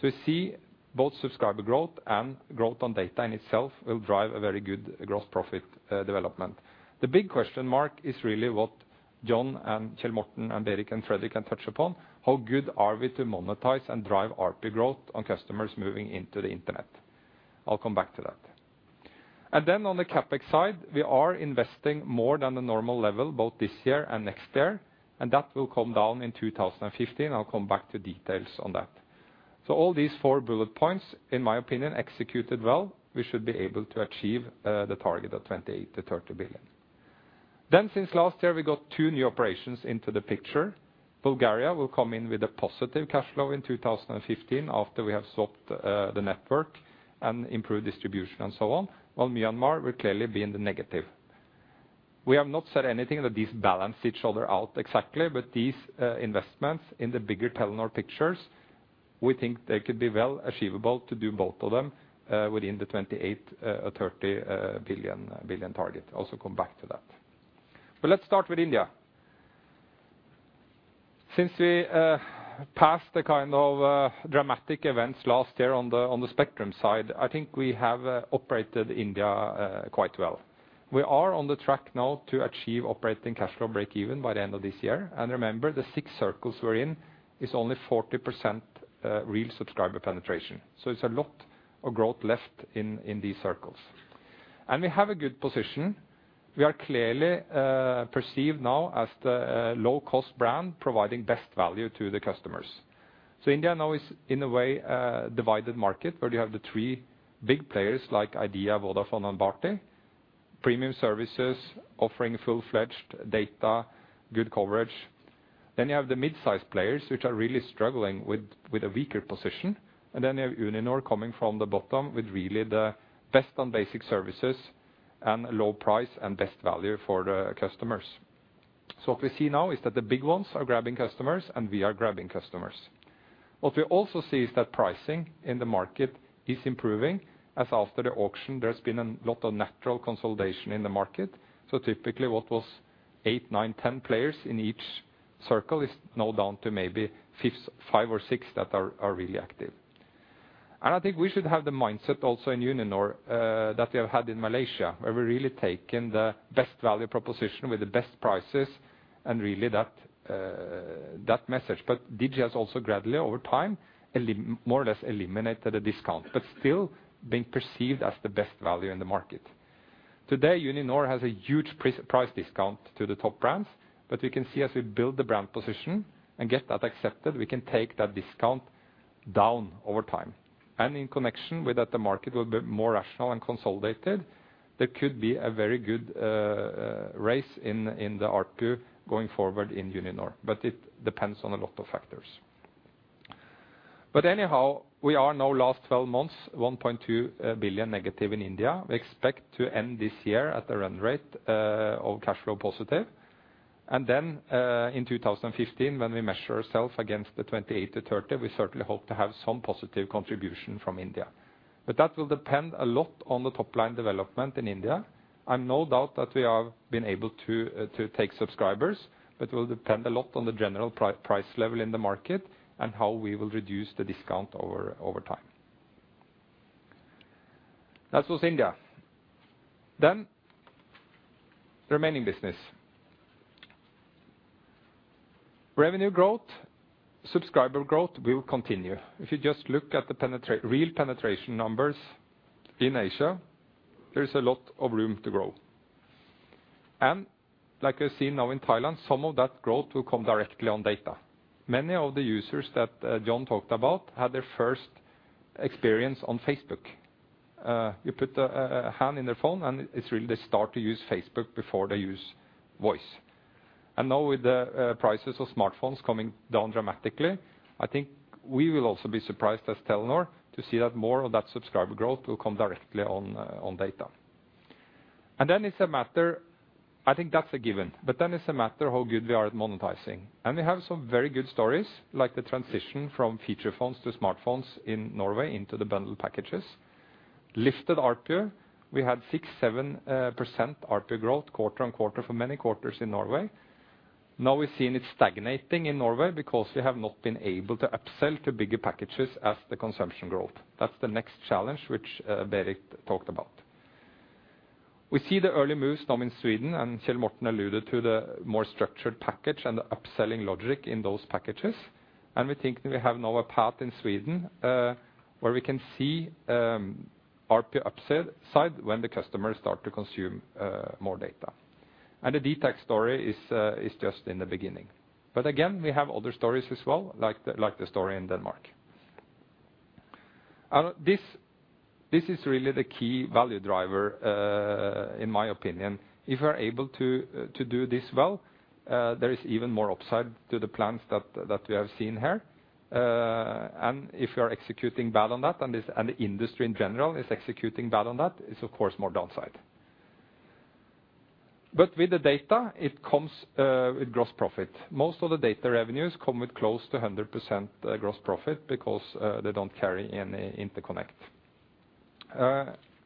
So we see both subscriber growth and growth on data in itself will drive a very good gross profit, development. The big question mark is really what Jon, and Kjell Morten, and Berit, and Fredrik can touch upon: How good are we to monetize and drive ARPU growth on customers moving into the Internet? I'll come back to that. And then on the CapEx side, we are investing more than the normal level, both this year and next year, and that will come down in 2015. I'll come back to details on that. So all these four bullet points, in my opinion, executed well, we should be able to achieve the target of 28 billion-30 billion. Then since last year, we got two new operations into the picture. Bulgaria will come in with a positive cash flow in 2015, after we have sorted the network and improved distribution and so on, while Myanmar will clearly be in the negative. We have not said anything that these balance each other out exactly, but these investments in the bigger Telenor pictures, we think they could be well achievable to do both of them within the 28 billion-30 billion target. Also come back to that. But let's start with India. Since we passed the kind of dramatic events last year on the spectrum side, I think we have operated India quite well. We are on the track now to achieve operating cash flow breakeven by the end of this year. And remember, the six circles we're in is only 40% real subscriber penetration, so it's a lot of growth left in these circles. And we have a good position. We are clearly perceived now as the low-cost brand, providing best value to the customers. So India now is, in a way, a divided market, where you have the three big players like Idea, Vodafone and Bharti, premium services offering full-fledged data, good coverage. Then you have the mid-size players, which are really struggling with a weaker position. Then you have Uninor coming from the bottom with really the best on basic services and low price and best value for the customers. So what we see now is that the big ones are grabbing customers, and we are grabbing customers. What we also see is that pricing in the market is improving, as after the auction, there's been a lot of natural consolidation in the market. So typically, what was eight, nine, 10 players in each circle is now down to maybe five or six that are really active. I think we should have the mindset also in Uninor that we have had in Malaysia, where we're really taking the best value proposition with the best prices and really that message. But Digi has also gradually, over time, more or less eliminated the discount, but still being perceived as the best value in the market. Today, Uninor has a huge price discount to the top brands, but you can see as we build the brand position and get that accepted, we can take that discount down over time. And in connection with that, the market will be more rational and consolidated. There could be a very good race in the ARPU going forward in Uninor, but it depends on a lot of factors. But anyhow, we are now last twelve months, 1.2 billion negative in India. We expect to end this year at a run rate of cash flow positive. Then, in 2015, when we measure ourselves against theNOK 28 billion-NOK 30 billion, we certainly hope to have some positive contribution from India. But that will depend a lot on the top line development in India, and no doubt that we have been able to to take subscribers, but will depend a lot on the general price level in the market and how we will reduce the discount over time. That was India. Then, remaining business. Revenue growth, subscriber growth will continue. If you just look at the real penetration numbers in Asia, there is a lot of room to grow. And like we see now in Thailand, some of that growth will come directly on data. Many of the users that Jon talked about had their first experience on Facebook. You put a hand in their phone, and it's really they start to use Facebook before they use voice. And now, with the prices of smartphones coming down dramatically, I think we will also be surprised as Telenor to see that more of that subscriber growth will come directly on data. And then it's a matter. I think that's a given, but then it's a matter of how good we are at monetizing. And we have some very good stories, like the transition from feature phones to smartphones in Norway into the bundle packages. Lifted ARPU, we had 6%-7% ARPU growth quarter-over-quarter for many quarters in Norway. Now we're seeing it stagnating in Norway because we have not been able to upsell to bigger packages as the consumption growth. That's the next challenge, which Berit talked about. We see the early moves now in Sweden, and Kjell Morten alluded to the more structured package and the upselling logic in those packages. We think we have now a path in Sweden, where we can see ARPU upside, when the customers start to consume more data. The DTEK story is just in the beginning. But again, we have other stories as well, like the, like the story in Denmark. This is really the key value driver, in my opinion. If we are able to do this well, there is even more upside to the plans that we have seen here. And if you are executing bad on that, and this and the industry in general is executing bad on that, it's of course more downside. But with the data, it comes with gross profit. Most of the data revenues come with close to 100% gross profit because they don't carry any interconnect.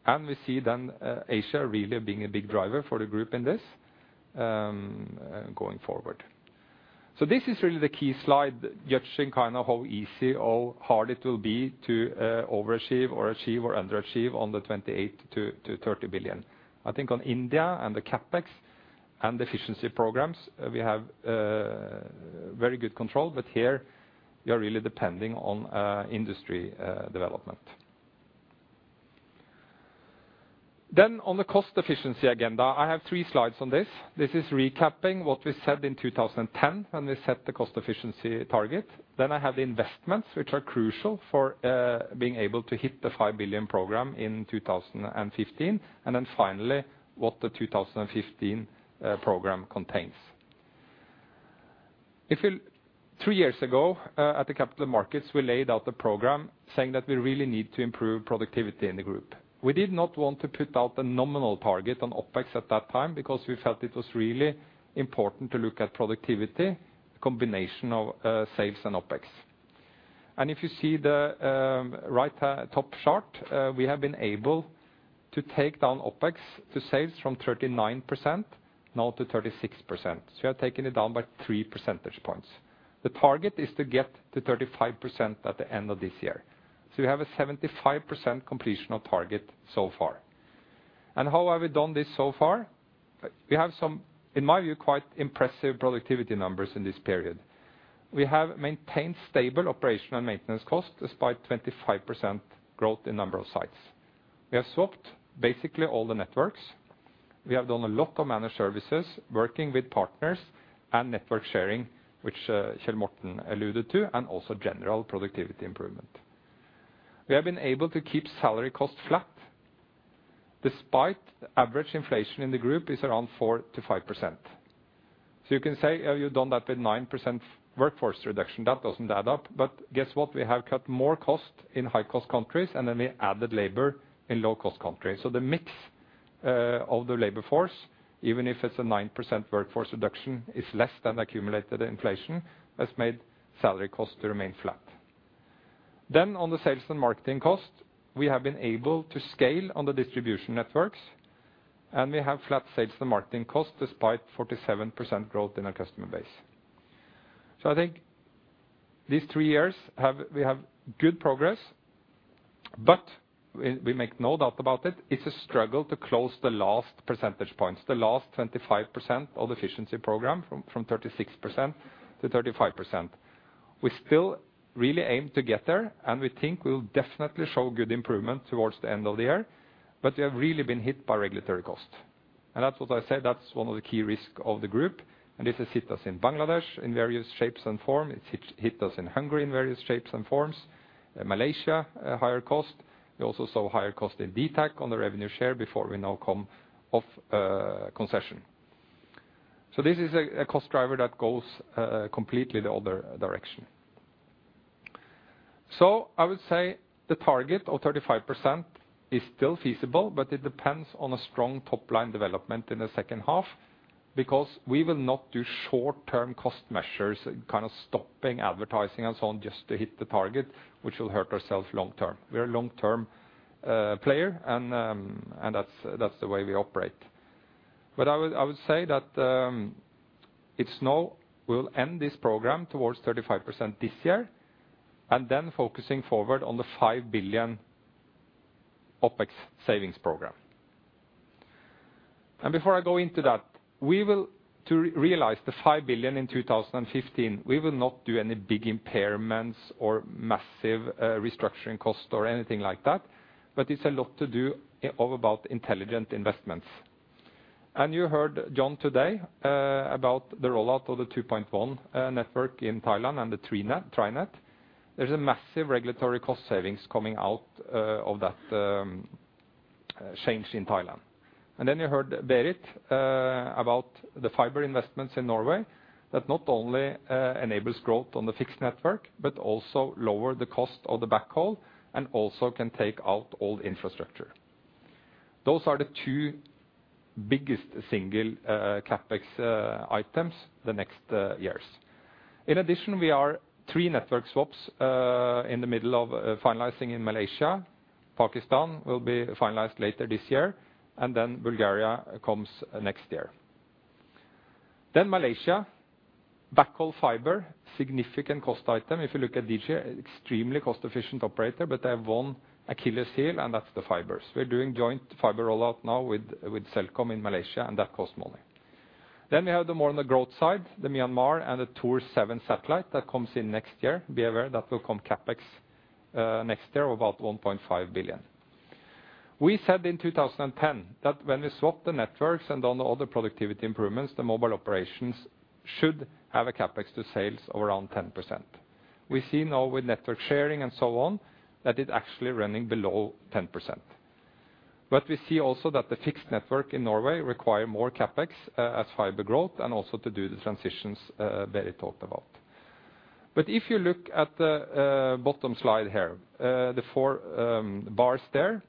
And we see then Asia really being a big driver for the group in this going forward. So this is really the key slide, judging kind of how easy or hard it will be to overachieve or achieve or underachieve on the 28 billion-30 billion.... I think on India and the CapEx and efficiency programs, we have very good control, but here, we are really depending on industry development. Then on the cost efficiency agenda, I have three slides on this. This is recapping what we said in 2010, when we set the cost efficiency target. Then I have the investments, which are crucial for being able to hit the 5 billion program in 2015, and then finally, what the 2015 program contains. Three years ago, at the capital markets, we laid out the program saying that we really need to improve productivity in the group. We did not want to put out a nominal target on OpEx at that time because we felt it was really important to look at productivity, the combination of sales and OpEx. And if you see the right top chart, we have been able to take down OpEx to sales from 39% now to 36%. So we have taken it down by three percentage points. The target is to get to 35% at the end of this year. So we have a 75% completion of target so far. And how have we done this so far? We have some, in my view, quite impressive productivity numbers in this period. We have maintained stable operational maintenance costs despite 25% growth in number of sites. We have swapped basically all the networks. We have done a lot of managed services, working with partners and network sharing, which, Kjell Morten alluded to, and also general productivity improvement. We have been able to keep salary costs flat despite the average inflation in the group is around 4%-5%. So you can say, "Oh, you've done that with 9% workforce reduction. That doesn't add up." But guess what? We have cut more cost in high-cost countries, and then we added labor in low-cost countries. So the mix of the labor force, even if it's a 9% workforce reduction, is less than accumulated inflation, has made salary costs to remain flat. Then on the sales and marketing cost, we have been able to scale on the distribution networks, and we have flat sales and marketing costs despite 47% growth in our customer base. So I think these three years have we have good progress, but we, we make no doubt about it, it's a struggle to close the last percentage points, the last 25% of efficiency program from, from 36% to 35%. We still really aim to get there, and we think we'll definitely show good improvement towards the end of the year, but we have really been hit by regulatory costs. That's what I said, that's one of the key risks of the group, and this has hit us in Bangladesh in various shapes and form. It's hit us in Hungary in various shapes and forms, in Malaysia, a higher cost. We also saw higher cost in DTAC on the revenue share before we now come off concession. So this is a cost driver that goes completely the other direction. So I would say the target of 35% is still feasible, but it depends on a strong top-line development in the second half, because we will not do short-term cost measures, kind of stopping advertising and so on, just to hit the target, which will hurt ourselves long term. We are a long-term player, and that's the way we operate. But I would, I would say that, it's now we'll end this program towards 35% this year, and then focusing forward on the 5 billion OpEx savings program. And before I go into that, we will-- to realize the 5 billion in 2015, we will not do any big impairments or massive, restructuring costs or anything like that, but it's a lot to do all about intelligent investments. And you heard Jon today, about the rollout of the 2.1 network in Thailand and the TriNet. There's a massive regulatory cost savings coming out, of that, change in Thailand. And then you heard Berit, about the fiber investments in Norway, that not only, enables growth on the fixed network, but also lower the cost of the backhaul and also can take out old infrastructure. Those are the two biggest single CapEx items the next years. In addition, we are three network swaps in the middle of finalizing in Malaysia. Pakistan will be finalized later this year, and then Bulgaria comes next year. Then Malaysia, backhaul fiber, significant cost item. If you look at DG, extremely cost-efficient operator, but they have one Achilles heel, and that's the fibers. We're doing joint fiber rollout now with Celcom in Malaysia, and that costs money. Then we have the more on the growth side, the Myanmar and the Thuraya satellite that comes in next year. Be aware that will come CapEx next year, about 1.5 billion. We said in 2010, that when we swap the networks and on all the productivity improvements, the mobile operations should have a CapEx to sales of around 10%. We see now with network sharing and so on, that it's actually running below 10%. But we see also that the fixed network in Norway require more CapEx, as fiber growth and also to do the transitions, Berit talked about. But if you look at the, bottom slide here, the four, bars there,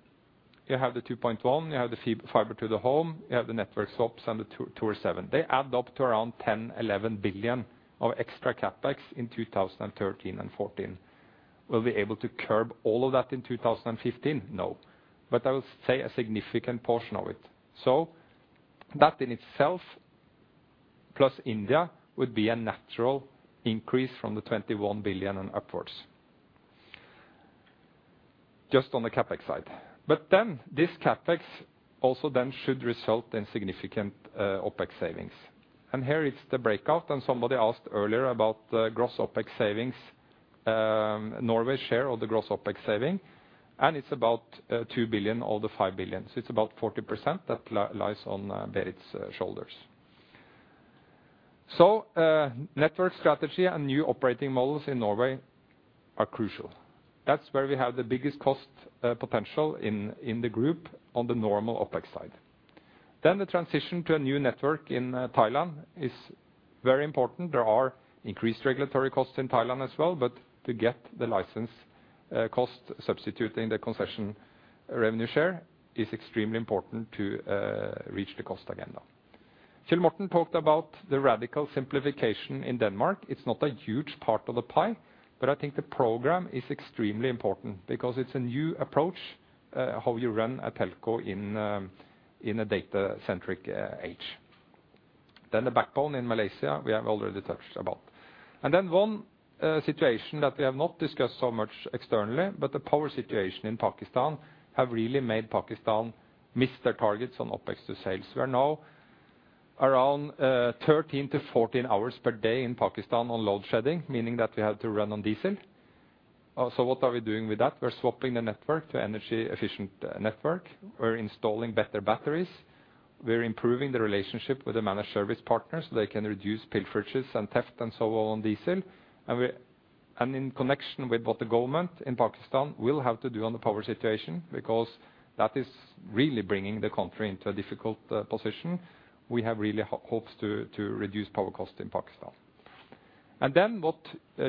you have the 2.1, you have the fiber to the home, you have the network swaps, and the 2, Thuraya 7. They add up to around 10- 11 billion of extra CapEx in 2013 and 2014. Will we be able to curb all of that in 2015? No, but I will say a significant portion of it. So that in itself, plus India, would be a natural increase from the 21 billion and upwards.... Just on the CapEx side. But then this CapEx also then should result in significant OpEx savings. And here is the breakout, and somebody asked earlier about the gross OpEx savings, Norway's share of the gross OpEx saving, and it's about two billion or the five billion. So it's about 40% that lies on Berit's shoulders. So network strategy and new operating models in Norway are crucial. That's where we have the biggest cost potential in the group on the normal OpEx side. Then the transition to a new network in Thailand is very important. There are increased regulatory costs in Thailand as well, but to get the license cost substituting the concession revenue share is extremely important to reach the cost agenda. Kjell Morten talked about the radical simplification in Denmark. It's not a huge part of the pie, but I think the program is extremely important because it's a new approach, how you run a telco in a data-centric age. Then the backbone in Malaysia, we have already touched about. And then one situation that we have not discussed so much externally, but the power situation in Pakistan have really made Pakistan miss their targets on OpEx to sales. We are now around 13 hours-14 hours per day in Pakistan on load shedding, meaning that we have to run on diesel. So what are we doing with that? We're swapping the network to energy efficient network. We're installing better batteries. We're improving the relationship with the managed service partners, so they can reduce pilferages and theft and so on, diesel. And in connection with what the government in Pakistan will have to do on the power situation, because that is really bringing the country into a difficult position. We have really hopes to reduce power cost in Pakistan. And then what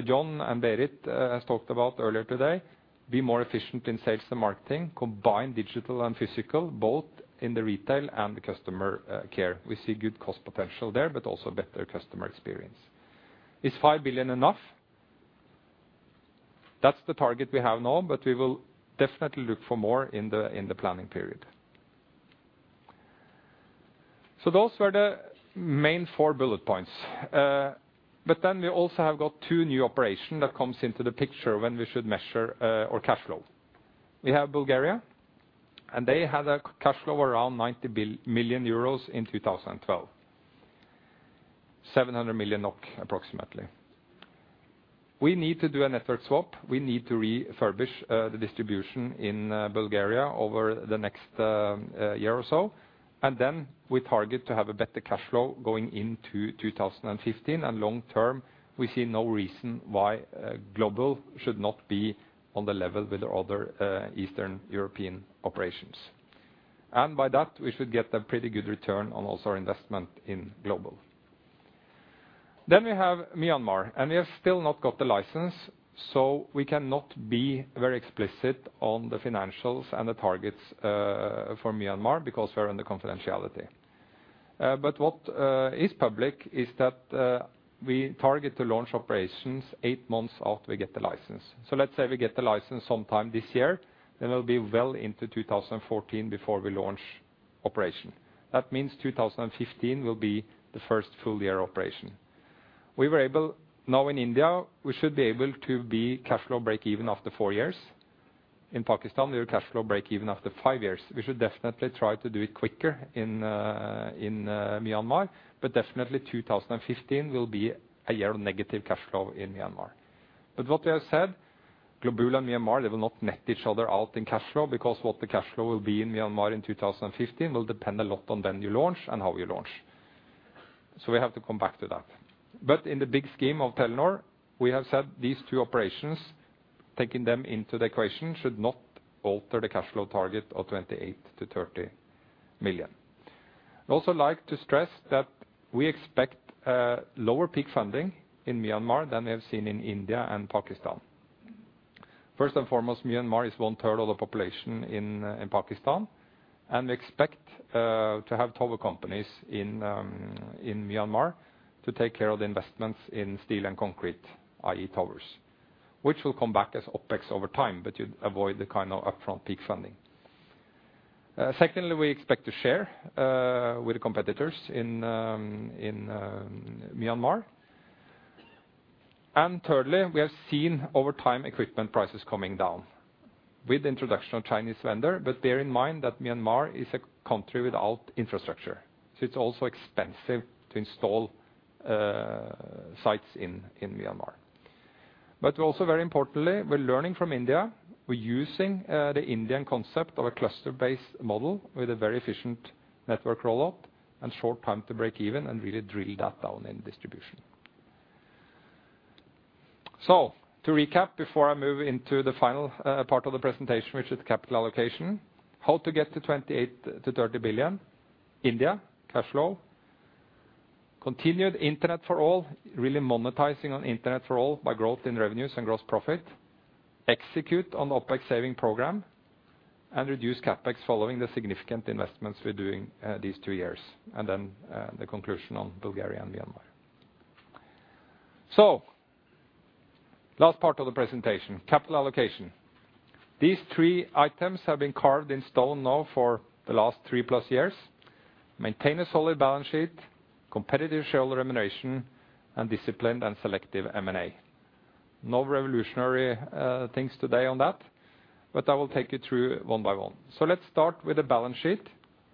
Jon and Berit has talked about earlier today, be more efficient in sales and marketing, combine digital and physical, both in the retail and the customer care. We see good cost potential there, but also better customer experience. Is 5 billion enough? That's the target we have now, but we will definitely look for more in the planning period. So those were the main four bullet points. But then we also have got two new operation that comes into the picture when we should measure our cash flow. We have Bulgaria, and they had a cash flow around 90 million euros in 2012, 700 million NOK, approximately. We need to do a network swap. We need to refurbish the distribution in Bulgaria over the next year or so, and then we target to have a better cash flow going into 2015. Long term, we see no reason why Globul should not be on the level with the other Eastern European operations. By that, we should get a pretty good return on also our investment in Globul. Then we have Myanmar, and we have still not got the license, so we cannot be very explicit on the financials and the targets for Myanmar because we are under confidentiality. But what is public is that we target to launch operations 8 months after we get the license. So let's say we get the license sometime this year, then it'll be well into 2014 before we launch operation. That means 2015 will be the first full year operation. We were able—now in India, we should be able to be cash flow breakeven after 4 years. In Pakistan, we are cash flow breakeven after 5 years. We should definitely try to do it quicker in, in Myanmar, but definitely 2015 will be a year of negative cash flow in Myanmar. But what we have said, Globul and Myanmar, they will not net each other out in cash flow, because what the cash flow will be in Myanmar in 2015 will depend a lot on when you launch and how you launch. So we have to come back to that. But in the big scheme of Telenor, we have said these two operations, taking them into the equation, should not alter the cash flow target of 28 million-30 million. I'd also like to stress that we expect lower peak funding in Myanmar than we have seen in India and Pakistan. First and foremost, Myanmar is one third of the population in Pakistan, and we expect to have tower companies in Myanmar to take care of the investments in steel and concrete, i.e. towers, which will come back as OpEx over time, but you avoid the kind of upfront peak funding. Secondly, we expect to share with the competitors in Myanmar. And thirdly, we have seen over time, equipment prices coming down with the introduction of Chinese vendor. But bear in mind that Myanmar is a country without infrastructure, so it's also expensive to install sites in Myanmar. But also, very importantly, we're learning from India. We're using the Indian concept of a cluster-based model with a very efficient network rollout and short time to breakeven and really drill that down in distribution. So to recap, before I move into the final part of the presentation, which is capital allocation, how to get to 28 billion-30 billion? India, cash flow, continued Internet for all, really monetizing on Internet for all by growth in revenues and gross profit, execute on OpEx saving program, and reduce CapEx following the significant investments we're doing these 2 years, and then the conclusion on Bulgaria and Myanmar. Last part of the presentation, capital allocation. These three items have been carved in stone now for the last 3+ years... maintain a solid balance sheet, competitive shareholder remuneration, and disciplined and selective M&A. No revolutionary things today on that, but I will take you through one by one. Let's start with the balance sheet.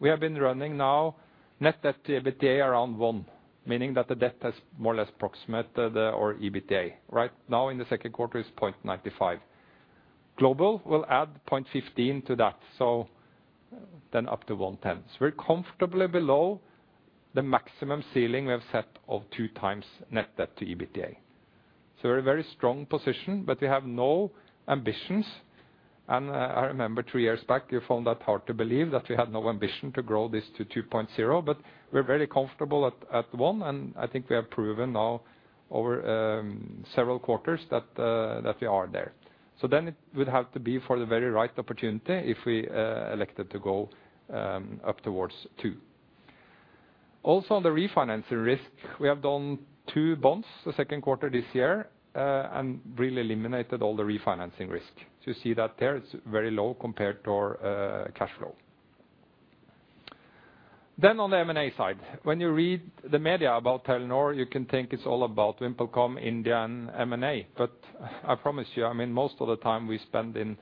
We have been running now net debt to EBITDA around 1, meaning that the debt has more or less approximates the EBITDA. Right now, in the second quarter, it's 0.95. Globul will add 0.15 to that, so then up to 1.10. It's very comfortably below the maximum ceiling we have set of 2x net debt to EBITDA. So we're in a very strong position, but we have no ambitions, and, I remember two years back, you found that hard to believe that we had no ambition to grow this to 2.0. But we're very comfortable at, at 1, and I think we have proven now over, several quarters that, that we are there. So then it would have to be for the very right opportunity if we, elected to go, up towards 2. Also, on the refinancing risk, we have done 2 bonds the second quarter this year, and really eliminated all the refinancing risk. So you see that there, it's very low compared to our, cash flow. Then on the M&A side, when you read the media about Telenor, you can think it's all about VimpelCom, India, and M&A. But I promise you, I mean, most of the time we spend in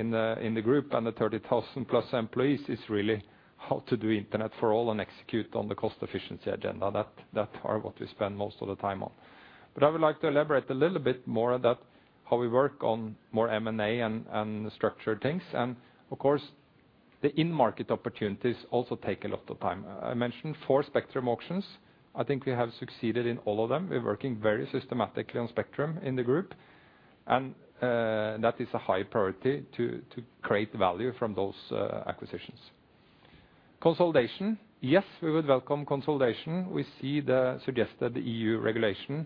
the Group and the 30,000+ employees is really how to do internet for all and execute on the cost efficiency agenda. That are what we spend most of the time on. But I would like to elaborate a little bit more on that, how we work on more M&A and the structure things. And, of course, the in-market opportunities also take a lot of time. I mentioned four spectrum auctions. I think we have succeeded in all of them. We're working very systematically on spectrum in the Group, and that is a high priority to create value from those acquisitions. Consolidation, yes, we would welcome consolidation. We see the suggested EU regulation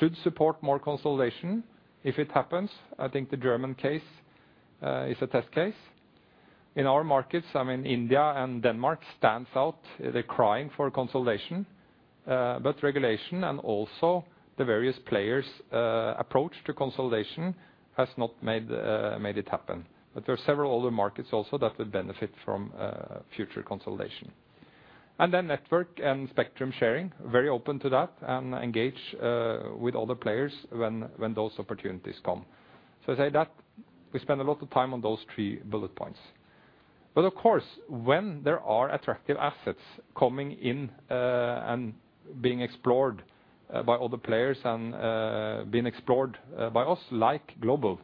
should support more consolidation if it happens. I think the German case is a test case. In our markets, I mean, India and Denmark stand out. They're crying for consolidation, but regulation and also the various players' approach to consolidation has not made it happen. But there are several other markets also that would benefit from future consolidation. And then network and spectrum sharing, very open to that, and engage with other players when those opportunities come. So I say that we spend a lot of time on those three bullet points. But of course, when there are attractive assets coming in and being explored by other players and being explored by us, like Global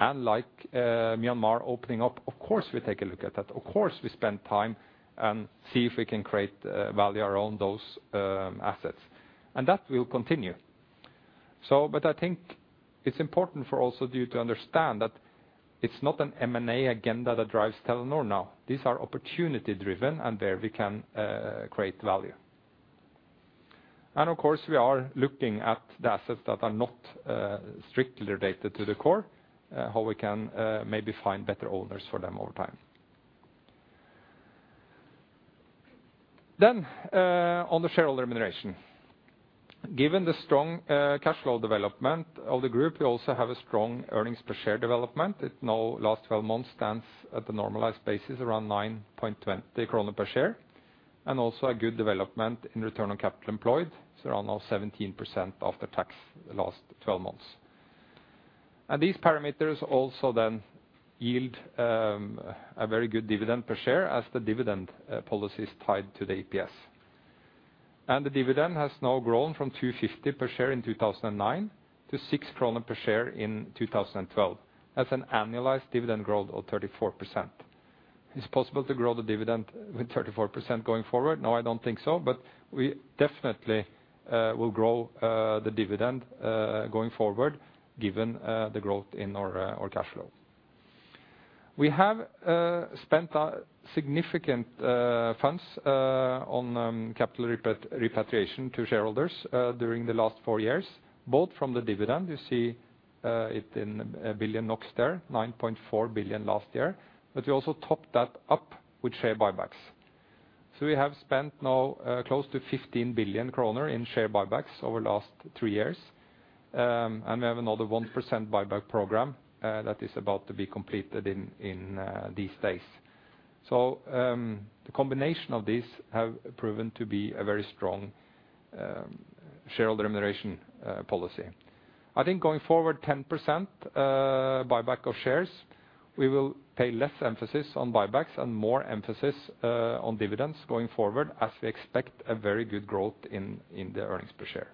and like Myanmar opening up, of course, we take a look at that. Of course, we spend time and see if we can create value around those assets, and that will continue. But I think it's important for also you to understand that it's not an M&A agenda that drives Telenor now. These are opportunity-driven, and there we can create value. And of course, we are looking at the assets that are not strictly related to the core, how we can maybe find better owners for them over time. Then, on the shareholder remuneration. Given the strong cash flow development of the group, we also have a strong earnings per share development. It now, last 12 months, stands at the normalized basis around 9.20 kroner per share, and also a good development in return on capital employed. It's around now 17% after tax the last 12 months. These parameters also then yield a very good dividend per share as the dividend policy is tied to the EPS. The dividend has now grown from 2.50 per share in 2009 to 6 kroner per share in 2012. That's an annualized dividend growth of 34%. It's possible to grow the dividend with 34% going forward? No, I don't think so, but we definitely will grow the dividend going forward, given the growth in our our cash flow. We have spent significant funds on capital repatriation to shareholders during the last 4 years, both from the dividend, you see, it in a billion NOKs there, 9.4 billion last year, but we also topped that up with share buybacks. So we have spent now close to 15 billion kroner in share buybacks over last 3 years. And we have another 1% buyback program that is about to be completed in these days. So the combination of these have proven to be a very strong shareholder remuneration policy. I think going forward, 10% buyback of shares, we will pay less emphasis on buybacks and more emphasis on dividends going forward, as we expect a very good growth in the earnings per share.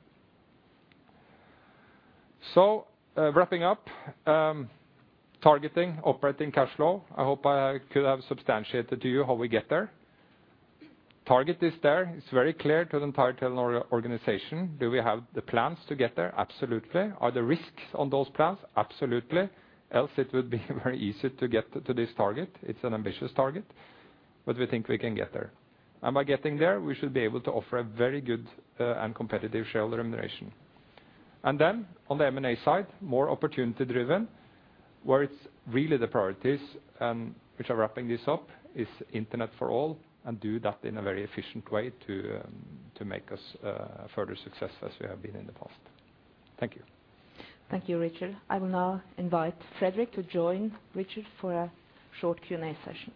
So, wrapping up, targeting operating cash flow, I hope I could have substantiated to you how we get there. Target is there. It's very clear to the entire Telenor organization. Do we have the plans to get there? Absolutely. Are there risks on those plans? Absolutely, else it would be very easy to get to this target. It's an ambitious target, but we think we can get there. And by getting there, we should be able to offer a very good, and competitive shareholder remuneration. And then on the M&A side, more opportunity-driven, where it's really the priorities, which are wrapping this up, is Internet for all, and do that in a very efficient way to, to make us, a further success as we have been in the past. Thank you. ...Thank you, Richard. I will now invite Fredrik to join Richard for a short Q&A session.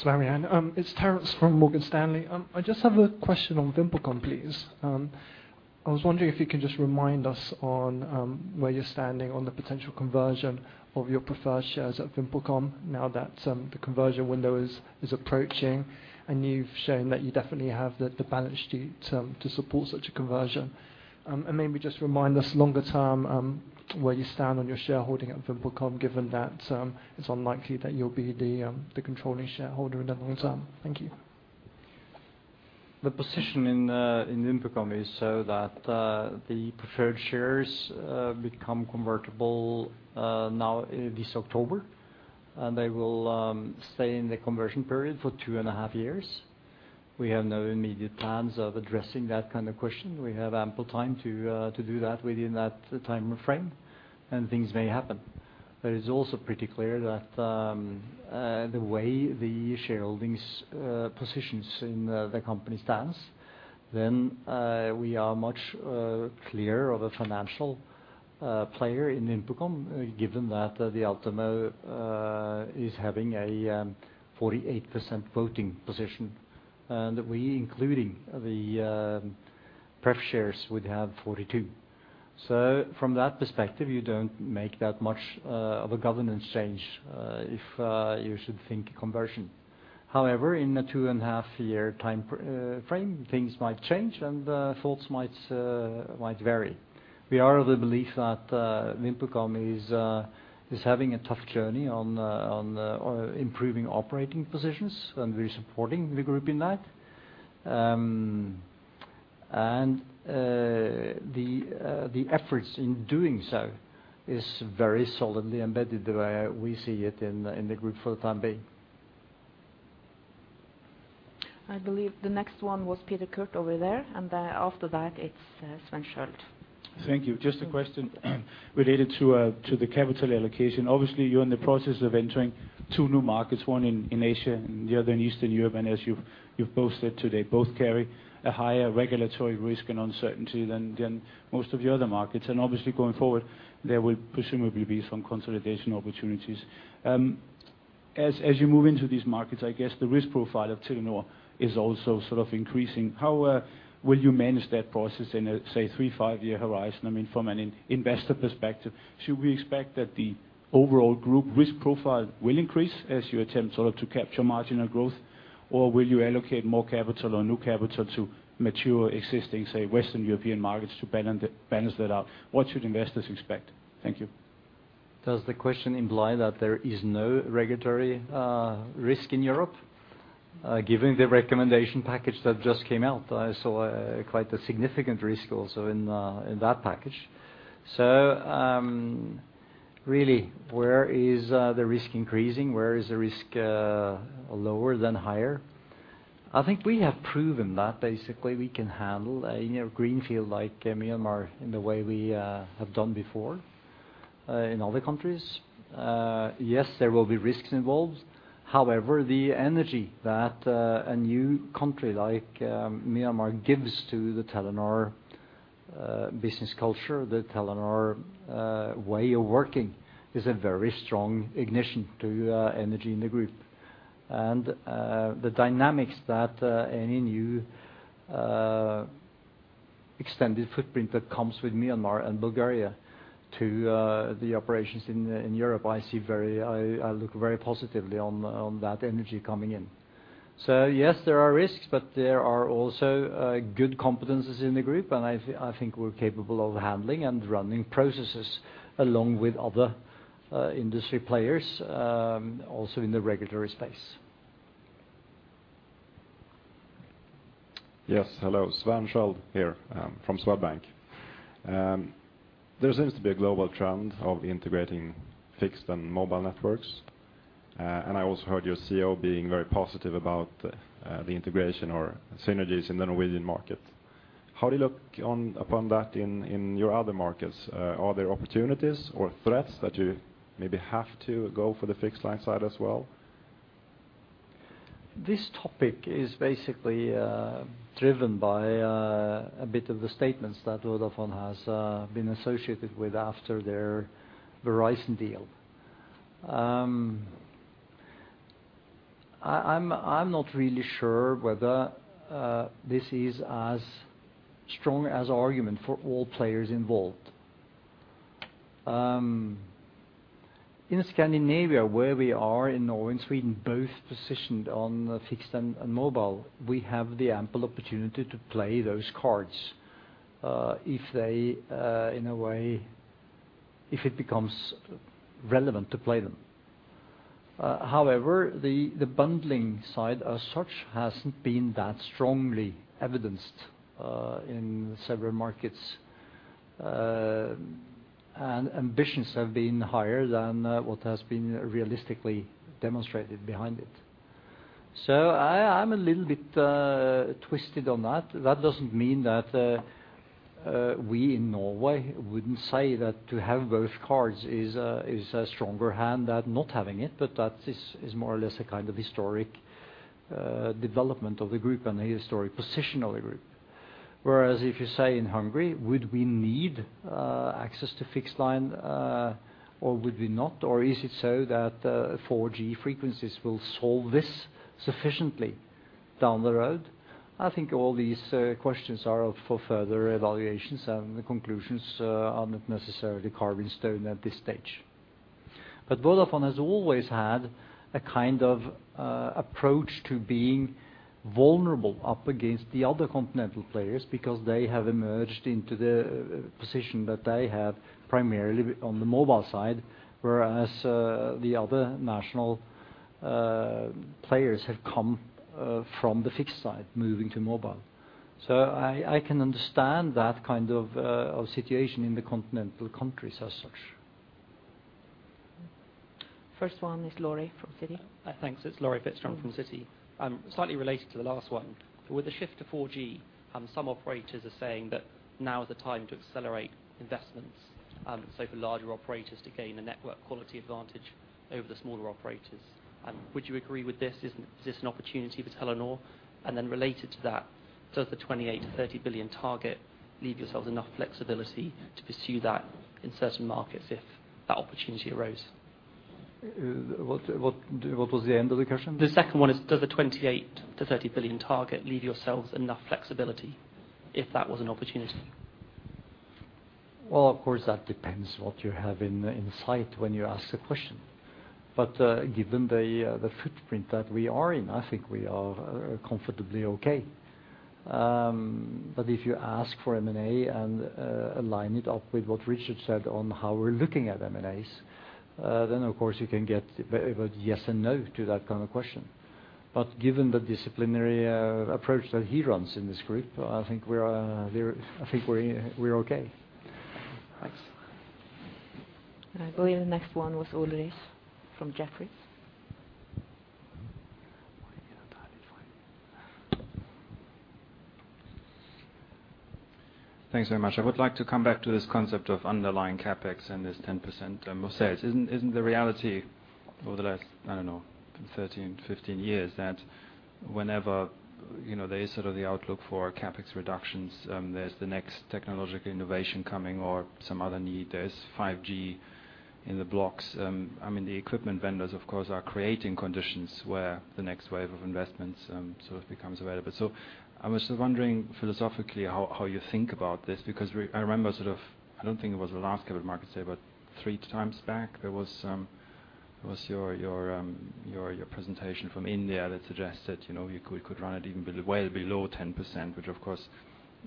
Thanks, Marianne. It's Terence from Morgan Stanley. I just have a question on VimpelCom, please. I was wondering if you can just remind us on where you're standing on the potential conversion of your preferred shares at VimpelCom now that the conversion window is approaching, and you've shown that you definitely have the balance sheet to support such a conversion. And maybe just remind us longer term where you stand on your shareholding at VimpelCom, given that it's unlikely that you'll be the controlling shareholder in the long term. Thank you. The position in VimpelCom is so that the preferred shares become convertible now this October, and they will stay in the conversion period for 2.5 years. We have no immediate plans of addressing that kind of question. We have ample time to do that within that time frame, and things may happen. But it's also pretty clear that the way the shareholdings positions in the company stands, then we are much clear of a financial player in VimpelCom, given that the Altimo is having a 48% voting position, and we, including the pref shares, would have 42. So from that perspective, you don't make that much of a governance change if you should think conversion. However, in a 2.5-year timeframe, things might change, and thoughts might vary. We are of the belief that VimpelCom is having a tough journey on improving operating positions, and we're supporting the group in that. And the efforts in doing so is very solidly embedded the way we see it in the group for the time being. I believe the next one was Peter Kurt over there, and after that, it's Sven Schildt. Thank you. Just a question, related to the capital allocation. Obviously, you're in the process of entering two new markets, one in Asia and the other in Eastern Europe, and as you've posted today, both carry a higher regulatory risk and uncertainty than most of your other markets, and obviously going forward, there will presumably be some consolidation opportunities. As you move into these markets, I guess the risk profile of Telenor is also sort of increasing. How will you manage that process in a say 3-5-year horizon? I mean, from an investor perspective, should we expect that the overall group risk profile will increase as you attempt sort of to capture marginal growth? Or will you allocate more capital or new capital to mature existing say Western European markets to balance it, balance that out? What should investors expect? Thank you. Does the question imply that there is no regulatory risk in Europe? Given the recommendation package that just came out, I saw quite a significant risk also in that package. So, really, where is the risk increasing? Where is the risk lower than higher? I think we have proven that basically we can handle a, you know, greenfield like Myanmar in the way we have done before in other countries. Yes, there will be risks involved. However, the energy that a new country like Myanmar gives to the Telenor business culture, the Telenor way of working, is a very strong ignition to energy in the group. The dynamics that any new extended footprint that comes with Myanmar and Bulgaria to the operations in Europe, I see very. I look very positively on that energy coming in. So yes, there are risks, but there are also good competences in the group, and I think we're capable of handling and running processes along with other industry players, also in the regulatory space. Yes. Hello, Sven Schildt here, from Swedbank. There seems to be a global trend of integrating fixed and mobile networks, and I also heard your CEO being very positive about the integration or synergies in the Norwegian market. How do you look on, upon that in your other markets? Are there opportunities or threats that you maybe have to go for the fixed line side as well? This topic is basically driven by a bit of the statements that Vodafone has been associated with after their Verizon deal. I'm not really sure whether this is as strong as argument for all players involved. In Scandinavia, where we are in Norway and Sweden, both positioned on fixed and mobile, we have ample opportunity to play those cards if they in a way... If it becomes relevant to play them. However, the bundling side as such hasn't been that strongly evidenced in several markets and ambitions have been higher than what has been realistically demonstrated behind it. So I'm a little bit twisted on that. That doesn't mean that, we in Norway wouldn't say that to have both cards is a stronger hand than not having it, but that is more or less a kind of historic development of the group and the historic position of the group. Whereas if you say in Hungary, would we need access to fixed line, or would we not? Or is it so that 4G frequencies will solve this sufficiently down the road? I think all these questions are up for further evaluations, and the conclusions are not necessarily carved in stone at this stage. But Vodafone has always had a kind of approach to being vulnerable up against the other continental players, because they have emerged into the position that they have primarily on the mobile side, whereas the other national players have come from the fixed side, moving to mobile. So I can understand that kind of of situation in the continental countries as such. First one is Laurie from Citi. Thanks. It's Laurie Fitzjohn from Citi. Slightly related to the last one, with the shift to 4G, some operators are saying that now is the time to accelerate investments, so for larger operators to gain a network quality advantage over the smaller operators. Would you agree with this? Is this an opportunity for Telenor? And then related to that, does the 28 billion-30 billion target leave yourselves enough flexibility to pursue that in certain markets if that opportunity arose? What was the end of the question? The second one is, does the 28 billion-30 billion target leave yourselves enough flexibility if that was an opportunity? Well, of course, that depends what you have in sight when you ask the question. But given the footprint that we are in, I think we are comfortably okay. But if you ask for M&A and align it up with what Richard said on how we're looking at M&As, then of course, you can get a yes and no to that kind of question. But given the disciplinary approach that he runs in this group, I think we're there. I think we're okay. Thanks. I believe the next one was Ulrich from Jefferies. Thanks very much. I would like to come back to this concept of underlying CapEx and this 10% of sales. Isn't the reality over the last, I don't know, 13, 15 years, that whenever, you know, there is sort of the outlook for CapEx reductions, there's the next technological innovation coming or some other need. There's 5G in the blocks. I mean, the equipment vendors, of course, are creating conditions where the next wave of investments sort of becomes available. So I was just wondering, philosophically, how you think about this, because I remember sort of, I don't think it was the last Capital Markets Day, but three times back, there was your presentation from India that suggested, you know, you could run it even well below 10%, which, of course,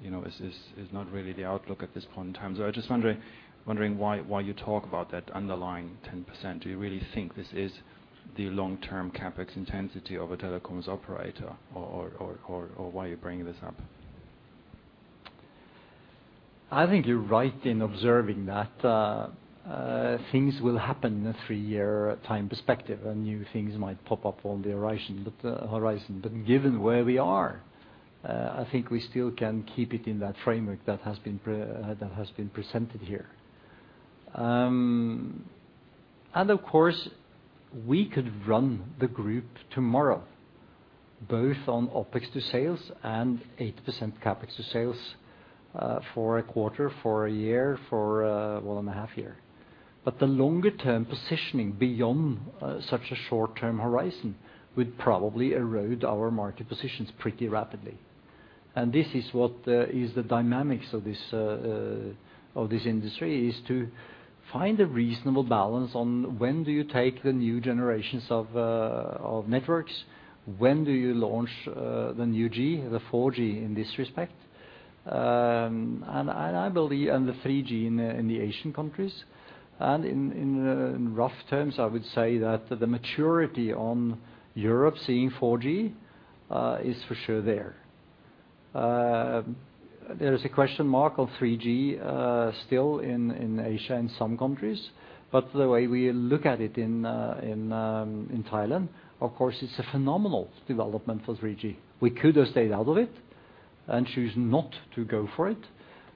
you know, is not really the outlook at this point in time. So I was just wondering why you talk about that underlying 10%. Do you really think this is the long-term CapEx intensity of a telecom operator or why are you bringing this up? I think you're right in observing that things will happen in a 3-year time perspective, and new things might pop up on the horizon, but horizon. But given where we are, I think we still can keep it in that framework that has been pre- that has been presented here. And of course, we could run the group tomorrow, both on OpEx to sales and 8% CapEx to sales, for a quarter, for a year, for a, well, and a half year. But the longer-term positioning beyond such a short-term horizon would probably erode our market positions pretty rapidly. This is what is the dynamics of this industry, is to find a reasonable balance on when do you take the new generations of networks, when do you launch the new G, the 4G in this respect? And I believe, and the 3G in the Asian countries, and in rough terms, I would say that the maturity on Europe seeing 4G is for sure there. There is a question mark on 3G still in Asia, in some countries, but the way we look at it in Thailand, of course, it's a phenomenal development for 3G. We could have stayed out of it and choose not to go for it,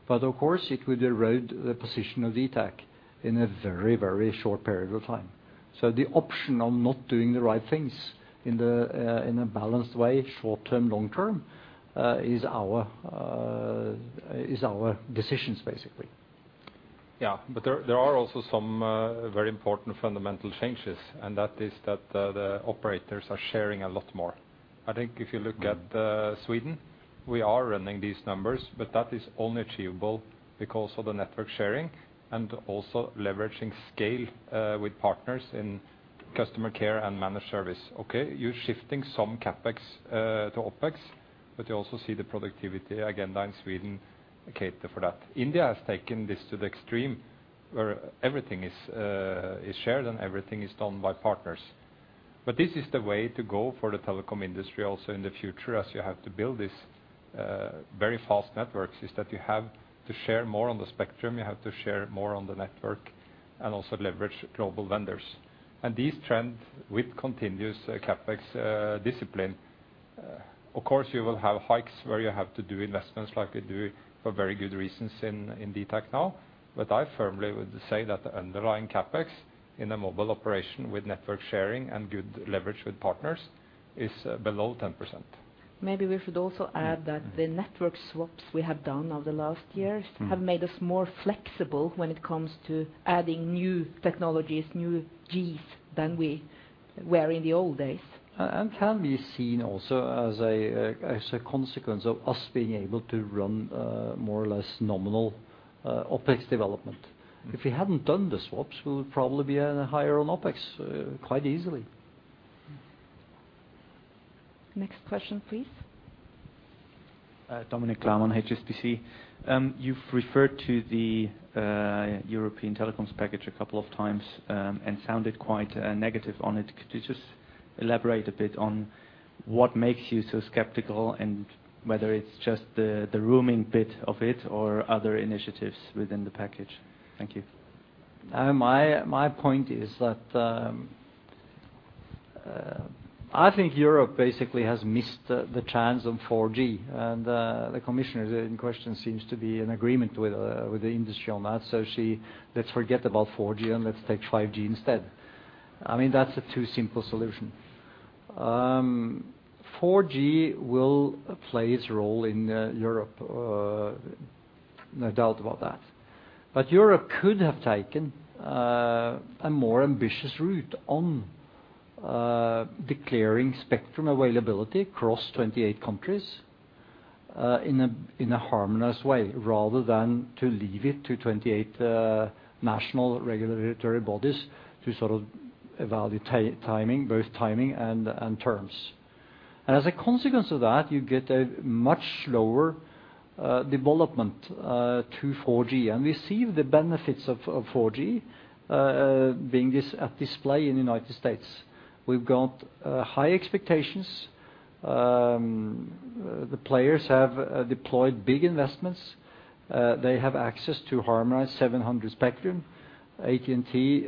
but of course, it would erode the position of dtac in a very, very short period of time. The option of not doing the right things in a balanced way, short term, long term, is our decisions, basically. Yeah, but there are also some very important fundamental changes, and that is that the operators are sharing a lot more. I think if you look at Sweden, we are running these numbers, but that is only achievable because of the network sharing and also leveraging scale with partners in customer care and managed service. Okay, you're shifting some CapEx to OpEx, but you also see the productivity agenda in Sweden cater for that. India has taken this to the extreme, where everything is shared and everything is done by partners. But this is the way to go for the telecom industry also in the future, as you have to build this-... very fast networks is that you have to share more on the spectrum, you have to share more on the network, and also leverage global vendors. And these trends with continuous CapEx, discipline, of course, you will have hikes where you have to do investments like you do for very good reasons in, in dtac now. But I firmly would say that the underlying CapEx in a mobile operation with network sharing and good leverage with partners is below 10%. Maybe we should also add that the network swaps we have done over the last years- Mm. have made us more flexible when it comes to adding new technologies, new Gs, than we were in the old days. Can be seen also as a, as a consequence of us being able to run more or less nominal OpEx development. If we hadn't done the swaps, we would probably be higher on OpEx quite easily. Next question, please. Dominik Klarmann, HSBC. You've referred to the European telecoms package a couple of times, and sounded quite negative on it. Could you just elaborate a bit on what makes you so skeptical, and whether it's just the roaming bit of it or other initiatives within the package? Thank you. My point is that I think Europe basically has missed the chance on 4G, and the commissioner in question seems to be in agreement with the industry on that. So she-- let's forget about 4G, and let's take 5G instead. I mean, that's a too simple solution. 4G will play its role in Europe, no doubt about that. But Europe could have taken a more ambitious route on declaring spectrum availability across 28 countries in a harmonious way, rather than to leave it to 28 national regulatory bodies to sort of evaluate timing, both timing and terms. And as a consequence of that, you get a much lower development to 4G. And we see the benefits of 4G being displayed in the United States. We've got high expectations. The players have deployed big investments. They have access to harmonize 700 spectrum. AT&T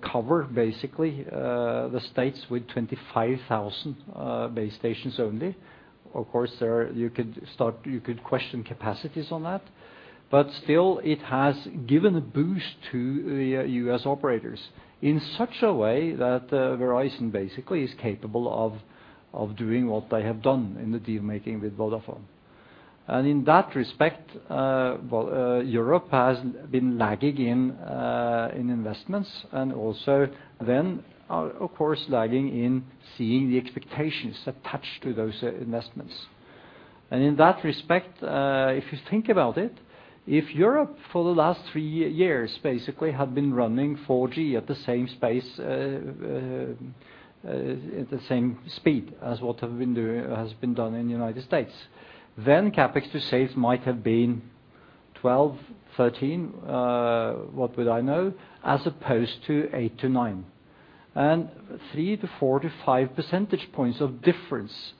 cover basically the States with 25,000 base stations only. Of course, there are, you could start, you could question capacities on that. But still, it has given a boost to the U.S. operators in such a way that Verizon basically is capable of doing what they have done in the deal-making with Vodafone. And in that respect, well, Europe has been lagging in investments and also then are, of course, lagging in seeing the expectations attached to those investments. In that respect, if you think about it, if Europe, for the last three years, basically had been running 4G at the same space, at the same speed as what has been done in the United States, then CapEx to sales might have been 12, 13, what would I know? As opposed to 8-9. 3 to 4 to 5 percentage points of difference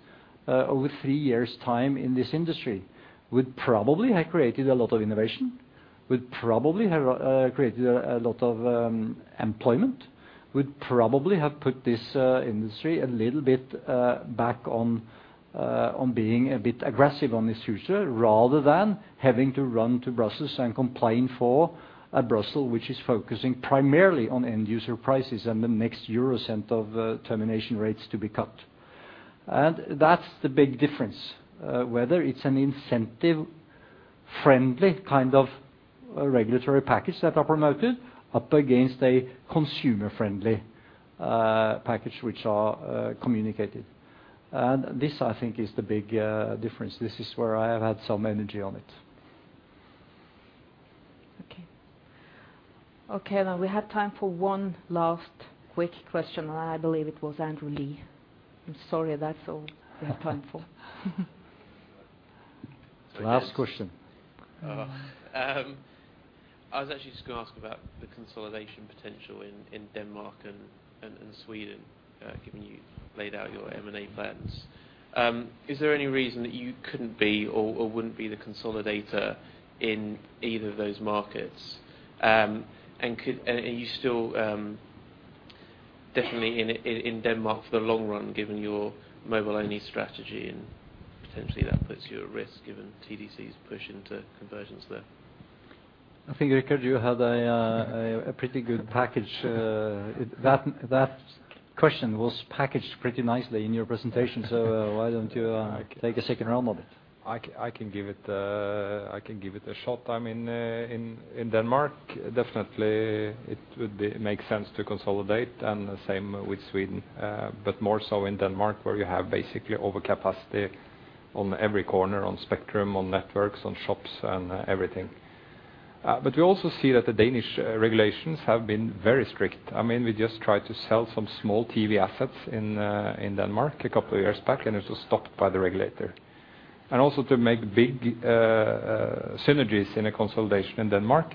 over 3 years' time in this industry would probably have created a lot of innovation, would probably have created a lot of employment, would probably have put this industry a little bit back on being a bit aggressive on this future, rather than having to run to Brussels and complain for Brussels, which is focusing primarily on end user prices and the next euro cent of termination rates to be cut. That's the big difference whether it's an incentive-friendly kind of regulatory package that are promoted up against a consumer-friendly package which are communicated. This, I think, is the big difference. This is where I have had some energy on it. Okay. Okay, now we have time for one last quick question, and I believe it was Andrew Lee. I'm sorry, that's all we have time for. Last question. I was actually just gonna ask about the consolidation potential in Denmark and Sweden, given you've laid out your M&A plans. Is there any reason that you couldn't be or wouldn't be the consolidator in either of those markets? And are you still definitely in Denmark for the long run, given your mobile-only strategy, and potentially that puts you at risk, given TDC's push into convergence there? I think, Richard, you had a pretty good package. That question was packaged pretty nicely in your presentation, so why don't you I can- Take a second round of it? I can, I can give it, I can give it a shot. I mean, in Denmark, definitely it would make sense to consolidate, and the same with Sweden. But more so in Denmark, where you have basically overcapacity on every corner, on spectrum, on networks, on shops, and everything. But we also see that the Danish regulations have been very strict. I mean, we just tried to sell some small TV assets in Denmark a couple of years back, and it was stopped by the regulator. And also to make big synergies in a consolidation in Denmark,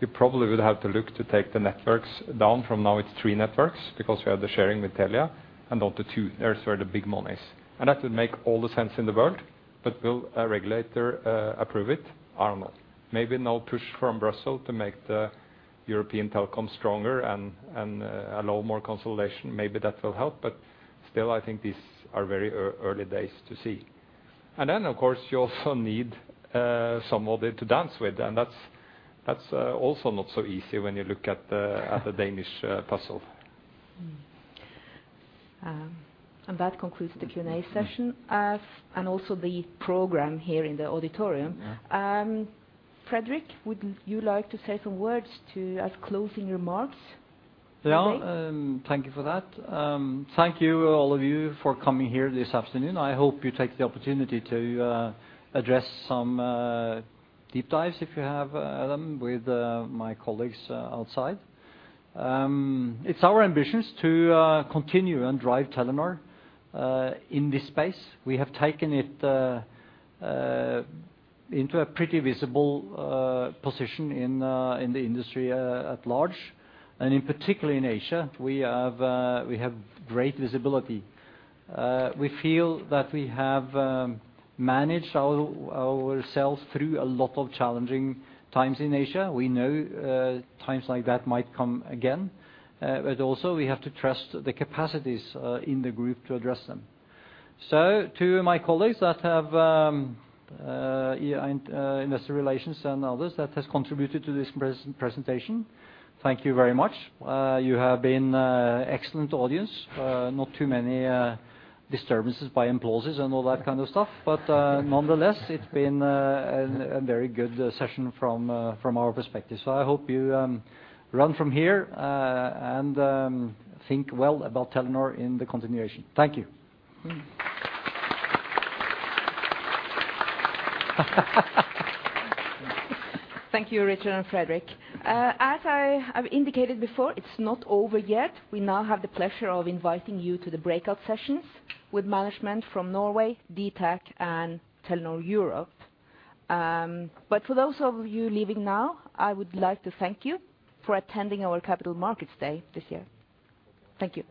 you probably would have to look to take the networks down from now it's three networks, because we have the sharing with Telia, and down to two, there is where the big money is. And that would make all the sense in the world... but will a regulator approve it? I don't know. Maybe now push from Brussels to make the European telecom stronger and allow more consolidation. Maybe that will help, but still, I think these are very early days to see. And then, of course, you also need somebody to dance with, and that's also not so easy when you look at the Danish puzzle. That concludes the Q&A session, and also the program here in the auditorium. Yeah. Fredrik, would you like to say some words as closing remarks today? Yeah, thank you for that. Thank you, all of you, for coming here this afternoon. I hope you take the opportunity to address some deep dives, if you have them, with my colleagues outside. It's our ambitions to continue and drive Telenor in this space. We have taken it into a pretty visible position in the industry at large, and in particular in Asia, we have great visibility. We feel that we have managed ourselves through a lot of challenging times in Asia. We know times like that might come again, but also, we have to trust the capacities in the group to address them. So to my colleagues that have Investor Relations and others that has contributed to this presentation, thank you very much. You have been an excellent audience, not too many disturbances by impulses and all that kind of stuff. But nonetheless, it's been a very good session from our perspective. So I hope you learn from here and think well about Telenor in the continuation. Thank you. Thank you, Richard and Fredrik. As I have indicated before, it's not over yet. We now have the pleasure of inviting you to the breakout sessions with management from Norway, dtac, and Telenor Europe. But for those of you leaving now, I would like to thank you for attending our Capital Markets Day this year. Thank you.